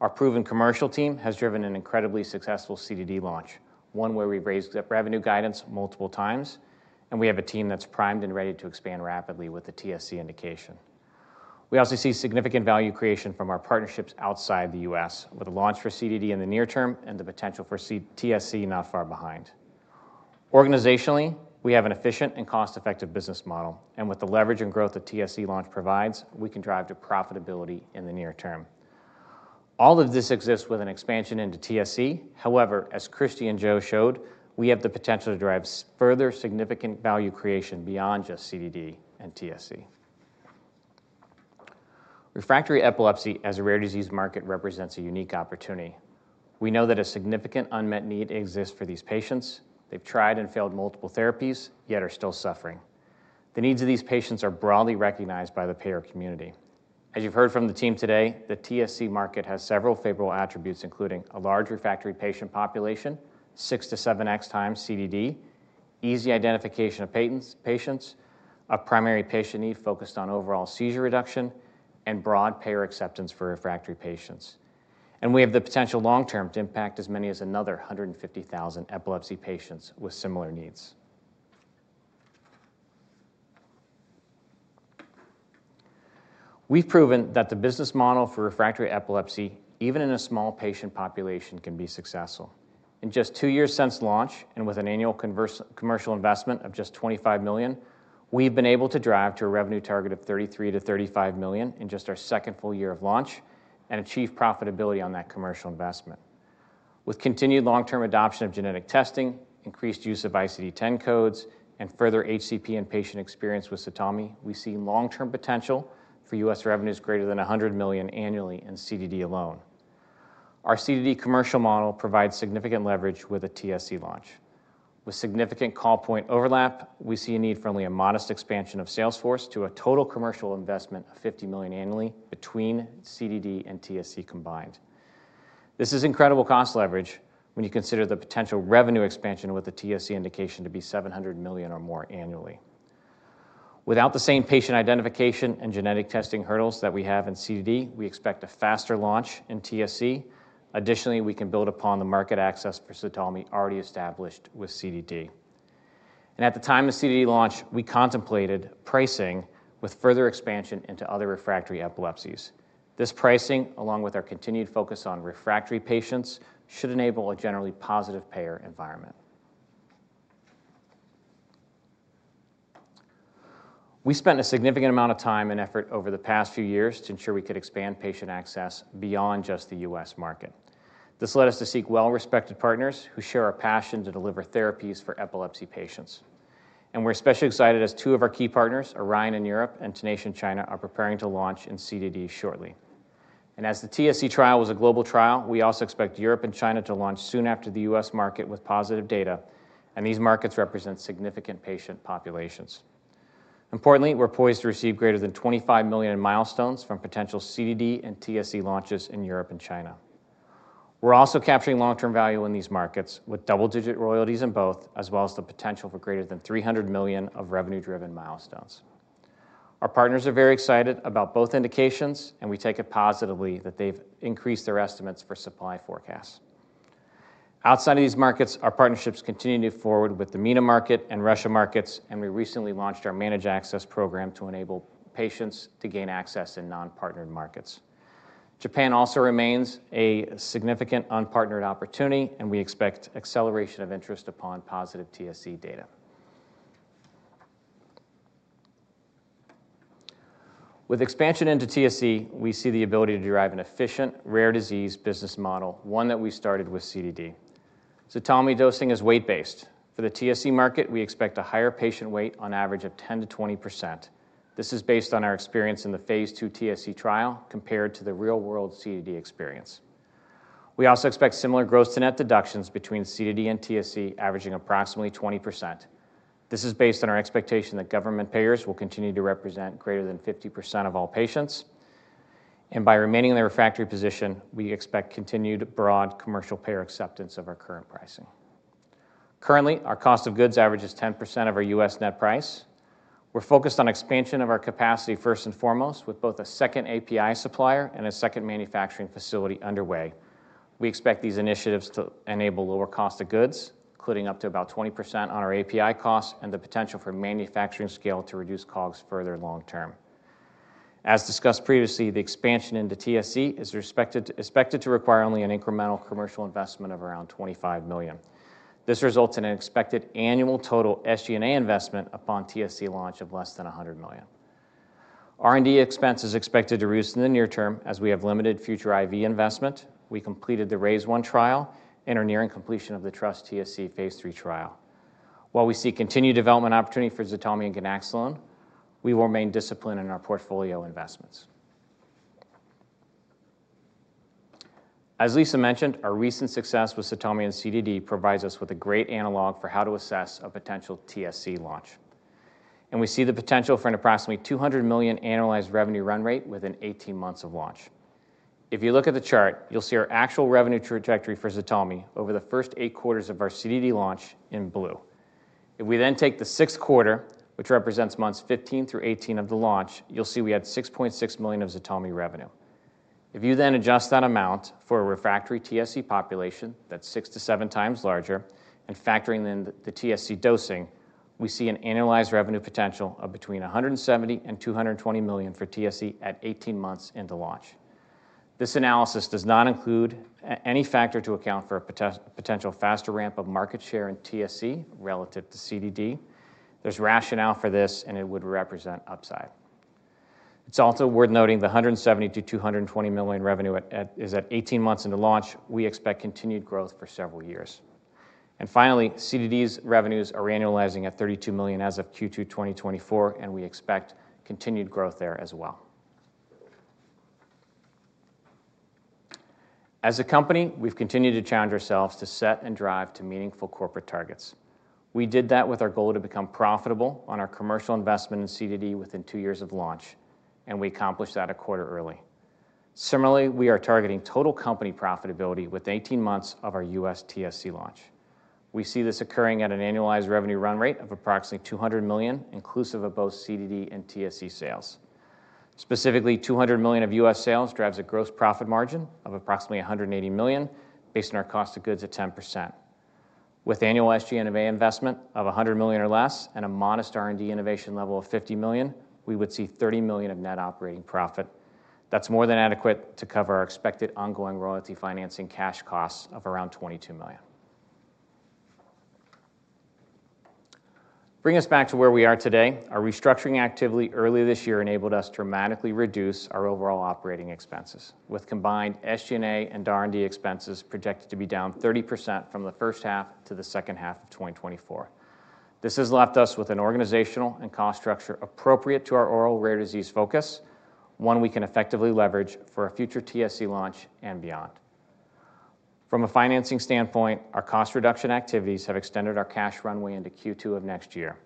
Our proven commercial team has driven an incredibly successful CDD launch, one where we've raised revenue guidance multiple times, and we have a team that's primed and ready to expand rapidly with the TSC indication. We also see significant value creation from our partnerships outside the U.S., with a launch for CDD in the near term and the potential for TSC not far behind. Organizationally, we have an efficient and cost-effective business model, and with the leverage and growth the TSC launch provides, we can drive to profitability in the near term. All of this exists with an expansion into TSC. However, as Christy and Joe showed, we have the potential to drive further significant value creation beyond just CDD and TSC. Refractory epilepsy, as a rare disease market, represents a unique opportunity. We know that a significant unmet need exists for these patients. They've tried and failed multiple therapies, yet are still suffering. The needs of these patients are broadly recognized by the payer community. As you've heard from the team today, the TSC market has several favorable attributes, including a large refractory patient population, six to seven times CDD, easy identification of patients, a primary patient need focused on overall seizure reduction, and broad payer acceptance for refractory patients. We have the potential long term to impact as many as another hundred and fifty thousand epilepsy patients with similar needs. We've proven that the business model for refractory epilepsy, even in a small patient population, can be successful. In just two years since launch, and with an annual conservative commercial investment of just $25 million, we've been able to drive to a revenue target of $33 million-$35 million in just our second full year of launch and achieve profitability on that commercial investment. With continued long-term adoption of genetic testing, increased use of ICD-10 codes, and further HCP and patient experience with ZTALMY, we see long-term potential for U.S. revenues greater than $100 million annually in CDD alone. Our CDD commercial model provides significant leverage with a TSC launch. With significant call point overlap, we see a need for only a modest expansion of sales force to a total commercial investment of $50 million annually between CDD and TSC combined. This is incredible cost leverage when you consider the potential revenue expansion with the TSC indication to be $700 million or more annually. Without the same patient identification and genetic testing hurdles that we have in CDD, we expect a faster launch in TSC. Additionally, we can build upon the market access for ZTALMY already established with CDD. And at the time of CDD launch, we contemplated pricing with further expansion into other refractory epilepsies. This pricing, along with our continued focus on refractory patients, should enable a generally positive payer environment. We spent a significant amount of time and effort over the past few years to ensure we could expand patient access beyond just the U.S. market. This led us to seek well-respected partners who share our passion to deliver therapies for epilepsy patients. And we're especially excited as two of our key partners, Orion in Europe and Tenacia in China, are preparing to launch in CDD shortly. As the TSC trial was a global trial, we also expect Europe and China to launch soon after the US market with positive data, and these markets represent significant patient populations. Importantly, we're poised to receive greater than $25 million in milestones from potential CDD and TSC launches in Europe and China. We're also capturing long-term value in these markets, with double-digit royalties in both, as well as the potential for greater than $300 million of revenue-driven milestones. Our partners are very excited about both indications, and we take it positively that they've increased their estimates for supply forecasts. Outside of these markets, our partnerships continue to move forward with the MENA market and Russia markets, and we recently launched our managed access program to enable patients to gain access in non-partnered markets. Japan also remains a significant unpartnered opportunity, and we expect acceleration of interest upon positive TSC data. With expansion into TSC, we see the ability to derive an efficient, rare disease business model, one that we started with CDD. ZTALMY dosing is weight-based. For the TSC market, we expect a higher patient weight on average of 10%-20%. This is based on our experience in the Phase 2 TSC trial compared to the real-world CDD experience. We also expect similar gross-to-net deductions between CDD and TSC, averaging approximately 20%. This is based on our expectation that government payers will continue to represent greater than 50% of all patients, and by remaining in the refractory position, we expect continued broad commercial payer acceptance of our current pricing. Currently, our cost of goods average is 10% of our U.S. net price. We're focused on expansion of our capacity first and foremost, with both a second API supplier and a second manufacturing facility underway. We expect these initiatives to enable lower cost of goods, including up to about 20% on our API costs and the potential for manufacturing scale to reduce COGS further long term. As discussed previously, the expansion into TSC is expected to require only an incremental commercial investment of around $25 million. This results in an expected annual total SG&A investment upon TSC launch of less than $100 million. R&D expense is expected to reduce in the near term as we have limited future IV investment. We completed the RAISE trial and are nearing completion of the TrustTSC Phase 3 trial. While we see continued development opportunity for ZTALMY and ganaxolone, we will remain disciplined in our portfolio investments. As Lisa mentioned, our recent success with ZTALMY and CDD provides us with a great analog for how to assess a potential TSC launch, and we see the potential for an approximately $200 million annualized revenue run rate within 18 months of launch. If you look at the chart, you'll see our actual revenue trajectory for ZTALMY over the first eight quarters of our CDD launch in blue. If we then take the sixth quarter, which represents months 15 through 18 of the launch, you'll see we had $6.6 million of ZTALMY revenue. If you then adjust that amount for a refractory TSC population that's six to seven times larger and factoring in the TSC dosing, we see an annualized revenue potential of between $170 million and $220 million for TSC at 18 months into launch. This analysis does not include any factor to account for a potential faster ramp of market share in TSC relative to CDD. There's rationale for this, and it would represent upside. It's also worth noting the $170-220 million revenue at eighteen months into launch. We expect continued growth for several years. And finally, CDD's revenues are annualizing at $32 million as of Q2 2024, and we expect continued growth there as well. As a company, we've continued to challenge ourselves to set and drive to meaningful corporate targets. We did that with our goal to become profitable on our commercial investment in CDD within two years of launch, and we accomplished that a quarter early. Similarly, we are targeting total company profitability within eighteen months of our U.S. TSC launch. We see this occurring at an annualized revenue run rate of approximately $200 million, inclusive of both CDD and TSC sales. Specifically, $200 million of U.S. sales drives a gross profit margin of approximately $180 million, based on our cost of goods at 10%. With annual SG&A investment of $100 million or less and a modest R&D innovation level of $50 million, we would see $30 million of net operating profit. That's more than adequate to cover our expected ongoing royalty financing cash costs of around $22 million. Bringing us back to where we are today, our restructuring activity early this year enabled us to dramatically reduce our overall operating expenses, with combined SG&A and R&D expenses projected to be down 30% from the first half to the second half of 2024. This has left us with an organizational and cost structure appropriate to our oral rare disease focus, one we can effectively leverage for a future TSC launch and beyond. From a financing standpoint, our cost reduction activities have extended our cash runway into Q2 of next year.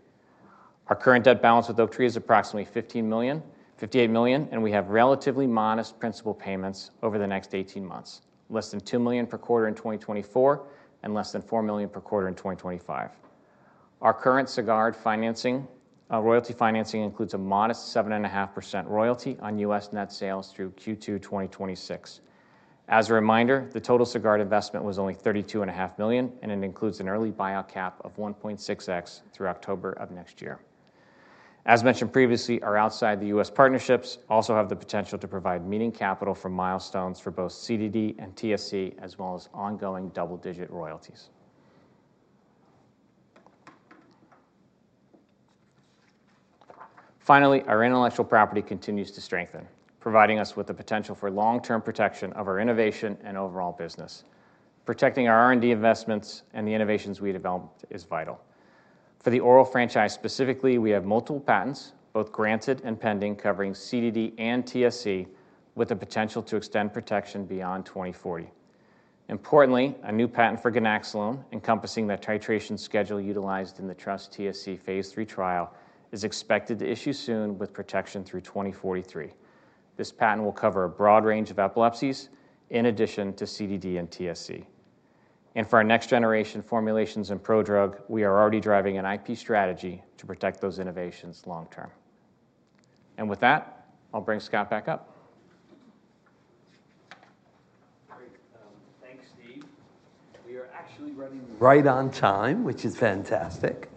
Our current debt balance with Oaktree is approximately $15 million-$58 million, and we have relatively modest principal payments over the next eighteen months, less than $2 million per quarter in 2024 and less than $4 million per quarter in 2025. Our current Sagard financing, royalty financing includes a modest 7.5% royalty on U.S. net sales through Q2 2026. As a reminder, the total Sagard investment was only $32.5 million, and it includes an early buyout cap of 1.6x through October of next year. As mentioned previously, our outside the U.S. partnerships also have the potential to provide meaningful capital for milestones for both CDD and TSC, as well as ongoing double-digit royalties. Finally, our intellectual property continues to strengthen, providing us with the potential for long-term protection of our innovation and overall business. Protecting our R&D investments and the innovations we developed is vital. For the oral franchise specifically, we have multiple patents, both granted and pending, covering CDD and TSC, with the potential to extend protection beyond 2040. Importantly, a new patent for ganaxolone, encompassing the titration schedule utilized in the TrustTSC Phase 3 trial, is expected to issue soon with protection through 2043. This patent will cover a broad range of epilepsies in addition to CDD and TSC. And for our next generation formulations and prodrug, we are already driving an IP strategy to protect those innovations long term. With that, I'll bring Scott back up. Great. Thanks, Steve. We are actually running right on time, which is fantastic,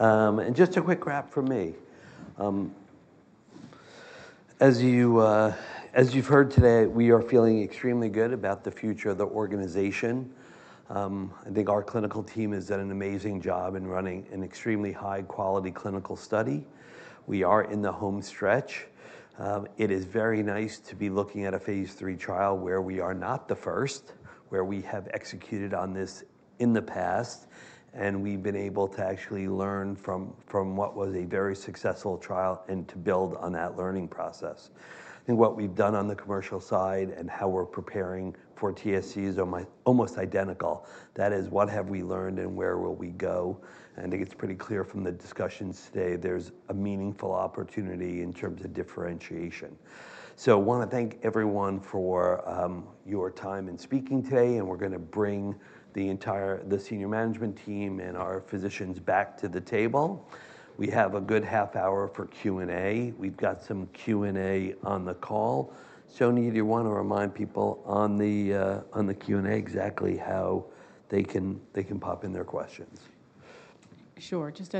and just a quick wrap from me. As you've heard today, we are feeling extremely good about the future of the organization. I think our clinical team has done an amazing job in running an extremely high-quality clinical study. We are in the home stretch. It is very nice to be looking at a Phase 3 trial where we are not the first, where we have executed on this in the past, and we've been able to actually learn from what was a very successful trial and to build on that learning process. I think what we've done on the commercial side and how we're preparing for TSC is almost identical. That is, what have we learned and where will we go? I think it's pretty clear from the discussions today there's a meaningful opportunity in terms of differentiation, so I want to thank everyone for your time in speaking today, and we're going to bring the entire senior management team and our physicians back to the table. We have a good half hour for Q&A. We've got some Q&A on the call. Sonya, do you want to remind people on the Q&A, exactly how they can pop in their questions? Sure. Just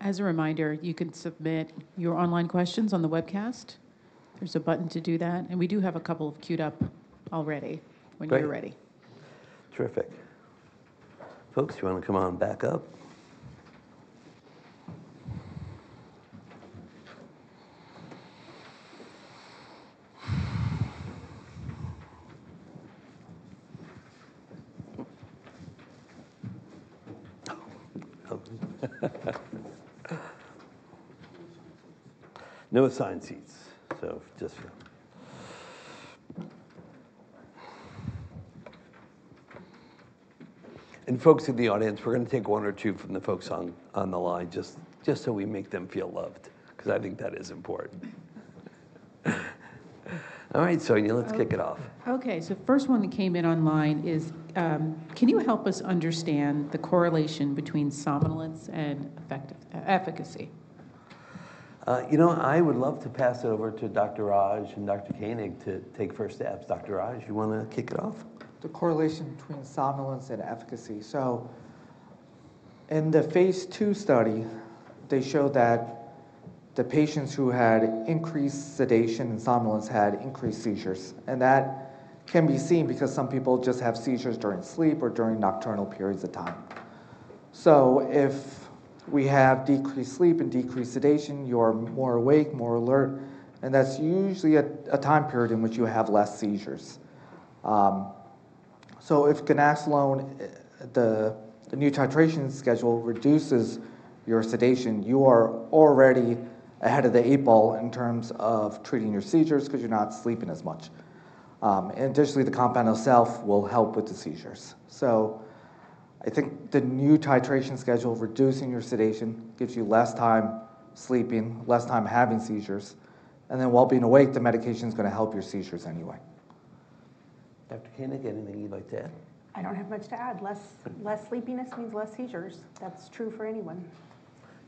as a reminder, you can submit your online questions on the webcast. There's a button to do that, and we do have a couple queued up already- Great When you're ready. Terrific. Folks, you want to come on back up? No assigned seats, so just... And folks in the audience, we're going to take one or two from the folks on the line, just so we make them feel loved, because I think that is important. All right, Sonya, let's kick it off. Okay, so first one that came in online is: Can you help us understand the correlation between somnolence and effect, efficacy? You know, I would love to pass it over to Dr. Raj and Dr. Koenig to take first stab. Dr. Raj, you want to kick it off? The correlation between somnolence and efficacy, so in the Phase 2 study, they showed that the patients who had increased sedation and somnolence had increased seizures, and that can be seen because some people just have seizures during sleep or during nocturnal periods of time. So if we have decreased sleep and decreased sedation, you're more awake, more alert, and that's usually a time period in which you have less seizures, so if ganaxolone, the new titration schedule reduces your sedation, you are already ahead of the eight ball in terms of treating your seizures because you're not sleeping as much, and additionally, the compound itself will help with the seizures. So I think the new titration schedule, reducing your sedation, gives you less time sleeping, less time having seizures, and then while being awake, the medication is going to help your seizures anyway. Dr. Koenig, anything you'd like to add? I don't have much to add. Less sleepiness means less seizures. That's true for anyone.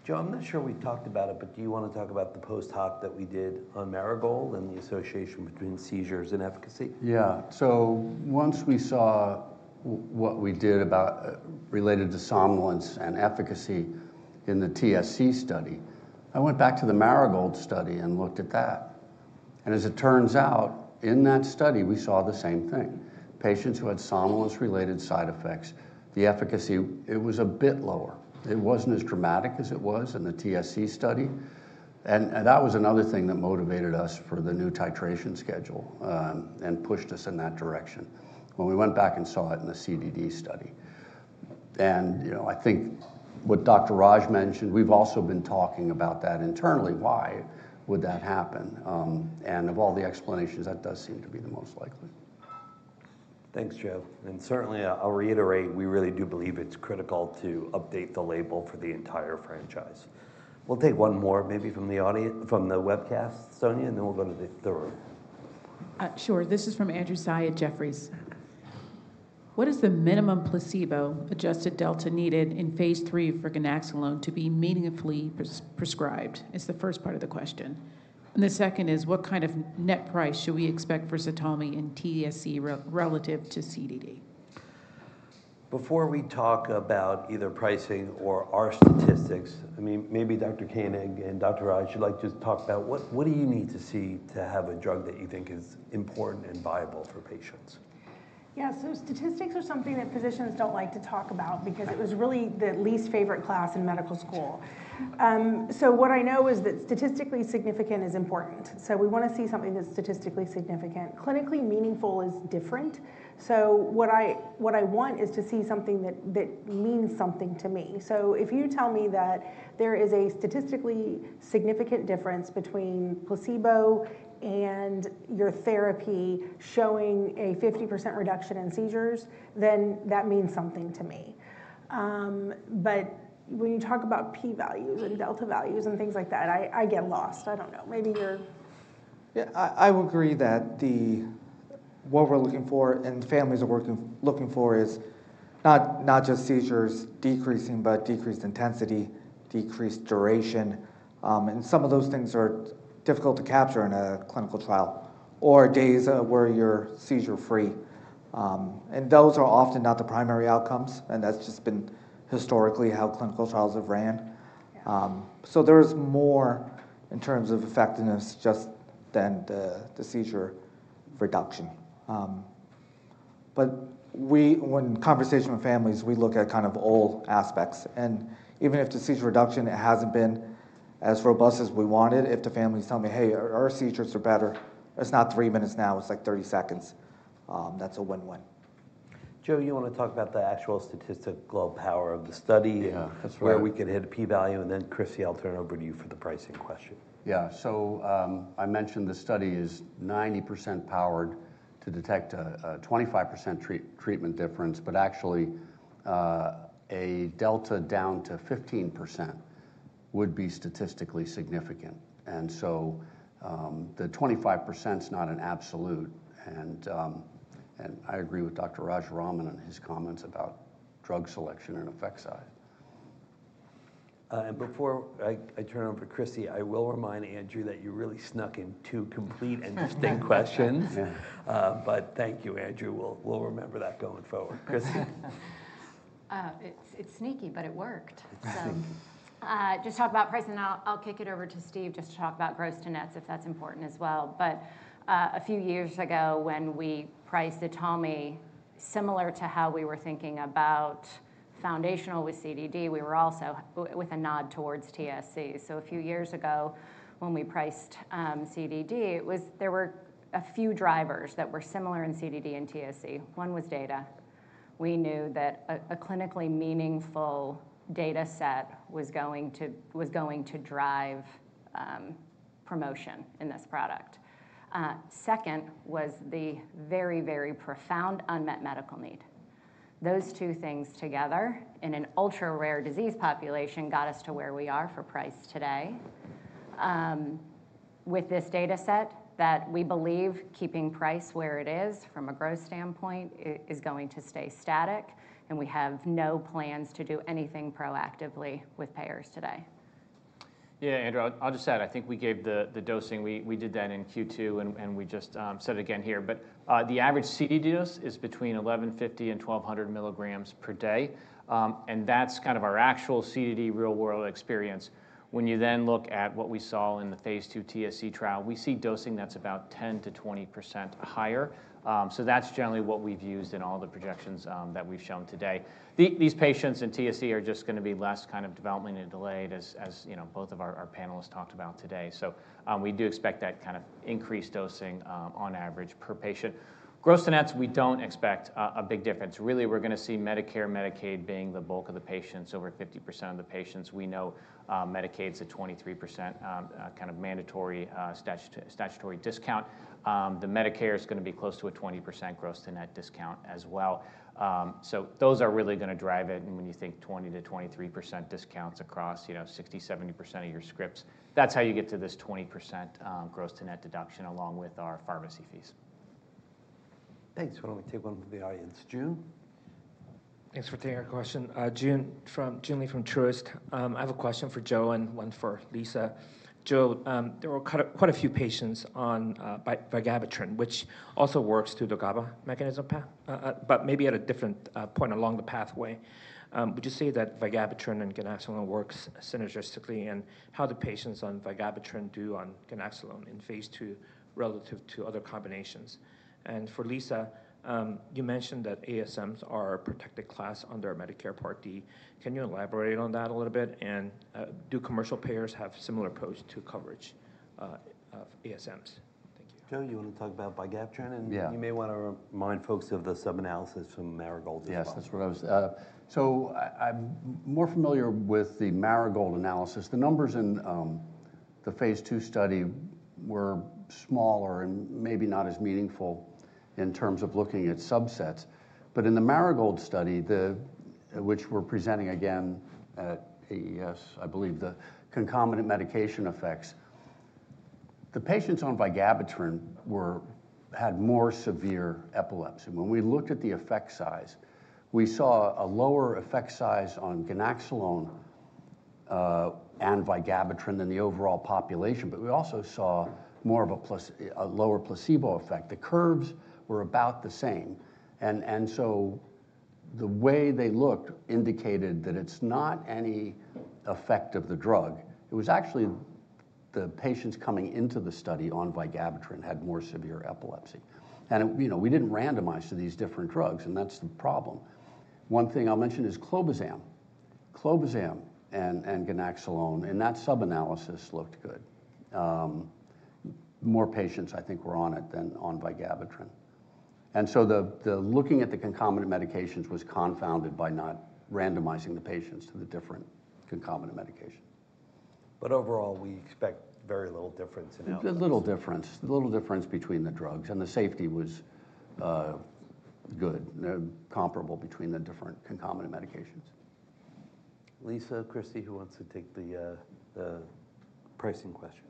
Joe, I'm not sure we've talked about it, but do you want to talk about the post hoc that we did on Marigold and the association between seizures and efficacy? Yeah. Once we saw what we did about related to somnolence and efficacy in the TSC study, I went back to the Marigold Study and looked at that. As it turns out, in that study, we saw the same thing. Patients who had somnolence-related side effects, the efficacy, it was a bit lower. It wasn't as dramatic as it was in the TSC study. That was another thing that motivated us for the new titration schedule and pushed us in that direction when we went back and saw it in the CDD study. You know, I think what Dr. Raj mentioned, we've also been talking about that internally. Why would that happen? Of all the explanations, that does seem to be the most likely. Thanks, Joe. And certainly, I'll reiterate, we really do believe it's critical to update the label for the entire franchise. We'll take one more, maybe from the webcast, Sonya, and then we'll go to the room. Sure. This is from Andrew Tsai at Jefferies. What is the minimum placebo-adjusted delta needed in Phase 3 for ganaxolone to be meaningfully prescribed? It's the first part of the question. And the second is, what kind of net price should we expect for ZTALMY in TSC relative to CDD? Before we talk about either pricing or our statistics, I mean, maybe Dr. Koenig and Dr. Raj, you'd like to talk about what do you need to see to have a drug that you think is important and viable for patients? Yeah, so statistics are something that physicians don't like to talk about because it was really the least favorite class in medical school. So what I know is that statistically significant is important. So we want to see something that's statistically significant. Clinically meaningful is different. So what I want is to see something that means something to me. So if you tell me that there is a statistically significant difference between placebo and your therapy showing a 50% reduction in seizures, then that means something to me. But when you talk about P values and delta values and things like that, I get lost. I don't know. Maybe you're- Yeah, I would agree that what we're looking for and families are looking for is not just seizures decreasing, but decreased intensity, decreased duration, and some of those things are difficult to capture in a clinical trial, or days where you're seizure-free. Those are often not the primary outcomes, and that's just been historically how clinical trials have ran. So there is more in terms of effectiveness just than the seizure reduction. But in conversation with families, we look at kind of all aspects, and even if the seizure reduction hasn't been as robust as we wanted, if the family's telling me: "Hey, our seizures are better, it's not three minutes now, it's like 30 seconds," that's a win-win. Joe, you want to talk about the actual statistical power of the study? Yeah, that's right. Where we could hit a p-value, and then, Christy, I'll turn it over to you for the pricing question. Yeah. So, I mentioned the study is 90% powered to detect a 25% treatment difference, but actually, a delta down to 15% would be statistically significant. And so, the 25% is not an absolute, and I agree with Dr. Rajaraman and his comments about drug selection and effect size. And before I turn over to Christy, I will remind Andrew that you really snuck in two complete and distinct questions. But thank you, Andrew. We'll remember that going forward. Christy? It's, it's sneaky, but it worked. It did. So, just talk about pricing. I'll kick it over to Steve just to talk about gross-to-nets, if that's important as well. But, a few years ago, when we priced ZTALMY, similar to how we were thinking about foundational with CDD, we were also with a nod towards TSC. So a few years ago, when we priced CDD, it was—there were a few drivers that were similar in CDD and TSC. One was data. We knew that a clinically meaningful data set was going to drive promotion in this product. Second was the very, very profound unmet medical need. Those two things together in an ultra-rare disease population got us to where we are for price today. With this data set that we believe keeping price where it is from a growth standpoint, is going to stay static, and we have no plans to do anything proactively with payers today. Yeah, Andrew, I'll just add, I think we gave the dosing. We did that in Q2, and we just said it again here. But the average CDD dose is between eleven fifty and twelve hundred milligrams per day, and that's kind of our actual CDD real-world experience. When you then look at what we saw in the Phase 2 TSC trial, we see dosing that's about 10% to 20% higher. So that's generally what we've used in all the projections that we've shown today. These patients in TSC are just gonna be less kind of developmentally delayed, as you know, both of our panelists talked about today. So we do expect that kind of increased dosing on average per patient. Gross-to-nets, we don't expect a big difference. Really, we're gonna see Medicare, Medicaid being the bulk of the patients, over 50% of the patients. We know, Medicaid's a 23%, kind of mandatory, statutory discount. The Medicare is gonna be close to a 20% gross-to-net discount as well. So those are really gonna drive it, and when you think 20%-23% discounts across, you know, 60%-70% of your scripts, that's how you get to this 20%, gross-to-net deduction along with our pharmacy fees. Thanks. Why don't we take one from the audience? Joon? Thanks for taking our question. Joon Lee from Truist. I have a question for Joe and one for Lisa. Joe, there were quite a few patients on vigabatrin, which also works through the GABA mechanism path, but maybe at a different point along the pathway. Would you say that vigabatrin and ganaxolone works synergistically, and how the patients on vigabatrin do on ganaxolone in Phase 2 relative to other combinations? And for Lisa, you mentioned that ASMs are a protected class under Medicare Part D. Can you elaborate on that a little bit? And, do commercial payers have similar approach to coverage of ASMs? Thank you. Joe, you want to talk about vigabatrin? Yeah. You may want to remind folks of the subanalysis from Marigold as well. Yes, that's what I was so I'm more familiar with the Marigold analysis. The numbers in the Phase 2 study were smaller and maybe not as meaningful in terms of looking at subsets. But in the Marigold Study, which we're presenting again at AES, I believe, the concomitant medication effects. The patients on vigabatrin had more severe epilepsy. When we looked at the effect size, we saw a lower effect size on ganaxolone and vigabatrin than the overall population, but we also saw more of a plus, a lower placebo effect. The curves were about the same. And so the way they looked indicated that it's not any effect of the drug. It was actually the patients coming into the study on vigabatrin had more severe epilepsy. You know, we didn't randomize to these different drugs, and that's the problem. One thing I'll mention is clobazam. Clobazam and ganaxolone, and that subanalysis looked good. More patients, I think, were on it than on vigabatrin. And so the looking at the concomitant medications was confounded by not randomizing the patients to the different concomitant medication. But overall, we expect very little difference in outcomes. A little difference between the drugs, and the safety was good, comparable between the different concomitant medications. Lisa, Christy, who wants to take the pricing question?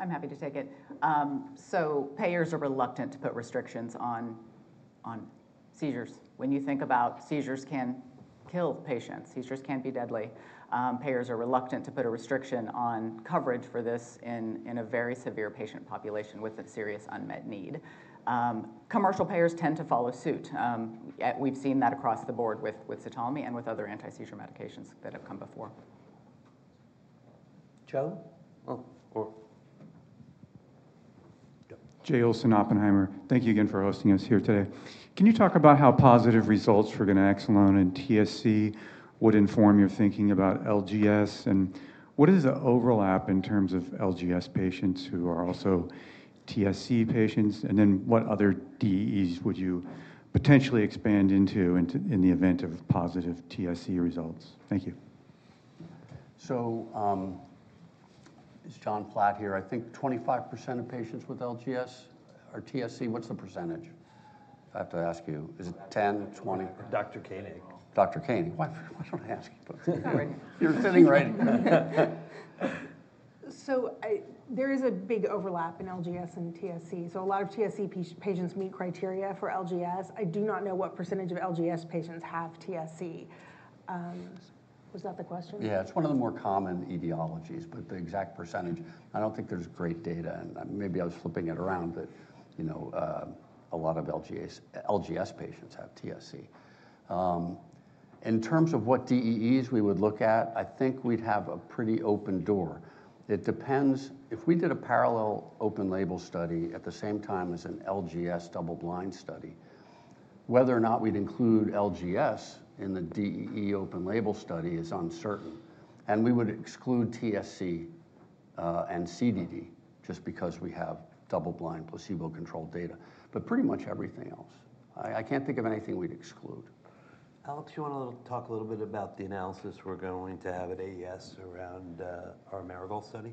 I'm happy to take it. So payers are reluctant to put restrictions on seizures. When you think about seizures can kill patients. Seizures can be deadly. Payers are reluctant to put a restriction on coverage for this in a very severe patient population with a serious unmet need. Commercial payers tend to follow suit. We've seen that across the board with ZTALMY and with other anti-seizure medications that have come before. Joe? Oh, or. Jay Olson, Oppenheimer. Thank you again for hosting us here today. Can you talk about how positive results for ganaxolone and TSC would inform your thinking about LGS? And what is the overlap in terms of LGS patients who are also TSC patients? And then what other DEEs would you potentially expand into, in the event of positive TSC results? Thank you. Is John Platt here? I think 25% of patients with LGS or TSC, what's the percentage? I have to ask you, is it 10, 20? Dr. Koenig. Dr. Koenig, why, why don't I ask you? Sorry. You're sitting right here. There is a big overlap in LGS and TSC, so a lot of TSC patients meet criteria for LGS. I do not know what percentage of LGS patients have TSC. Was that the question? Yeah, it's one of the more common etiologies, but the exact percentage, I don't think there's great data, and maybe I was flipping it around, but, you know, a lot of LGS patients have TSC. In terms of what DEEs we would look at, I think we'd have a pretty open door. It depends. If we did a parallel open-label study at the same time as an LGS double-blind study, whether or not we'd include LGS in the DEE open-label study is uncertain, and we would exclude TSC and CDD, just because we have double-blind, placebo-controlled data. But pretty much everything else. I can't think of anything we'd exclude. Alex, you want to talk a little bit about the analysis we're going to have at AES around our Marigold Study?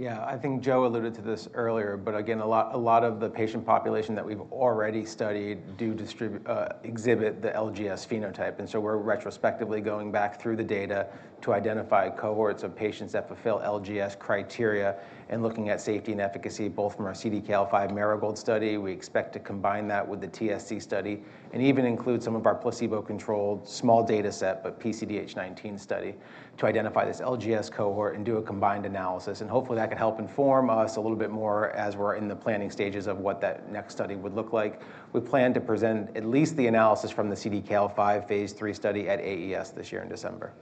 Yeah, I think Joe alluded to this earlier, but again, a lot of the patient population that we've already studied exhibit the LGS phenotype. And so we're retrospectively going back through the data to identify cohorts of patients that fulfill LGS criteria and looking at safety and efficacy, both from our CDKL5 Marigold Study. We expect to combine that with the TSC study and even include some of our placebo-controlled small data set, but PCDH19 study, to identify this LGS cohort and do a combined analysis. And hopefully, that can help inform us a little bit more as we're in the planning stages of what that next study would look like. We plan to present at least the analysis from the CDKL5 Phase 3 study at AES this year in December.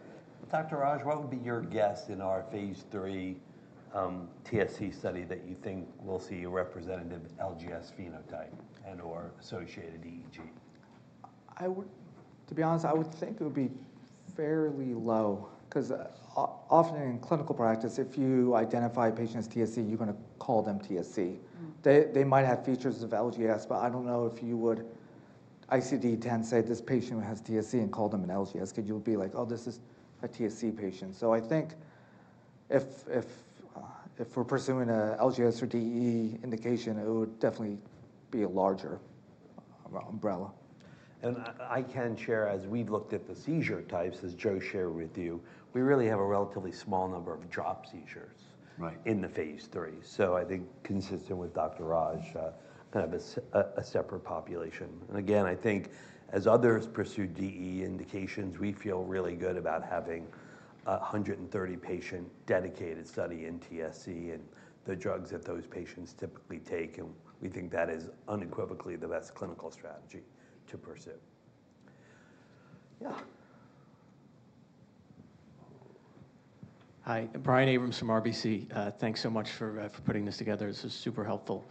Dr. Raj, what would be your guess in our Phase 3, TSC study that you think we'll see a representative LGS phenotype and/or associated EEG? I would. To be honest, I would think it would be fairly low, 'cause often in clinical practice, if you identify a patient as TSC, you're gonna call them TSC. Mm. They might have features of LGS, but I don't know if you would ICD-10 say this patient has TSC and call them an LGS, 'cause you'll be like, "Oh, this is a TSC patient." So I think if we're pursuing a LGS or DEE indication, it would definitely be a larger umbrella. I can share, as we've looked at the seizure types, as Joe shared with you, we really have a relatively small number of drop seizures- Right In the Phase 3, so I think consistent with Dr. Raj, kind of a separate population. And again, I think as others pursue DEE indications, we feel really good about having a 130-patient dedicated study in TSC and the drugs that those patients typically take, and we think that is unequivocally the best clinical strategy to pursue. Yeah. Hi, Brian Abrahams from RBC. Thanks so much for putting this together. This is super helpful.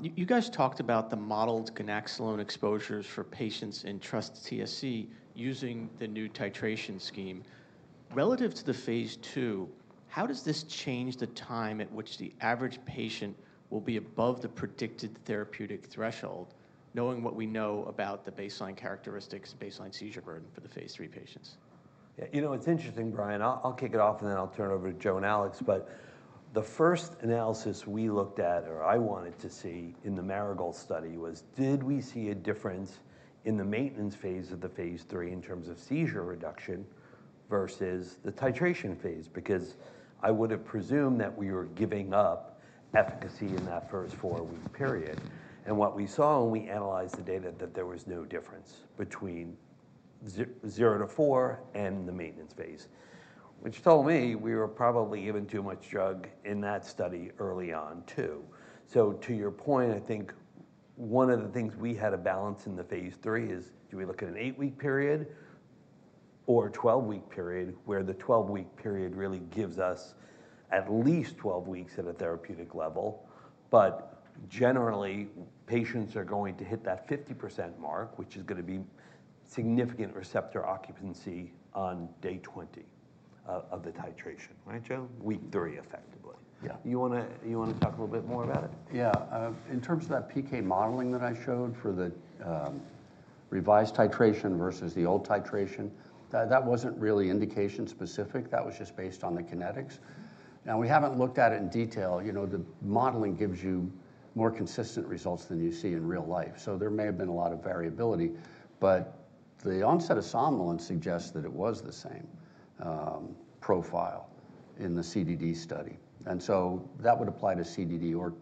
You guys talked about the modeled ganaxolone exposures for patients in TrustTSC using the new titration scheme. Relative to the Phase 2, how does this change the time at which the average patient will be above the predicted therapeutic threshold, knowing what we know about the baseline characteristics, baseline seizure burden for the Phase 3 patients? Yeah, you know, it's interesting, Brian. I'll kick it off, and then I'll turn it over to Joe and Alex. But the first analysis we looked at, or I wanted to see in the Marigold Study, was: Did we see a difference in the maintenance phase of the Phase 3 in terms of seizure reduction versus the titration phase? Because I would have presumed that we were giving up efficacy in that first four-week period. And what we saw when we analyzed the data, that there was no difference between zero to four and the maintenance phase, which told me we were probably giving too much drug in that study early on, too. To your point, I think one of the things we had to balance in the Phase 3 is, do we look at an eight-week period or a twelve-week period, where the twelve-week period really gives us at least twelve weeks at a therapeutic level. But generally, patients are going to hit that 50% mark, which is going to be significant receptor occupancy, on day 20 of the titration. Right, Joe? Week three, effectively. Yeah. You want to talk a little bit more about it? Yeah. In terms of that PK modeling that I showed for the revised titration versus the old titration, that wasn't really indication-specific. That was just based on the kinetics. Now, we haven't looked at it in detail. You know, the modeling gives you more consistent results than you see in real life, so there may have been a lot of variability. But the onset of somnolence suggests that it was the same profile in the CDD study, and so that would apply to CDD or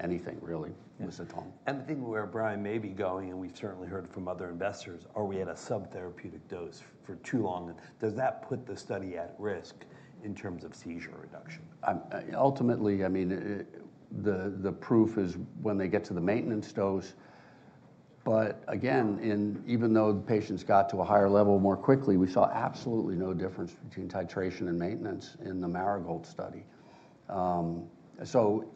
anything, really, with ZTALMY. The thing where Brian may be going, and we've certainly heard from other investors: Are we at a subtherapeutic dose for too long, and does that put the study at risk in terms of seizure reduction? Ultimately, I mean, the proof is when they get to the maintenance dose. But again, even though the patients got to a higher level more quickly, we saw absolutely no difference between titration and maintenance in the Marigold Study. So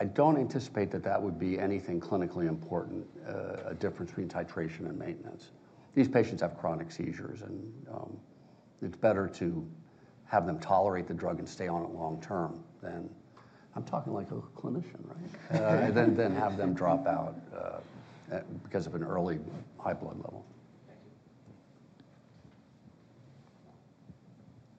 I don't anticipate that that would be anything clinically important, a difference between titration and maintenance. These patients have chronic seizures, and it's better to have them tolerate the drug and stay on it long term than... I'm talking like a clinician, right? Than have them drop out because of an early high blood level.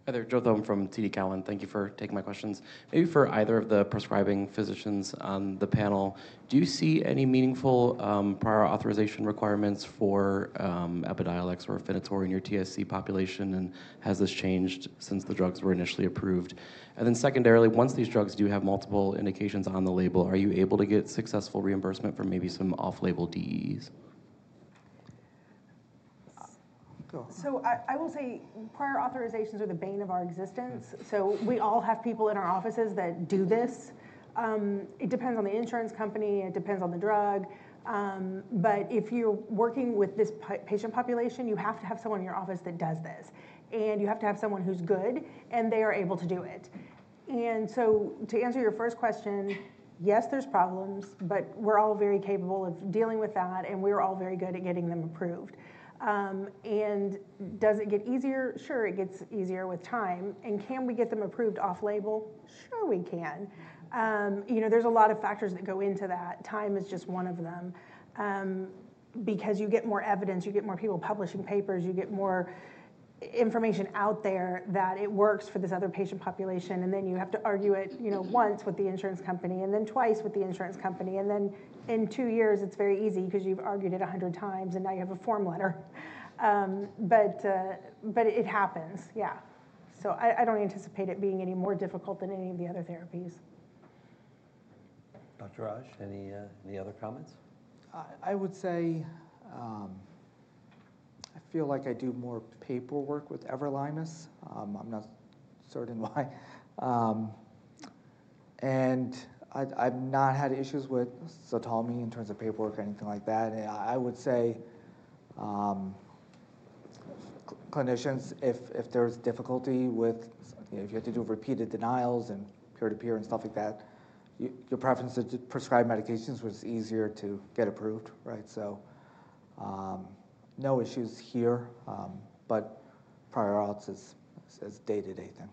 Thank you. Hi there, Joe Thome from TD Cowen. Thank you for taking my questions. Maybe for either of the prescribing physicians on the panel, do you see any meaningful prior authorization requirements for Epidiolex or Afinitor in your TSC population? And has this changed since the drugs were initially approved? And then secondarily, once these drugs do have multiple indications on the label, are you able to get successful reimbursement for maybe some off-label DEEs? Go. I will say prior authorizations are the bane of our existence, so we all have people in our offices that do this. It depends on the insurance company. It depends on the drug. But if you're working with this patient population, you have to have someone in your office that does this, and you have to have someone who's good, and they are able to do it. To answer your first question, yes, there's problems, but we're all very capable of dealing with that, and we're all very good at getting them approved. Does it get easier? Sure, it gets easier with time. Can we get them approved off-label? Sure, we can. You know, there's a lot of factors that go into that. Time is just one of them, because you get more evidence, you get more people publishing papers, you get more information out there that it works for this other patient population, and then you have to argue it, you know, once with the insurance company and then twice with the insurance company, and then in two years, it's very easy because you've argued it a hundred times, and now you have a form letter, but it happens. Yeah, so I don't anticipate it being any more difficult than any of the other therapies. Dr. Raj, any other comments? I would say, I feel like I do more paperwork with everolimus. I'm not certain why. I've not had issues with sirolimus in terms of paperwork or anything like that. I would say, clinicians, if there's difficulty with... If you had to do repeated denials and peer-to-peer and stuff like that, your preference is to prescribe medications, which is easier to get approved, right? So, no issues here, but prior auth is day-to-day thing.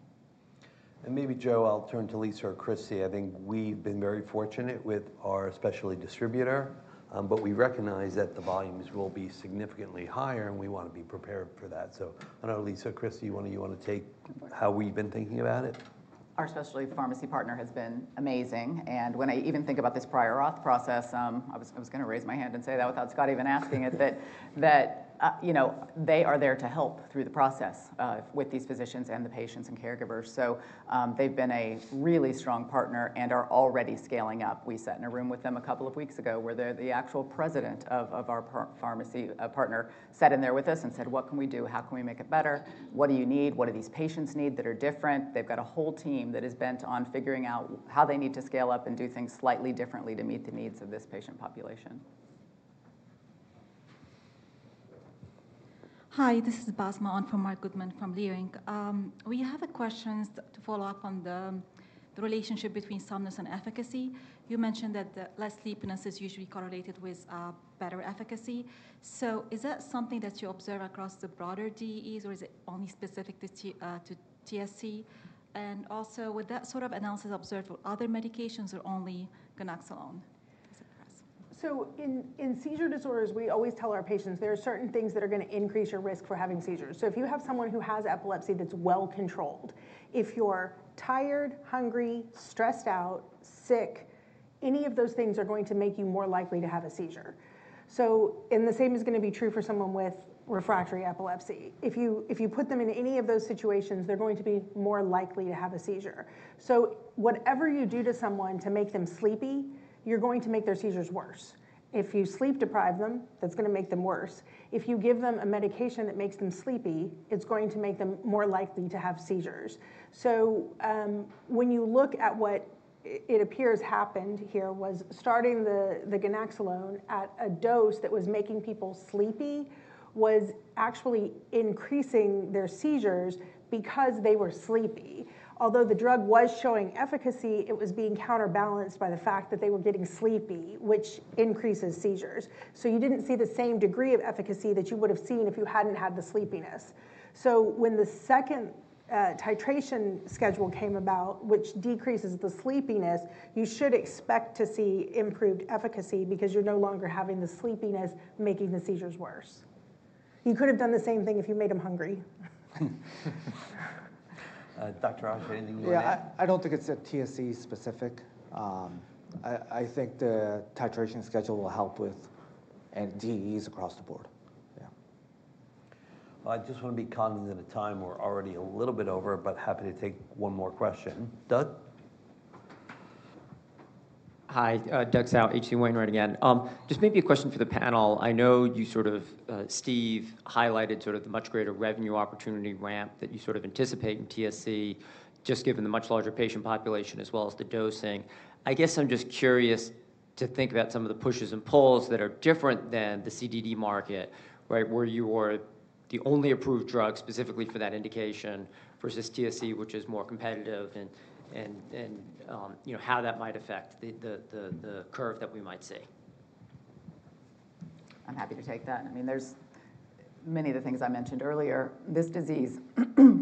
And maybe, Joe, I'll turn to Lisa or Christy. I think we've been very fortunate with our specialty distributor, but we recognize that the volumes will be significantly higher, and we want to be prepared for that. So I know, Lisa or Christy, one of you want to take how we've been thinking about it? Our specialty pharmacy partner has been amazing, and when I even think about this prior auth process, I was going to raise my hand and say that without Scott even asking it. That, you know, they are there to help through the process with these physicians and the patients and caregivers. So, they've been a really strong partner and are already scaling up. We sat in a room with them a couple of weeks ago, where the actual president of our pharmacy partner sat in there with us and said: "What can we do? How can we make it better? What do you need? What do these patients need that are different?" They've got a whole team that is bent on figuring out how they need to scale up and do things slightly differently to meet the needs of this patient population. Yeah. Hi, this is Basma Radwan from Leerink. We have a question to follow up on the relationship between somnolence and efficacy. You mentioned that the less sleepiness is usually correlated with better efficacy. So is that something that you observe across the broader DEEs, or is it only specific to TSC? And also, would that sort of analysis observed for other medications or only ganaxolone? So in seizure disorders, we always tell our patients there are certain things that are gonna increase your risk for having seizures. So if you have someone who has epilepsy that's well controlled, if you're tired, hungry, stressed out, sick, any of those things are going to make you more likely to have a seizure. So and the same is gonna be true for someone with refractory epilepsy. If you put them in any of those situations, they're going to be more likely to have a seizure. So whatever you do to someone to make them sleepy, you're going to make their seizures worse. If you sleep deprive them, that's gonna make them worse. If you give them a medication that makes them sleepy, it's going to make them more likely to have seizures. So, when you look at what it appears happened here was starting the ganaxolone at a dose that was making people sleepy, was actually increasing their seizures because they were sleepy. Although the drug was showing efficacy, it was being counterbalanced by the fact that they were getting sleepy, which increases seizures. So you didn't see the same degree of efficacy that you would have seen if you hadn't had the sleepiness. So when the second titration schedule came about, which decreases the sleepiness, you should expect to see improved efficacy because you're no longer having the sleepiness, making the seizures worse. You could have done the same thing if you made them hungry. Dr. Raj, anything you want to add? Yeah, I don't think it's a TSC specific. I think the titration schedule will help with and DEEs across the board. Yeah. I just want to be cognizant of time. We're already a little bit over, but happy to take one more question. Doug? Hi, Douglas Tsao, H.C. Wainwright again. Just maybe a question for the panel. I know you sort of, Steve, highlighted sort of the much greater revenue opportunity ramp that you sort of anticipate in TSC, just given the much larger patient population as well as the dosing. I guess I'm just curious to think about some of the pushes and pulls that are different than the CDD market, right? Where you were the only approved drug specifically for that indication versus TSC, which is more competitive and, you know, how that might affect the curve that we might see. I'm happy to take that. I mean, there's many of the things I mentioned earlier. This disease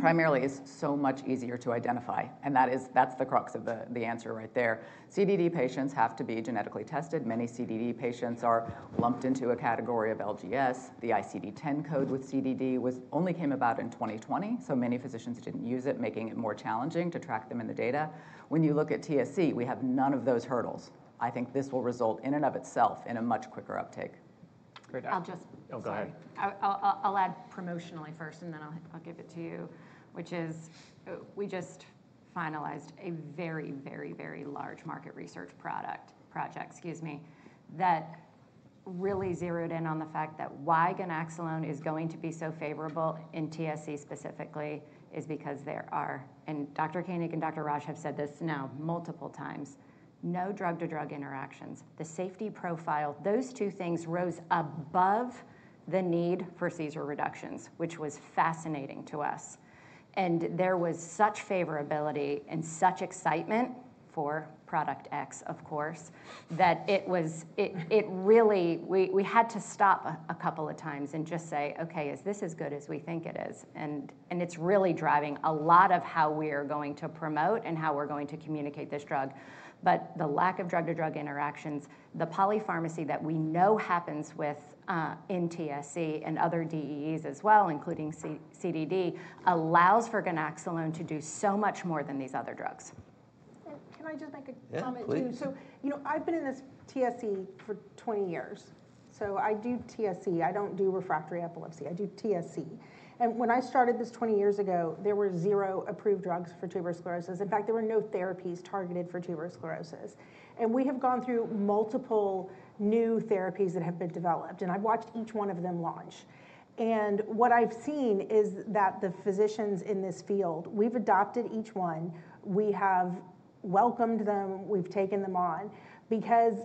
primarily is so much easier to identify, and that is, that's the crux of the, the answer right there. CDD patients have to be genetically tested. Many CDD patients are lumped into a category of LGS. The ICD-10 code with CDD was only came about in 2020, so many physicians didn't use it, making it more challenging to track them in the data. When you look at TSC, we have none of those hurdles. I think this will result in and of itself in a much quicker uptake. Great. I'll just- Oh, go ahead. Sorry. I'll add promotionally first, and then I'll give it to you, which is, we just finalized a very, very, very large market research project, excuse me, that really zeroed in on the fact that why ganaxolone is going to be so favorable in TSC specifically, is because there are, and Dr. Koenig and Dr. Raj have said this now multiple times, no drug-to-drug interactions, the safety profile, those two things rose above the need for seizure reductions, which was fascinating to us. And there was such favorability and such excitement for product X, of course, that it was really. We had to stop a couple of times and just say, "Okay, is this as good as we think it is?" And it's really driving a lot of how we are going to promote and how we're going to communicate this drug. But the lack of drug-to-drug interactions, the polypharmacy that we know happens with in TSC and other DEEs as well, including CDD, allows for ganaxolone to do so much more than these other drugs. Can I just make a comment, too? Yeah, please. So, you know, I've been in this TSC for 20 years, so I do TSC. I don't do refractory epilepsy, I do TSC. And when I started this 20 years ago, there were zero approved drugs for tuberous sclerosis. In fact, there were no therapies targeted for tuberous sclerosis. And we have gone through multiple new therapies that have been developed, and I've watched each one of them launch. And what I've seen is that the physicians in this field, we've adopted each one. We have welcomed them, we've taken them on because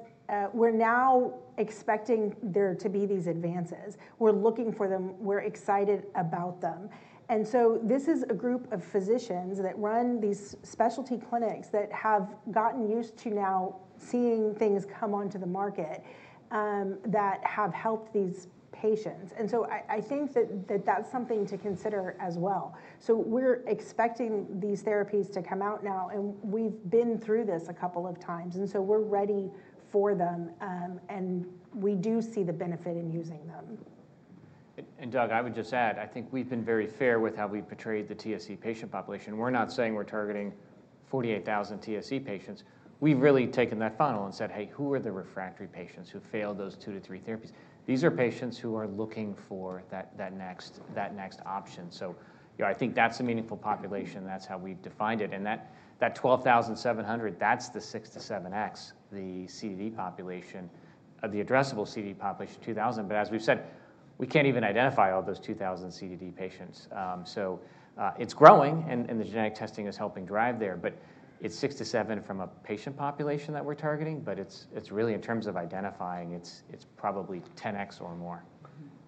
we're now expecting there to be these advances. We're looking for them, we're excited about them. And so this is a group of physicians that run these specialty clinics that have gotten used to now seeing things come onto the market, that have helped these patients. And so I think that that's something to consider as well. So we're expecting these therapies to come out now, and we've been through this a couple of times, and so we're ready for them, and we do see the benefit in using them. And, Doug, I would just add, I think we've been very fair with how we've portrayed the TSC patient population. We're not saying we're targeting 48,000 TSC patients. We've really taken that funnel and said: Hey, who are the refractory patients who failed those 2 to 3 therapies? These are patients who are looking for that next option. So, you know, I think that's a meaningful population. That's how we've defined it. And that 12,700, that's the 6-7X the CDD population, of the addressable CDD population, 2,000. But as we've said, we can't even identify all those 2,000 CDD patients. So, it's growing and the genetic testing is helping drive there, but it's six to seven from a patient population that we're targeting, but it's really in terms of identifying. It's probably ten X or more.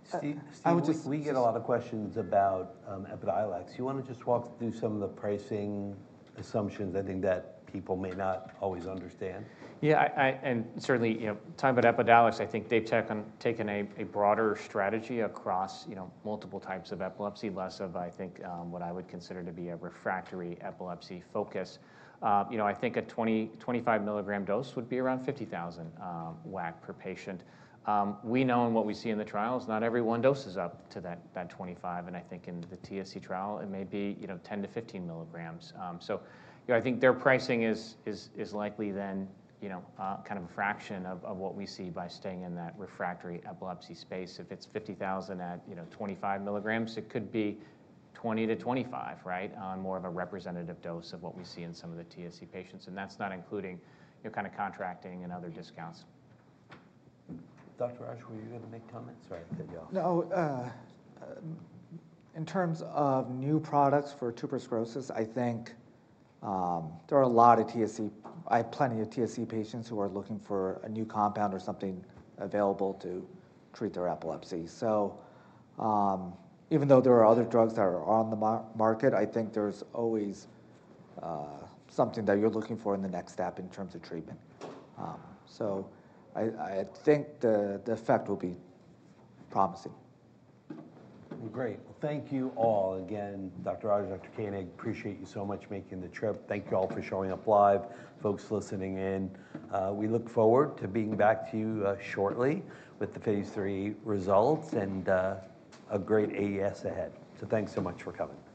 Steve, Steve, we get a lot of questions about Epidiolex. You want to just walk through some of the pricing assumptions, anything that people may not always understand? Yeah, and certainly, you know, talking about Epidiolex, I think they've taken a broader strategy across, you know, multiple types of epilepsy, less of, I think, what I would consider to be a refractory epilepsy focus. You know, I think a 25 milligram dose would be around $50,000 WAC per patient. We know in what we see in the trials, not everyone doses up to that 25, and I think in the TSC trial, it may be, you know, ten to fifteen milligrams. So, you know, I think their pricing is likely then, you know, kind of a fraction of what we see by staying in that refractory epilepsy space. If it's $50,000 at, you know, 25 milligrams, it could be $20,000-$25,000, right? On more of a representative dose of what we see in some of the TSC patients, and that's not including, you know, kind of contracting and other discounts. Dr. Raj, were you gonna make comments? Right, yeah. No, in terms of new products for tuberous sclerosis, I think, there are a lot of TSC patients who are looking for a new compound or something available to treat their epilepsy. So, even though there are other drugs that are on the market, I think there's always, something that you're looking for in the next step in terms of treatment. So I think the effect will be promising. Great. Thank you all again, Dr. Raj, Dr. Koenig. Appreciate you so much making the trip. Thank you all for showing up live, folks listening in. We look forward to being back to you shortly with the Phase 3 results and a great AES ahead. So thanks so much for coming.